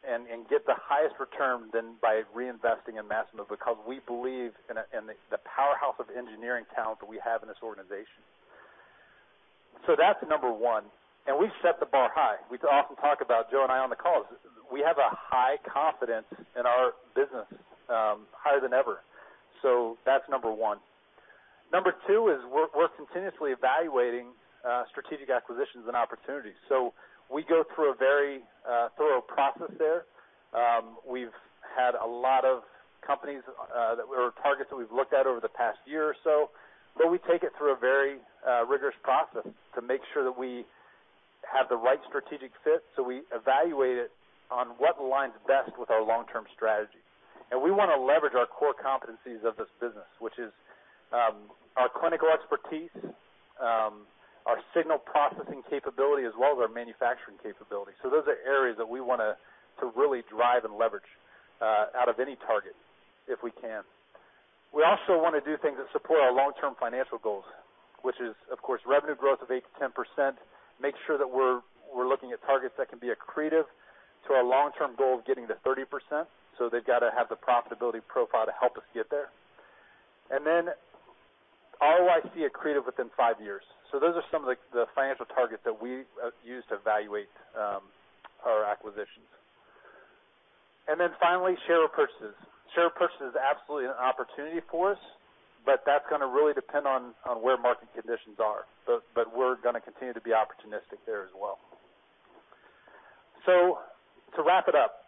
and get the highest return than by reinvesting in Masimo because we believe in the powerhouse of engineering talent that we have in this organization. That's number one, and we've set the bar high. We often talk about Joe and I on the calls. We have a high confidence in our business, higher than ever. That's number one. Number two is we're continuously evaluating strategic acquisitions and opportunities. We go through a very thorough process there. We've had a lot of companies that were targets that we've looked at over the past year or so, we take it through a very rigorous process to make sure that we have the right strategic fit. We evaluate it on what aligns best with our long-term strategy. We want to leverage our core competencies of this business, which is our clinical expertise, our signal processing capability, as well as our manufacturing capability. Those are areas that we want to really drive and leverage out of any target if we can. We also want to do things that support our long-term financial goals, which is, of course, revenue growth of 8%-10%, make sure that we're looking at targets that can be accretive to our long-term goal of getting to 30%. They've got to have the profitability profile to help us get there. Then ROIC accretive within five years. Those are some of the financial targets that we use to evaluate our acquisitions. Finally, share repurchases. Share repurchase is absolutely an opportunity for us, that's going to really depend on where market conditions are. We're going to continue to be opportunistic there as well. To wrap it up,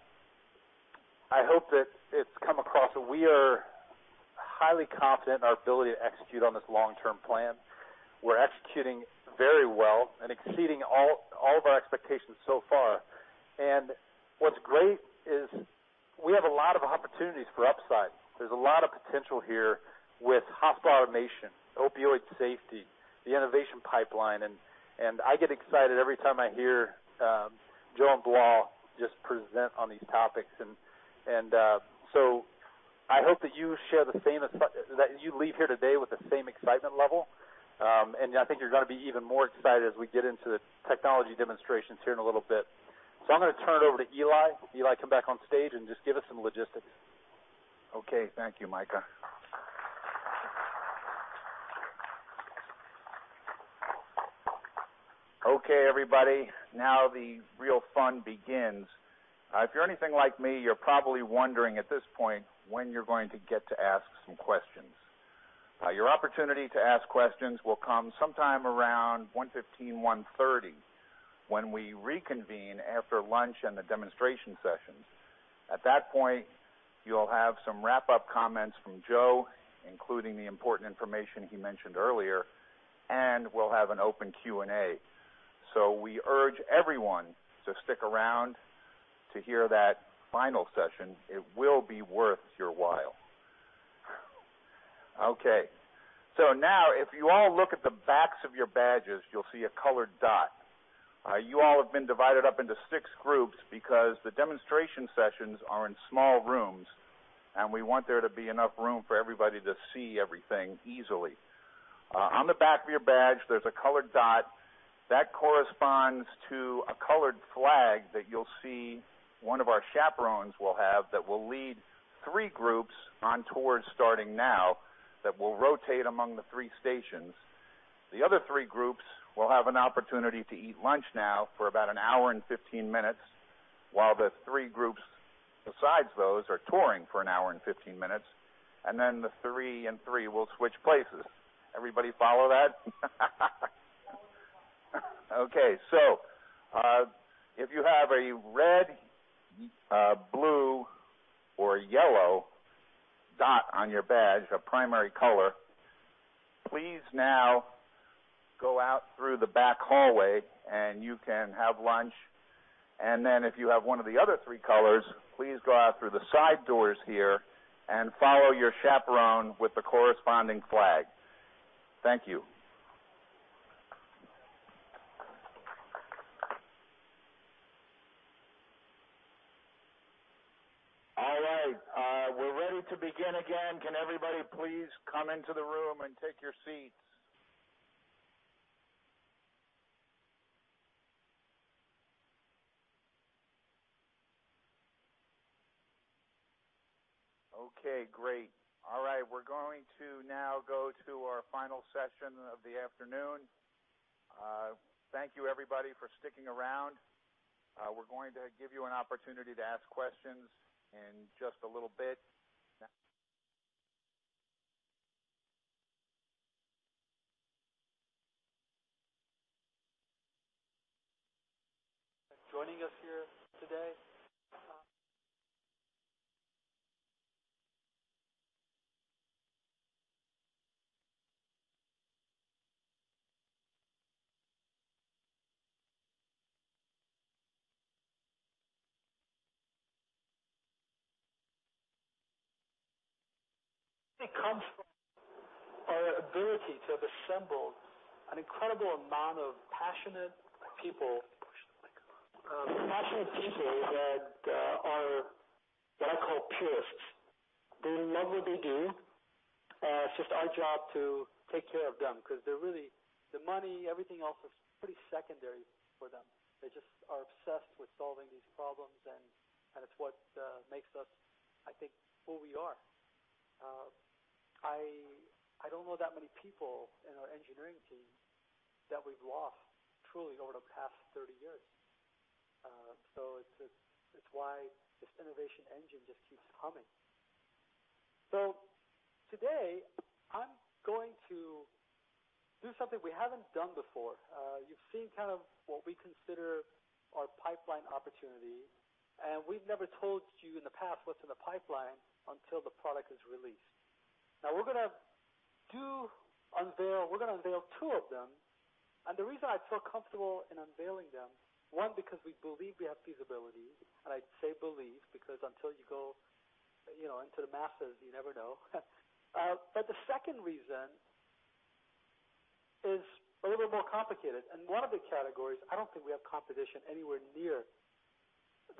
I hope that it's come across that we are highly confident in our ability to execute on this long-term plan. We're executing very well and exceeding all of our expectations so far. What's great is we have a lot of opportunities for upside. There's a lot of potential here with hospital automation, opioid safety, the innovation pipeline, and I get excited every time I hear Joe and Bilal just present on these topics. I hope that you leave here today with the same excitement level. I think you're going to be even more excited as we get into the technology demonstrations here in a little bit. I'm going to turn it over to Eli. Eli, come back on stage and just give us some logistics. Thank you, Micah. Everybody, now the real fun begins. If you're anything like me, you're probably wondering at this point when you're going to get to ask some questions. Your opportunity to ask questions will come sometime around 1:15 P.M., 1:30 P.M., when we reconvene after lunch and the demonstration sessions. At that point, you'll have some wrap-up comments from Joe, including the important information he mentioned earlier, and we'll have an open Q&A. We urge everyone to stick around to hear that final session. It will be worth your while. Now if you all look at the backs of your badges, you'll see a colored dot. You all have been divided up into 6 groups because the demonstration sessions are in small rooms, and we want there to be enough room for everybody to see everything easily. On the back of your badge, there's a colored dot that corresponds to a colored flag that you'll see one of our chaperones will have that will lead 3 groups on tours starting now that will rotate among the 3 stations. The other 3 groups will have an opportunity to eat lunch now for about an hour and 15 minutes while the 3 groups besides those are touring for an hour and 15 minutes, and then the 3 and 3 will switch places. Everybody follow that? If you have a red, blue, or yellow dot on your badge, a primary color, please now go out through the back hallway and you can have lunch. If you have one of the other 3 colors, please go out through the side doors here and follow your chaperone with the corresponding flag. Thank you. We're ready to begin again. Can everybody please come into the room and take your seats? We're going to now go to our final session of the afternoon. Thank you, everybody, for sticking around. We're going to give you an opportunity to ask questions in just a little bit. Joining us here today. It comes from our ability to have assembled an incredible amount of passionate people. Push the mic up Passionate people that are what I call purists. They love what they do. It's just our job to take care of them because the money, everything else is pretty secondary for them. They just are obsessed with solving these problems, and it's what makes us, I think, who we are. I don't know that many people in our engineering team that we've lost truly over the past 30 years. It's why this innovation engine just keeps humming. Today, I'm going to do something we haven't done before. You've seen what we consider our pipeline opportunity, we've never told you in the past what's in the pipeline until the product is released. Now, we're going to unveil two of them. The reason I feel comfortable in unveiling them, one, because we believe we have feasibility. I say believe because until you go into the masses, you never know. The second reason is a little more complicated. In one of the categories, I don't think we have competition anywhere near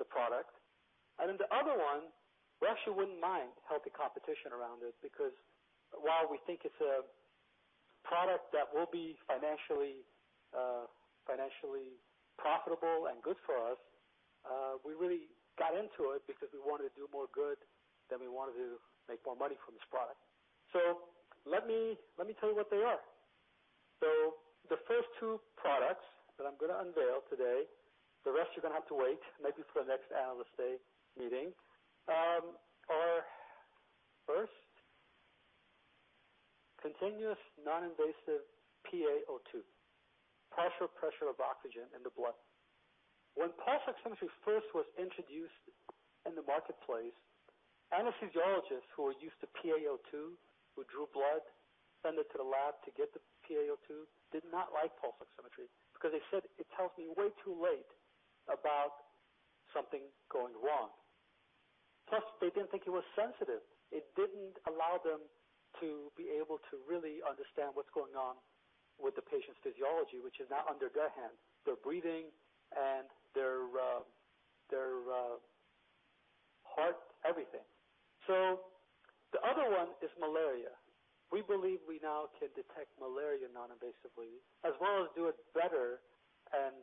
the product. In the other one, we actually wouldn't mind healthy competition around us because while we think it's a product that will be financially profitable and good for us, we really got into it because we wanted to do more good than we wanted to make more money from this product. Let me tell you what they are. The first two products that I'm going to unveil today, the rest you're going to have to wait maybe for the next Analyst Day meeting, are first, continuous non-invasive PaO2, partial pressure of oxygen in the blood. When pulse oximetry first was introduced in the marketplace, anesthesiologists who were used to PaO2, who drew blood, send it to the lab to get the PaO2, did not like pulse oximetry because they said, "It tells me way too late about something going wrong." Plus, they didn't think it was sensitive. It didn't allow them to be able to really understand what's going on with the patient's physiology, which is now under their hand, their breathing and their heart, everything. The other one is malaria. We believe we now can detect malaria non-invasively as well as do it better and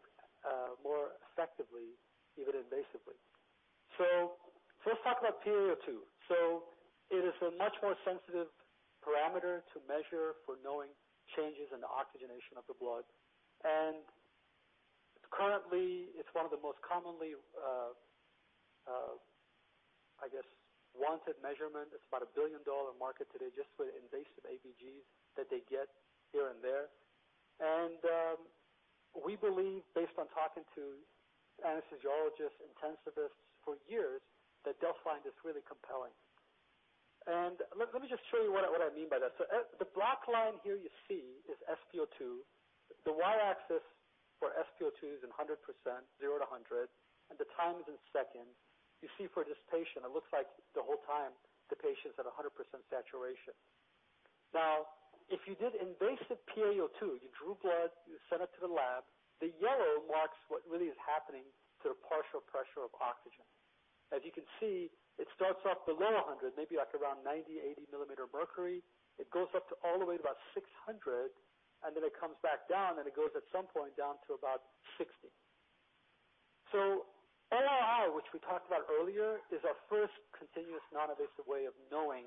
more effectively, even invasively. Let's talk about PaO2. It is a much more sensitive parameter to measure for knowing changes in the oxygenation of the blood, and currently, it's one of the most commonly, I guess, wanted measurement. It's about a billion-dollar market today just for the invasive ABGs that they get here and there. We believe, based on talking to anesthesiologists, intensivists for years, that they'll find this really compelling. Let me just show you what I mean by that. The black line here you see is SpO2. The y-axis for SpO2 is in 100%, 0 to 100, and the time is in seconds. You see for this patient, it looks like the whole time the patient's at 100% saturation. Now, if you did invasive PaO2, you drew blood, you sent it to the lab, the yellow marks what really is happening to the partial pressure of oxygen. As you can see, it starts off below 100, maybe like around 90, 80 millimeter mercury. It goes up to all the way to about 600, then it comes back down, and it goes at some point down to about 60. ROI, which we talked about earlier, is our first continuous non-invasive way of knowing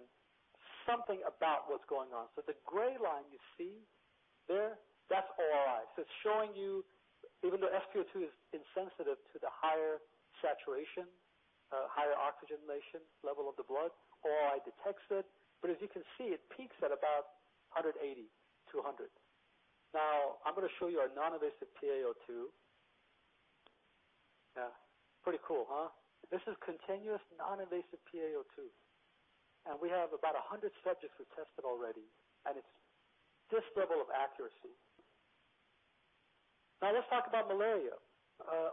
something about what's going on. The gray line you see there, that's ROI. It's showing you even though SpO2 is insensitive to the higher saturation, higher oxygenation level of the blood, ROI detects it. As you can see, it peaks at about 180-100. Now I'm going to show you a non-invasive PaO2. Yeah. Pretty cool, huh? This is continuous non-invasive PaO2, and we have about 100 subjects we've tested already, and it's this level of accuracy. Now let's talk about malaria.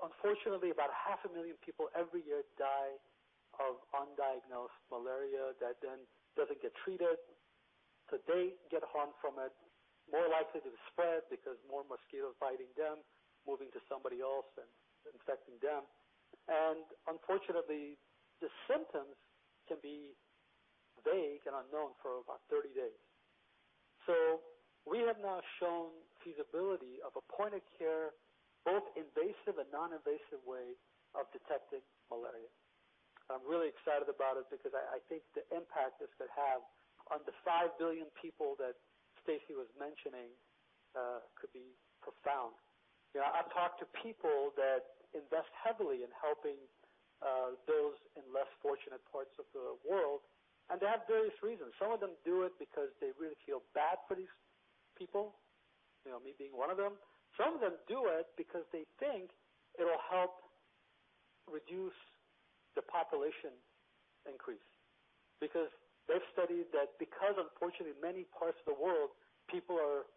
Unfortunately, about half a million people every year die of undiagnosed malaria that then doesn't get treated, so they get harmed from it, more likely to spread because more mosquitoes biting them, moving to somebody else, and infecting them. Unfortunately, the symptoms can be vague and unknown for about 30 days. We have now shown feasibility of a point-of-care, both invasive and non-invasive way of detecting malaria. I'm really excited about it because I think the impact this could have on the 5 billion people that Stacey was mentioning could be profound. I've talked to people that invest heavily in helping those in less fortunate parts of the world, and they have various reasons. Some of them do it because they really feel bad for these people, me being one of them. Some of them do it because they think it'll help reduce the population increase. They've studied that because, unfortunately, many parts of the world, people are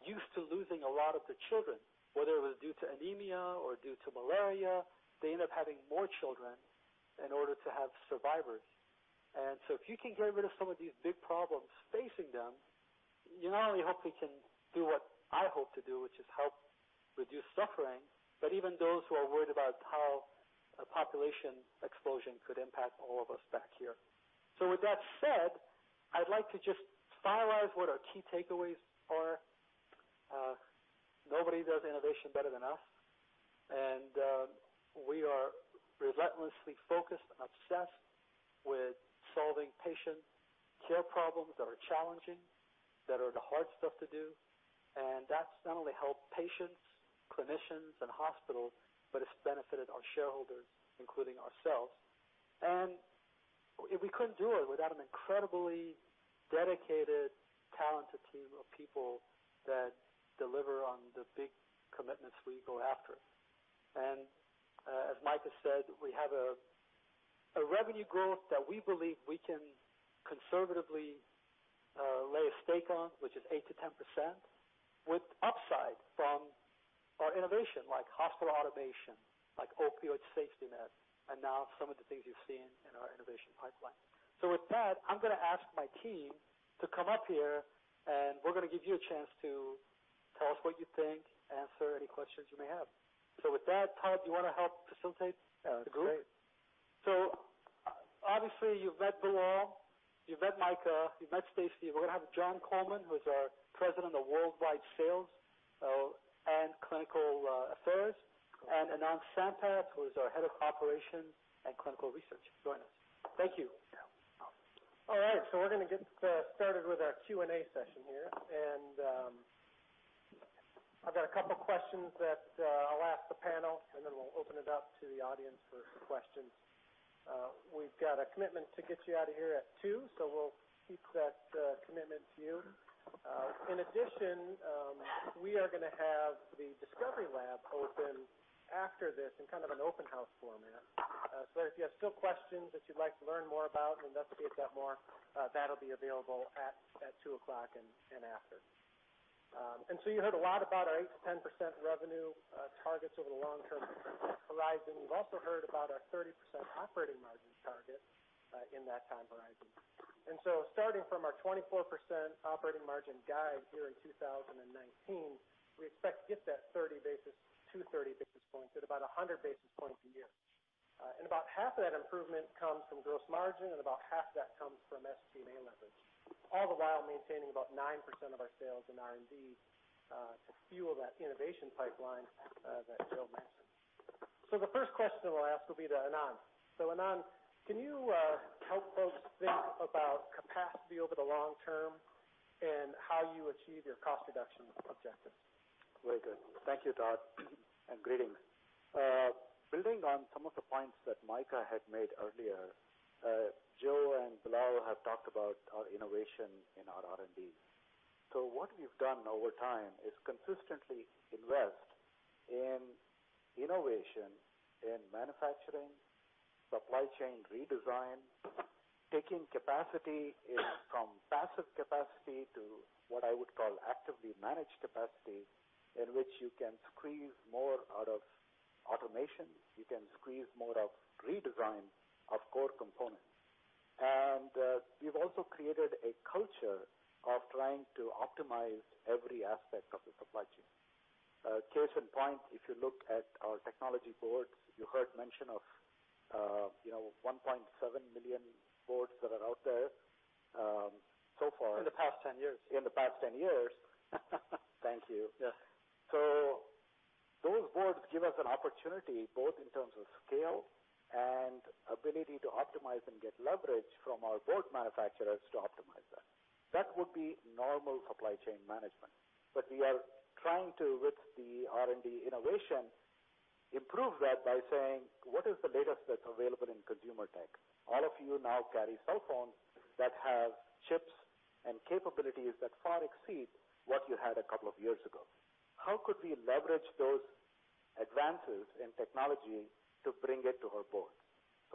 used to losing a lot of the children, whether it was due to anemia or due to malaria. They end up having more children in order to have survivors. If you can get rid of some of these big problems facing them, you not only hope we can do what I hope to do, which is help reduce suffering, but even those who are worried about how a population explosion could impact all of us back here. With that said, I'd like to just finalize what our key takeaways are. Nobody does innovation better than us, and we are relentlessly focused and obsessed with solving patient care problems that are challenging, that are the hard stuff to do, and that's not only helped patients, clinicians, and hospitals, but it's benefited our shareholders, including ourselves. We couldn't do it without an incredibly dedicated, talented team of people that deliver on the big commitments we go after. As Mike has said, we have a revenue growth that we believe we can conservatively lay a stake on, which is 8%-10%, with upside. Our innovation like hospital automation, like SafetyNet Opioid System, and now some of the things you've seen in our innovation pipeline. With that, I'm going to ask my team to come up here, and we're going to give you a chance to tell us what you think, answer any questions you may have. With that, Todd, do you want to help facilitate the group? Yeah. Great. Obviously, you've met Bilal, you've met Micah, you've met Stacey. We're going to have Jon Coleman, who is our President of worldwide sales and clinical affairs, and Anand Sampath, who is our Head of operations and clinical research, join us. Thank you. Yeah. All right. We're going to get started with our Q&A session here. I've got a couple questions that I'll ask the panel, then we'll open it up to the audience for questions. We've got a commitment to get you out of here at 2:00, so we'll keep that commitment to you. In addition, we are going to have the discovery lab open after this in kind of an open house format. If you have still questions that you'd like to learn more about and investigate that more, that'll be available at 2:00 and after. You heard a lot about our 8%-10% revenue targets over the long-term horizon. You've also heard about our 30% operating margin target in that time horizon. Starting from our 24% operating margin guide here in 2019, we expect to get that to 30 basis points at about 100 basis points a year. About half of that improvement comes from gross margin, about half that comes from SG&A leverage, all the while maintaining about 9% of our sales in R&D to fuel that innovation pipeline that Joe mentioned. The first question we'll ask will be to Anand. Anand, can you help folks think about capacity over the long term and how you achieve your cost reduction objectives? Very good. Thank you, Todd, and greetings. Building on some of the points that Micah had made earlier, Joe and Bilal have talked about our innovation in our R&D. What we've done over time is consistently invest in innovation, in manufacturing, supply chain redesign, taking capacity from passive capacity to what I would call actively managed capacity, in which you can squeeze more out of automation. You can squeeze more of redesign of core components. We've also created a culture of trying to optimize every aspect of the supply chain. Case in point, if you look at our technology boards, you heard mention of 1.7 million boards that are out there so far. In the past 10 years. In the past 10 years. Thank you. Yes. Those boards give us an opportunity, both in terms of scale and ability to optimize and get leverage from our board manufacturers to optimize that. That would be normal supply chain management. We are trying to, with the R&D innovation, improve that by saying, "What is the latest that's available in consumer tech?" All of you now carry cell phones that have chips and capabilities that far exceed what you had a couple of years ago. How could we leverage those advances in technology to bring it to our boards?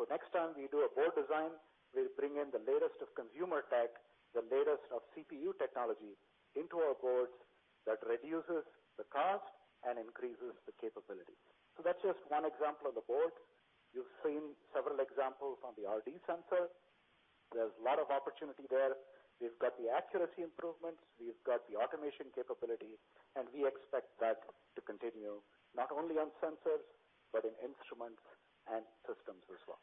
Next time we do a board design, we'll bring in the latest of consumer tech, the latest of CPU technology into our boards that reduces the cost and increases the capability. That's just one example of the board. You've seen several examples on the RD sensor. There's a lot of opportunity there. We've got the accuracy improvements, we've got the automation capability. We expect that to continue not only on sensors, but in instruments and systems as well.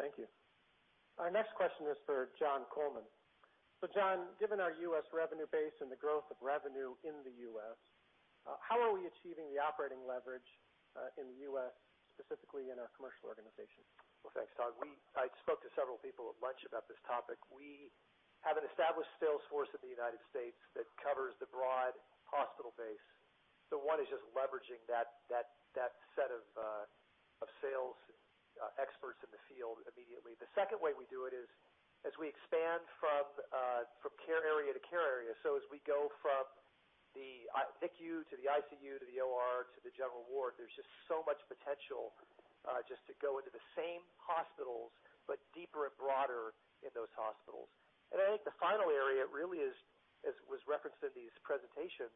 Thank you. Our next question is for Jon Coleman. Jon, given our U.S. revenue base and the growth of revenue in the U.S., how are we achieving the operating leverage in the U.S., specifically in our commercial organization? Well, thanks, Todd. I spoke to several people at lunch about this topic. We have an established sales force in the U.S. that covers the broad hospital base. One is just leveraging that set of sales experts in the field immediately. The second way we do it is as we expand from care area to care area. As we go from the ICU to the ICU, to the OR, to the general ward, there's just so much potential just to go into the same hospitals, but deeper and broader in those hospitals. I think the final area really is, as was referenced in these presentations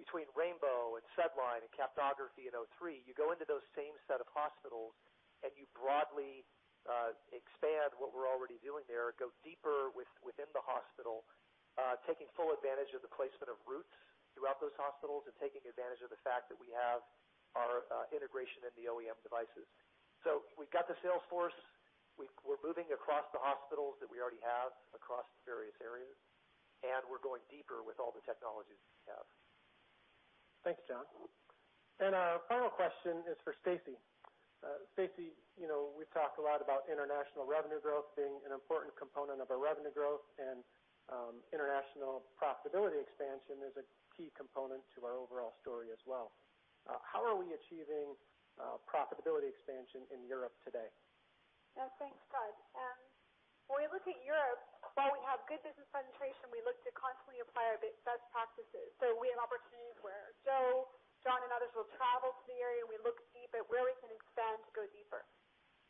between rainbow and SedLine and capnography and O3, you go into those same set of hospitals, and you broadly expand what we're already doing there, go deeper within the hospital, taking full advantage of the placement of Root throughout those hospitals, and taking advantage of the fact that we have our integration in the OEM devices. We've got the sales force. We're moving across the hospitals that we already have across various areas, and we're going deeper with all the technologies that we have. Thanks, Jon. Our final question is for Stacey. Stacey, we've talked a lot about international revenue growth being an important component of our revenue growth and international profitability expansion as a key component to our overall story as well. How are we achieving profitability expansion in Europe today? Yeah, thanks, Todd. When we look at Europe, while we have good business penetration, we look to constantly apply our best practices. We have opportunities where Joe, Jon, and others will go. The area we look deep at where we can expand to go deeper.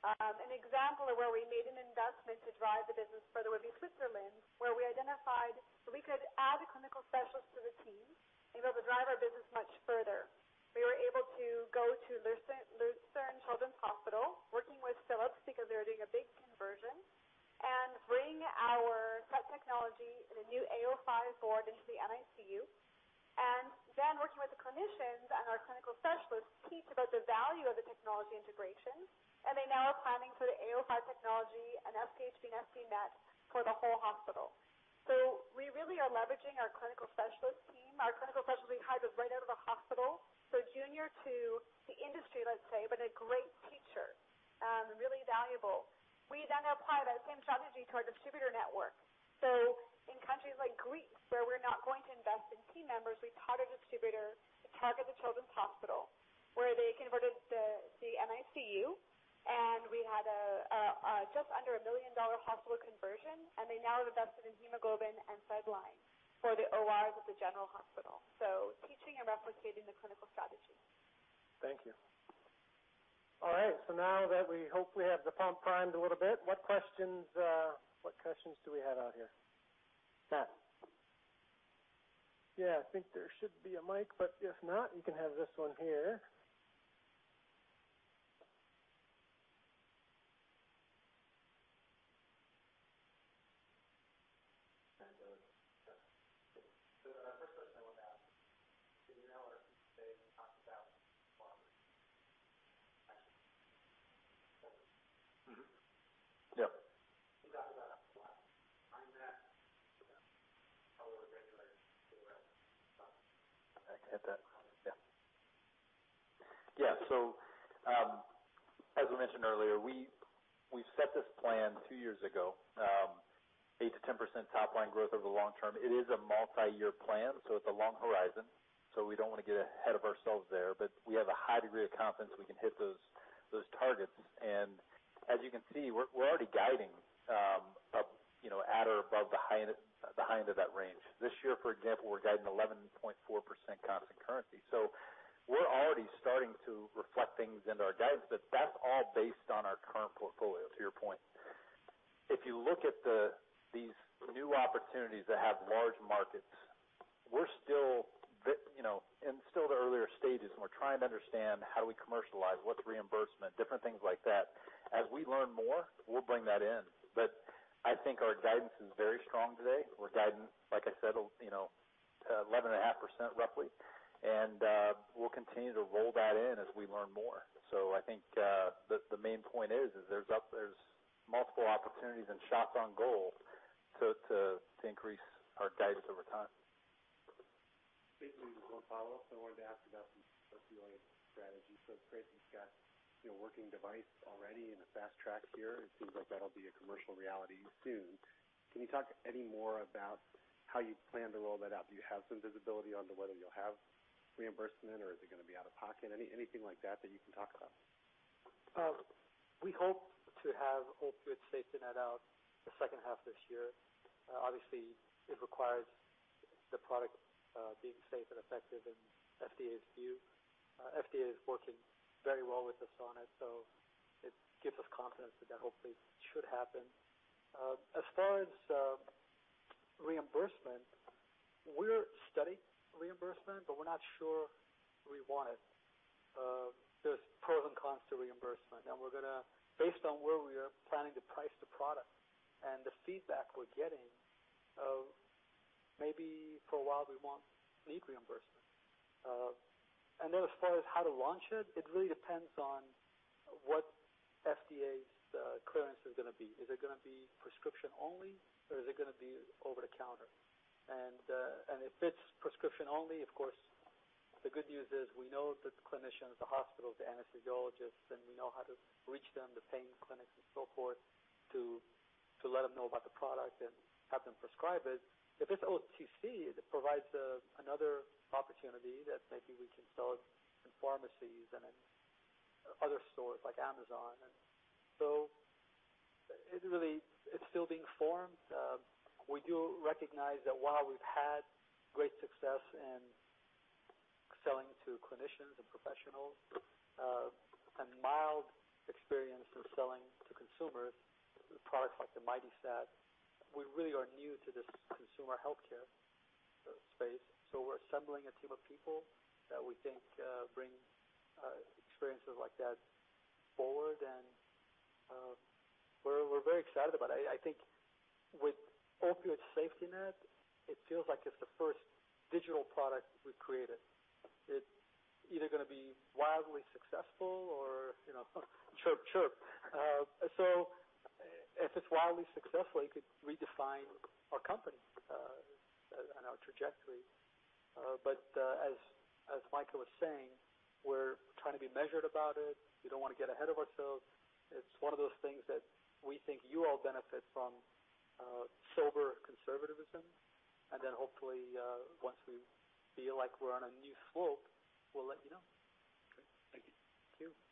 An example of where we made an investment to drive the business further would be Switzerland, where we identified that we could add a clinical specialist to the team and be able to drive our business much further. We were able to go to Lucerne Children's Hospital, working with Philips because they were doing a big conversion, and bring our technology and a new A05 board into the NICU. Working with the clinicians and our clinical specialists, teach about the value of the technology integrations, and they now are planning for the A05 technology and SpHb SafetyNet for the whole hospital. We really are leveraging our clinical specialist team. Our clinical specialists we hired are right out of the hospital, so junior to the industry, let's say, but a great teacher. Really valuable. We apply that same strategy to our distributor network. In countries like Greece, where we're not going to invest in team members, we taught a distributor to target the children's hospital, where they converted the NICU, and we had just under a $1 million-dollar hospital conversion, and they now have invested in hemoglobin and NomoLines for the ORs at the general hospital. Teaching and replicating the clinical strategy. Thank you. All right. Now that we hopefully have the pump primed a little bit, what questions do we have out here? Matt? Yeah, I think there should be a mic, but if not, you can have this one here. The first question I want to ask, did you know our team today talked about farmers? Yep. We talked about it last time that how will the regulators get around that? I can hit that. Yeah. Yeah. As we mentioned earlier, we set this plan two years ago, 8%-10% top-line growth over the long term. It is a multi-year plan, so it's a long horizon, so we don't want to get ahead of ourselves there, but we have a high degree of confidence we can hit those targets. As you can see, we're already guiding up at or above the high end of that range. This year, for example, we're guiding 11.4% constant currency. We're already starting to reflect things into our guidance, but that's all based on our current portfolio, to your point. If you look at these new opportunities that have large markets, we're still in the earlier stages, and we're trying to understand how do we commercialize, what's reimbursement, different things like that. As we learn more, we'll bring that in. I think our guidance is very strong today. We're guiding, like I said, 11.5% roughly, and we'll continue to roll that in as we learn more. I think the main point is, there's multiple opportunities and shots on goal to increase our guidance over time. Basically, there's one follow-up. I wanted to ask about the SafetyNet strategy. Joe, you've got your working device already in the fast track here. It seems like that'll be a commercial reality soon. Can you talk any more about how you plan to roll that out? Do you have some visibility onto whether you'll have reimbursement, or is it going to be out-of-pocket? Anything like that that you can talk about? We hope to have opioid SafetyNet out the second half this year. Obviously, it requires the product being safe and effective in FDA's view. FDA is working very well with us on it gives us confidence that that hopefully should happen. As far as reimbursement, we're studying reimbursement, we're not sure we want it. There's pros and cons to reimbursement, and based on where we are planning to price the product and the feedback we're getting, maybe for a while we won't need reimbursement. As far as how to launch it really depends on what FDA's clearance is going to be. Is it going to be prescription-only, or is it going to be over the counter? If it's prescription-only, of course, the good news is we know the clinicians, the hospitals, the anesthesiologists, and we know how to reach them, the pain clinics and so forth, to let them know about the product and have them prescribe it. If it's OTC, it provides another opportunity that maybe we can sell it in pharmacies and in other stores like Amazon. It's still being formed. We do recognize that while we've had great success in selling to clinicians and professionals, and mild experience in selling to consumers products like the MightySat, we really are new to this consumer healthcare space. We're assembling a team of people that we think bring experiences like that forward, and we're very excited about it. I think with opioid SafetyNet, it feels like it's the first digital product we've created. It's either going to be wildly successful or, you know, chirp chirp. If it's wildly successful, it could redefine our company and our trajectory. As Mike was saying, we're trying to be measured about it. We don't want to get ahead of ourselves. It's one of those things that we think you all benefit from sober conservatism, and then hopefully, once we feel like we're on a new slope, we'll let you know. Okay. Thank you. Thank you.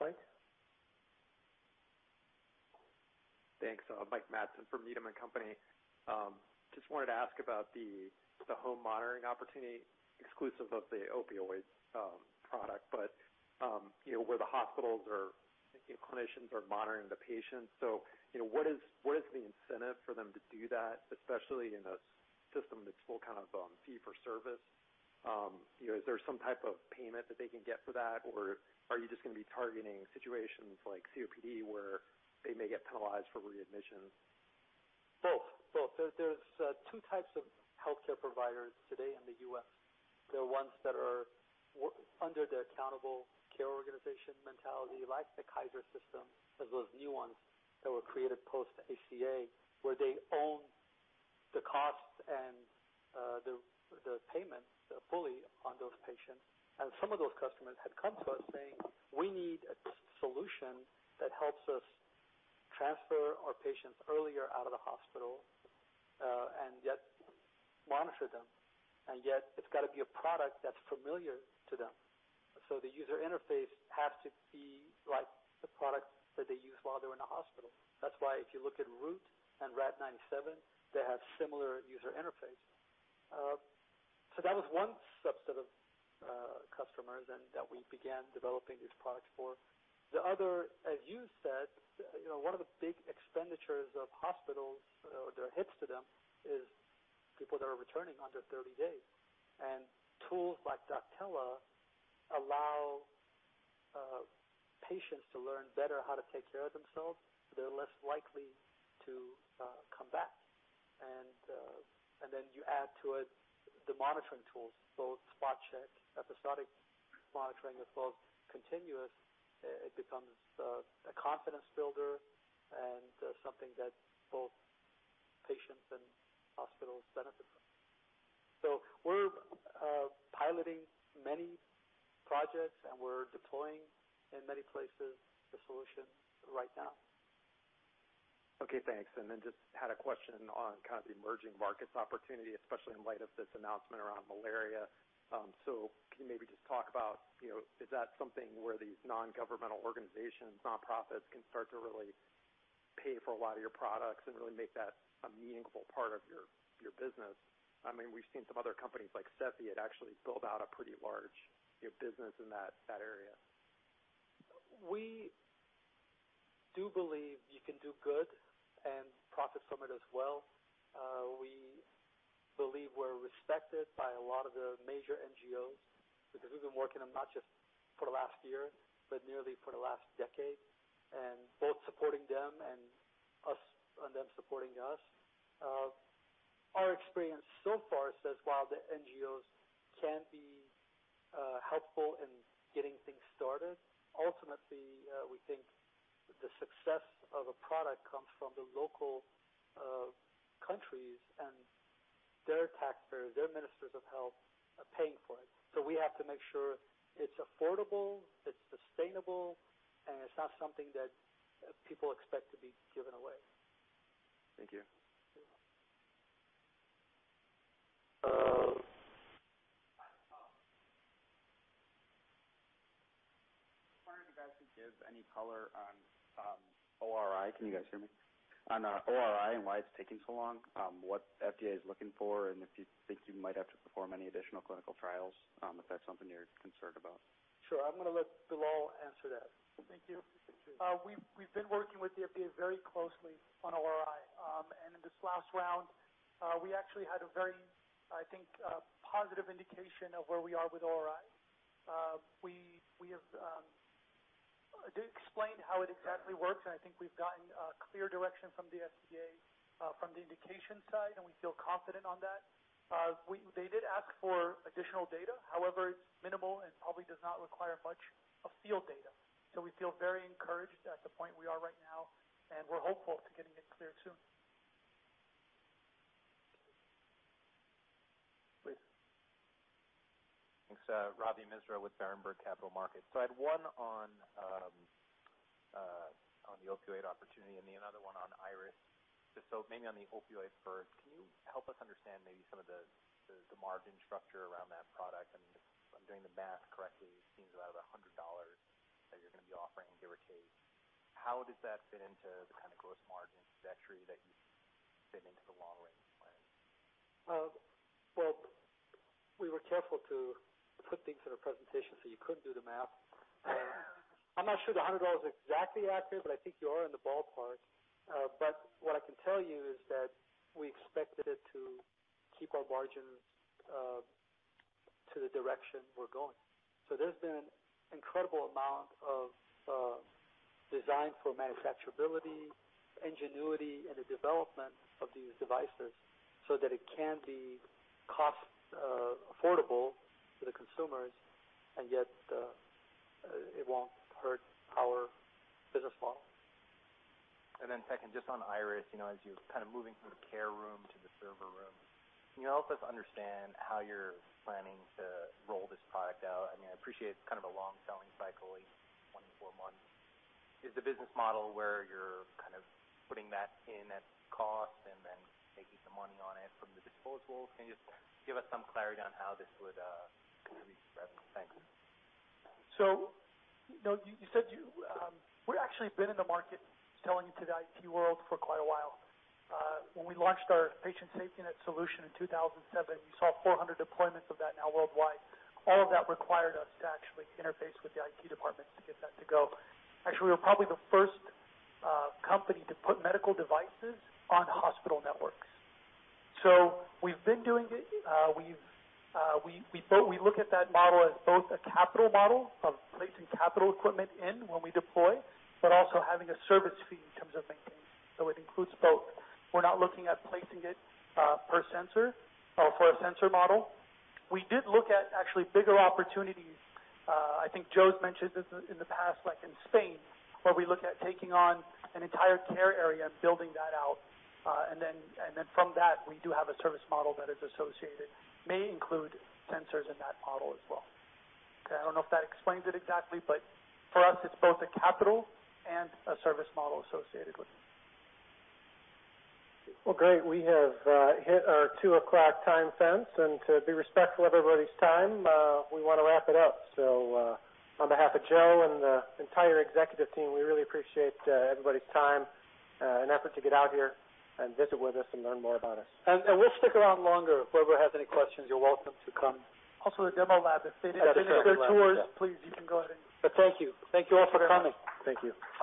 Mike? Thanks. Mike Matson from Needham & Company. Just wanted to ask about the home monitoring opportunity exclusive of the opioid product, but where the hospitals or clinicians are monitoring the patients. What is the incentive for them to do that, especially in a system that's full fee for service? Is there some type of payment that they can get for that? Are you just going to be targeting situations like COPD, where they may get penalized for readmissions? Both. There's two types of healthcare providers today in the U.S. There are ones that are under the Accountable Care Organization mentality, like the Kaiser system. Those are new ones that were created post-ACA, where they own the costs and the payments fully on those patients. Some of those customers had come to us saying, "We need a solution that helps us transfer our patients earlier out of the hospital, and yet monitor them. Yet, it's got to be a product that's familiar to them." The user interface has to be like the product that they use while they're in the hospital. That's why if you look at Root and Rad-97, they have similar user interface. That was one subset of customers that we began developing these products for. The other, as you said, one of the big expenditures of hospitals, or their hits to them, is people that are returning under 30 days. Tools like Doctella allow patients to learn better how to take care of themselves. They're less likely to come back. You add to it the monitoring tools, both spot check, episodic monitoring, as well as continuous. It becomes a confidence builder and something that both patients and hospitals benefit from. We're piloting many projects, and we're deploying in many places the solution right now. Okay, thanks. Just had a question on the emerging markets opportunity, especially in light of this announcement around malaria. Can you maybe just talk about, is that something where these non-governmental organizations, nonprofits, can start to really pay for a lot of your products and really make that a meaningful part of your business? We've seen some other companies like Cepheid actually build out a pretty large business in that area. We do believe you can do good and profit from it as well. We believe we're respected by a lot of the major NGOs because we've been working with them not just for the last year, but nearly for the last decade, both supporting them and them supporting us. Our experience so far says while the NGOs can be helpful in getting things started, ultimately, we think the success of a product comes from the local countries and their taxpayers, their ministers of health are paying for it. We have to make sure it's affordable, it's sustainable, and it's not something that people expect to be given away. Thank you. You're welcome. I was wondering if you guys could give any color on ORi. Can you guys hear me? On ORi and why it's taking so long, what FDA is looking for, and if you think you might have to perform any additional clinical trials, if that's something you're concerned about. Sure. I'm going to let Bilal answer that. Thank you. We've been working with the FDA very closely on ORi. In this last round, we actually had a very, I think, positive indication of where we are with ORi. We have explained how it exactly works, and I think we've gotten clear direction from the FDA from the indication side, and we feel confident on that. They did ask for additional data, however minimal, and probably does not require much of field data. We feel very encouraged at the point we are right now, and we're hopeful to getting it cleared soon. Please. Thanks. Ravi Misra with Berenberg Capital Markets. I had one on the opioid opportunity and another one on Iris. Just so maybe on the opioid first, can you help us understand maybe some of the margin structure around that product? If I'm doing the math correctly, it seems about $100 that you're going to be offering, give or take. How does that fit into the kind of gross margins trajectory that you fit into the long-range plan? We were careful to put things in a presentation so you couldn't do the math. I'm not sure the $100 is exactly accurate, but I think you are in the ballpark. What I can tell you is that we expected it to keep our margins to the direction we're going. There's been an incredible amount of design for manufacturability, ingenuity, and the development of these devices so that it can be cost affordable for the consumers, and yet it won't hurt our business model. Second, just on Iris, as you're moving from the care room to the server room, can you help us understand how you're planning to roll this product out? I appreciate it's a long selling cycle, like 24 months. Is the business model where you're putting that in at cost and then making some money on it from the disposables? Can you just give us some clarity on how this would contribute? Thanks. We've actually been in the market selling to the IT world for quite a while. When we launched our Patient SafetyNet solution in 2007, you saw 400 deployments of that now worldwide. All of that required us to actually interface with the IT departments to get that to go. Actually, we were probably the first company to put medical devices on hospital networks. We've been doing it. We look at that model as both a capital model of placing capital equipment in when we deploy, but also having a service fee in terms of maintenance. It includes both. We're not looking at placing it per sensor or for a sensor model. We did look at actually bigger opportunities. I think Joe's mentioned this in the past, like in Spain, where we looked at taking on an entire care area and building that out. From that, we do have a service model that is associated. May include sensors in that model as well. Okay, I don't know if that explains it exactly, but for us, it's both a capital and a service model associated with it. Well, great. We have hit our 2:00 time fence, and to be respectful of everybody's time, we want to wrap it up. On behalf of Joe and the entire executive team, we really appreciate everybody's time and effort to get out here and visit with us and learn more about us. We'll stick around longer. If whoever has any questions, you're welcome to come. Also, the demo lab, if they didn't get their tours. Yeah Please, you can go ahead and. Thank you. Thank you all for coming. Thank you.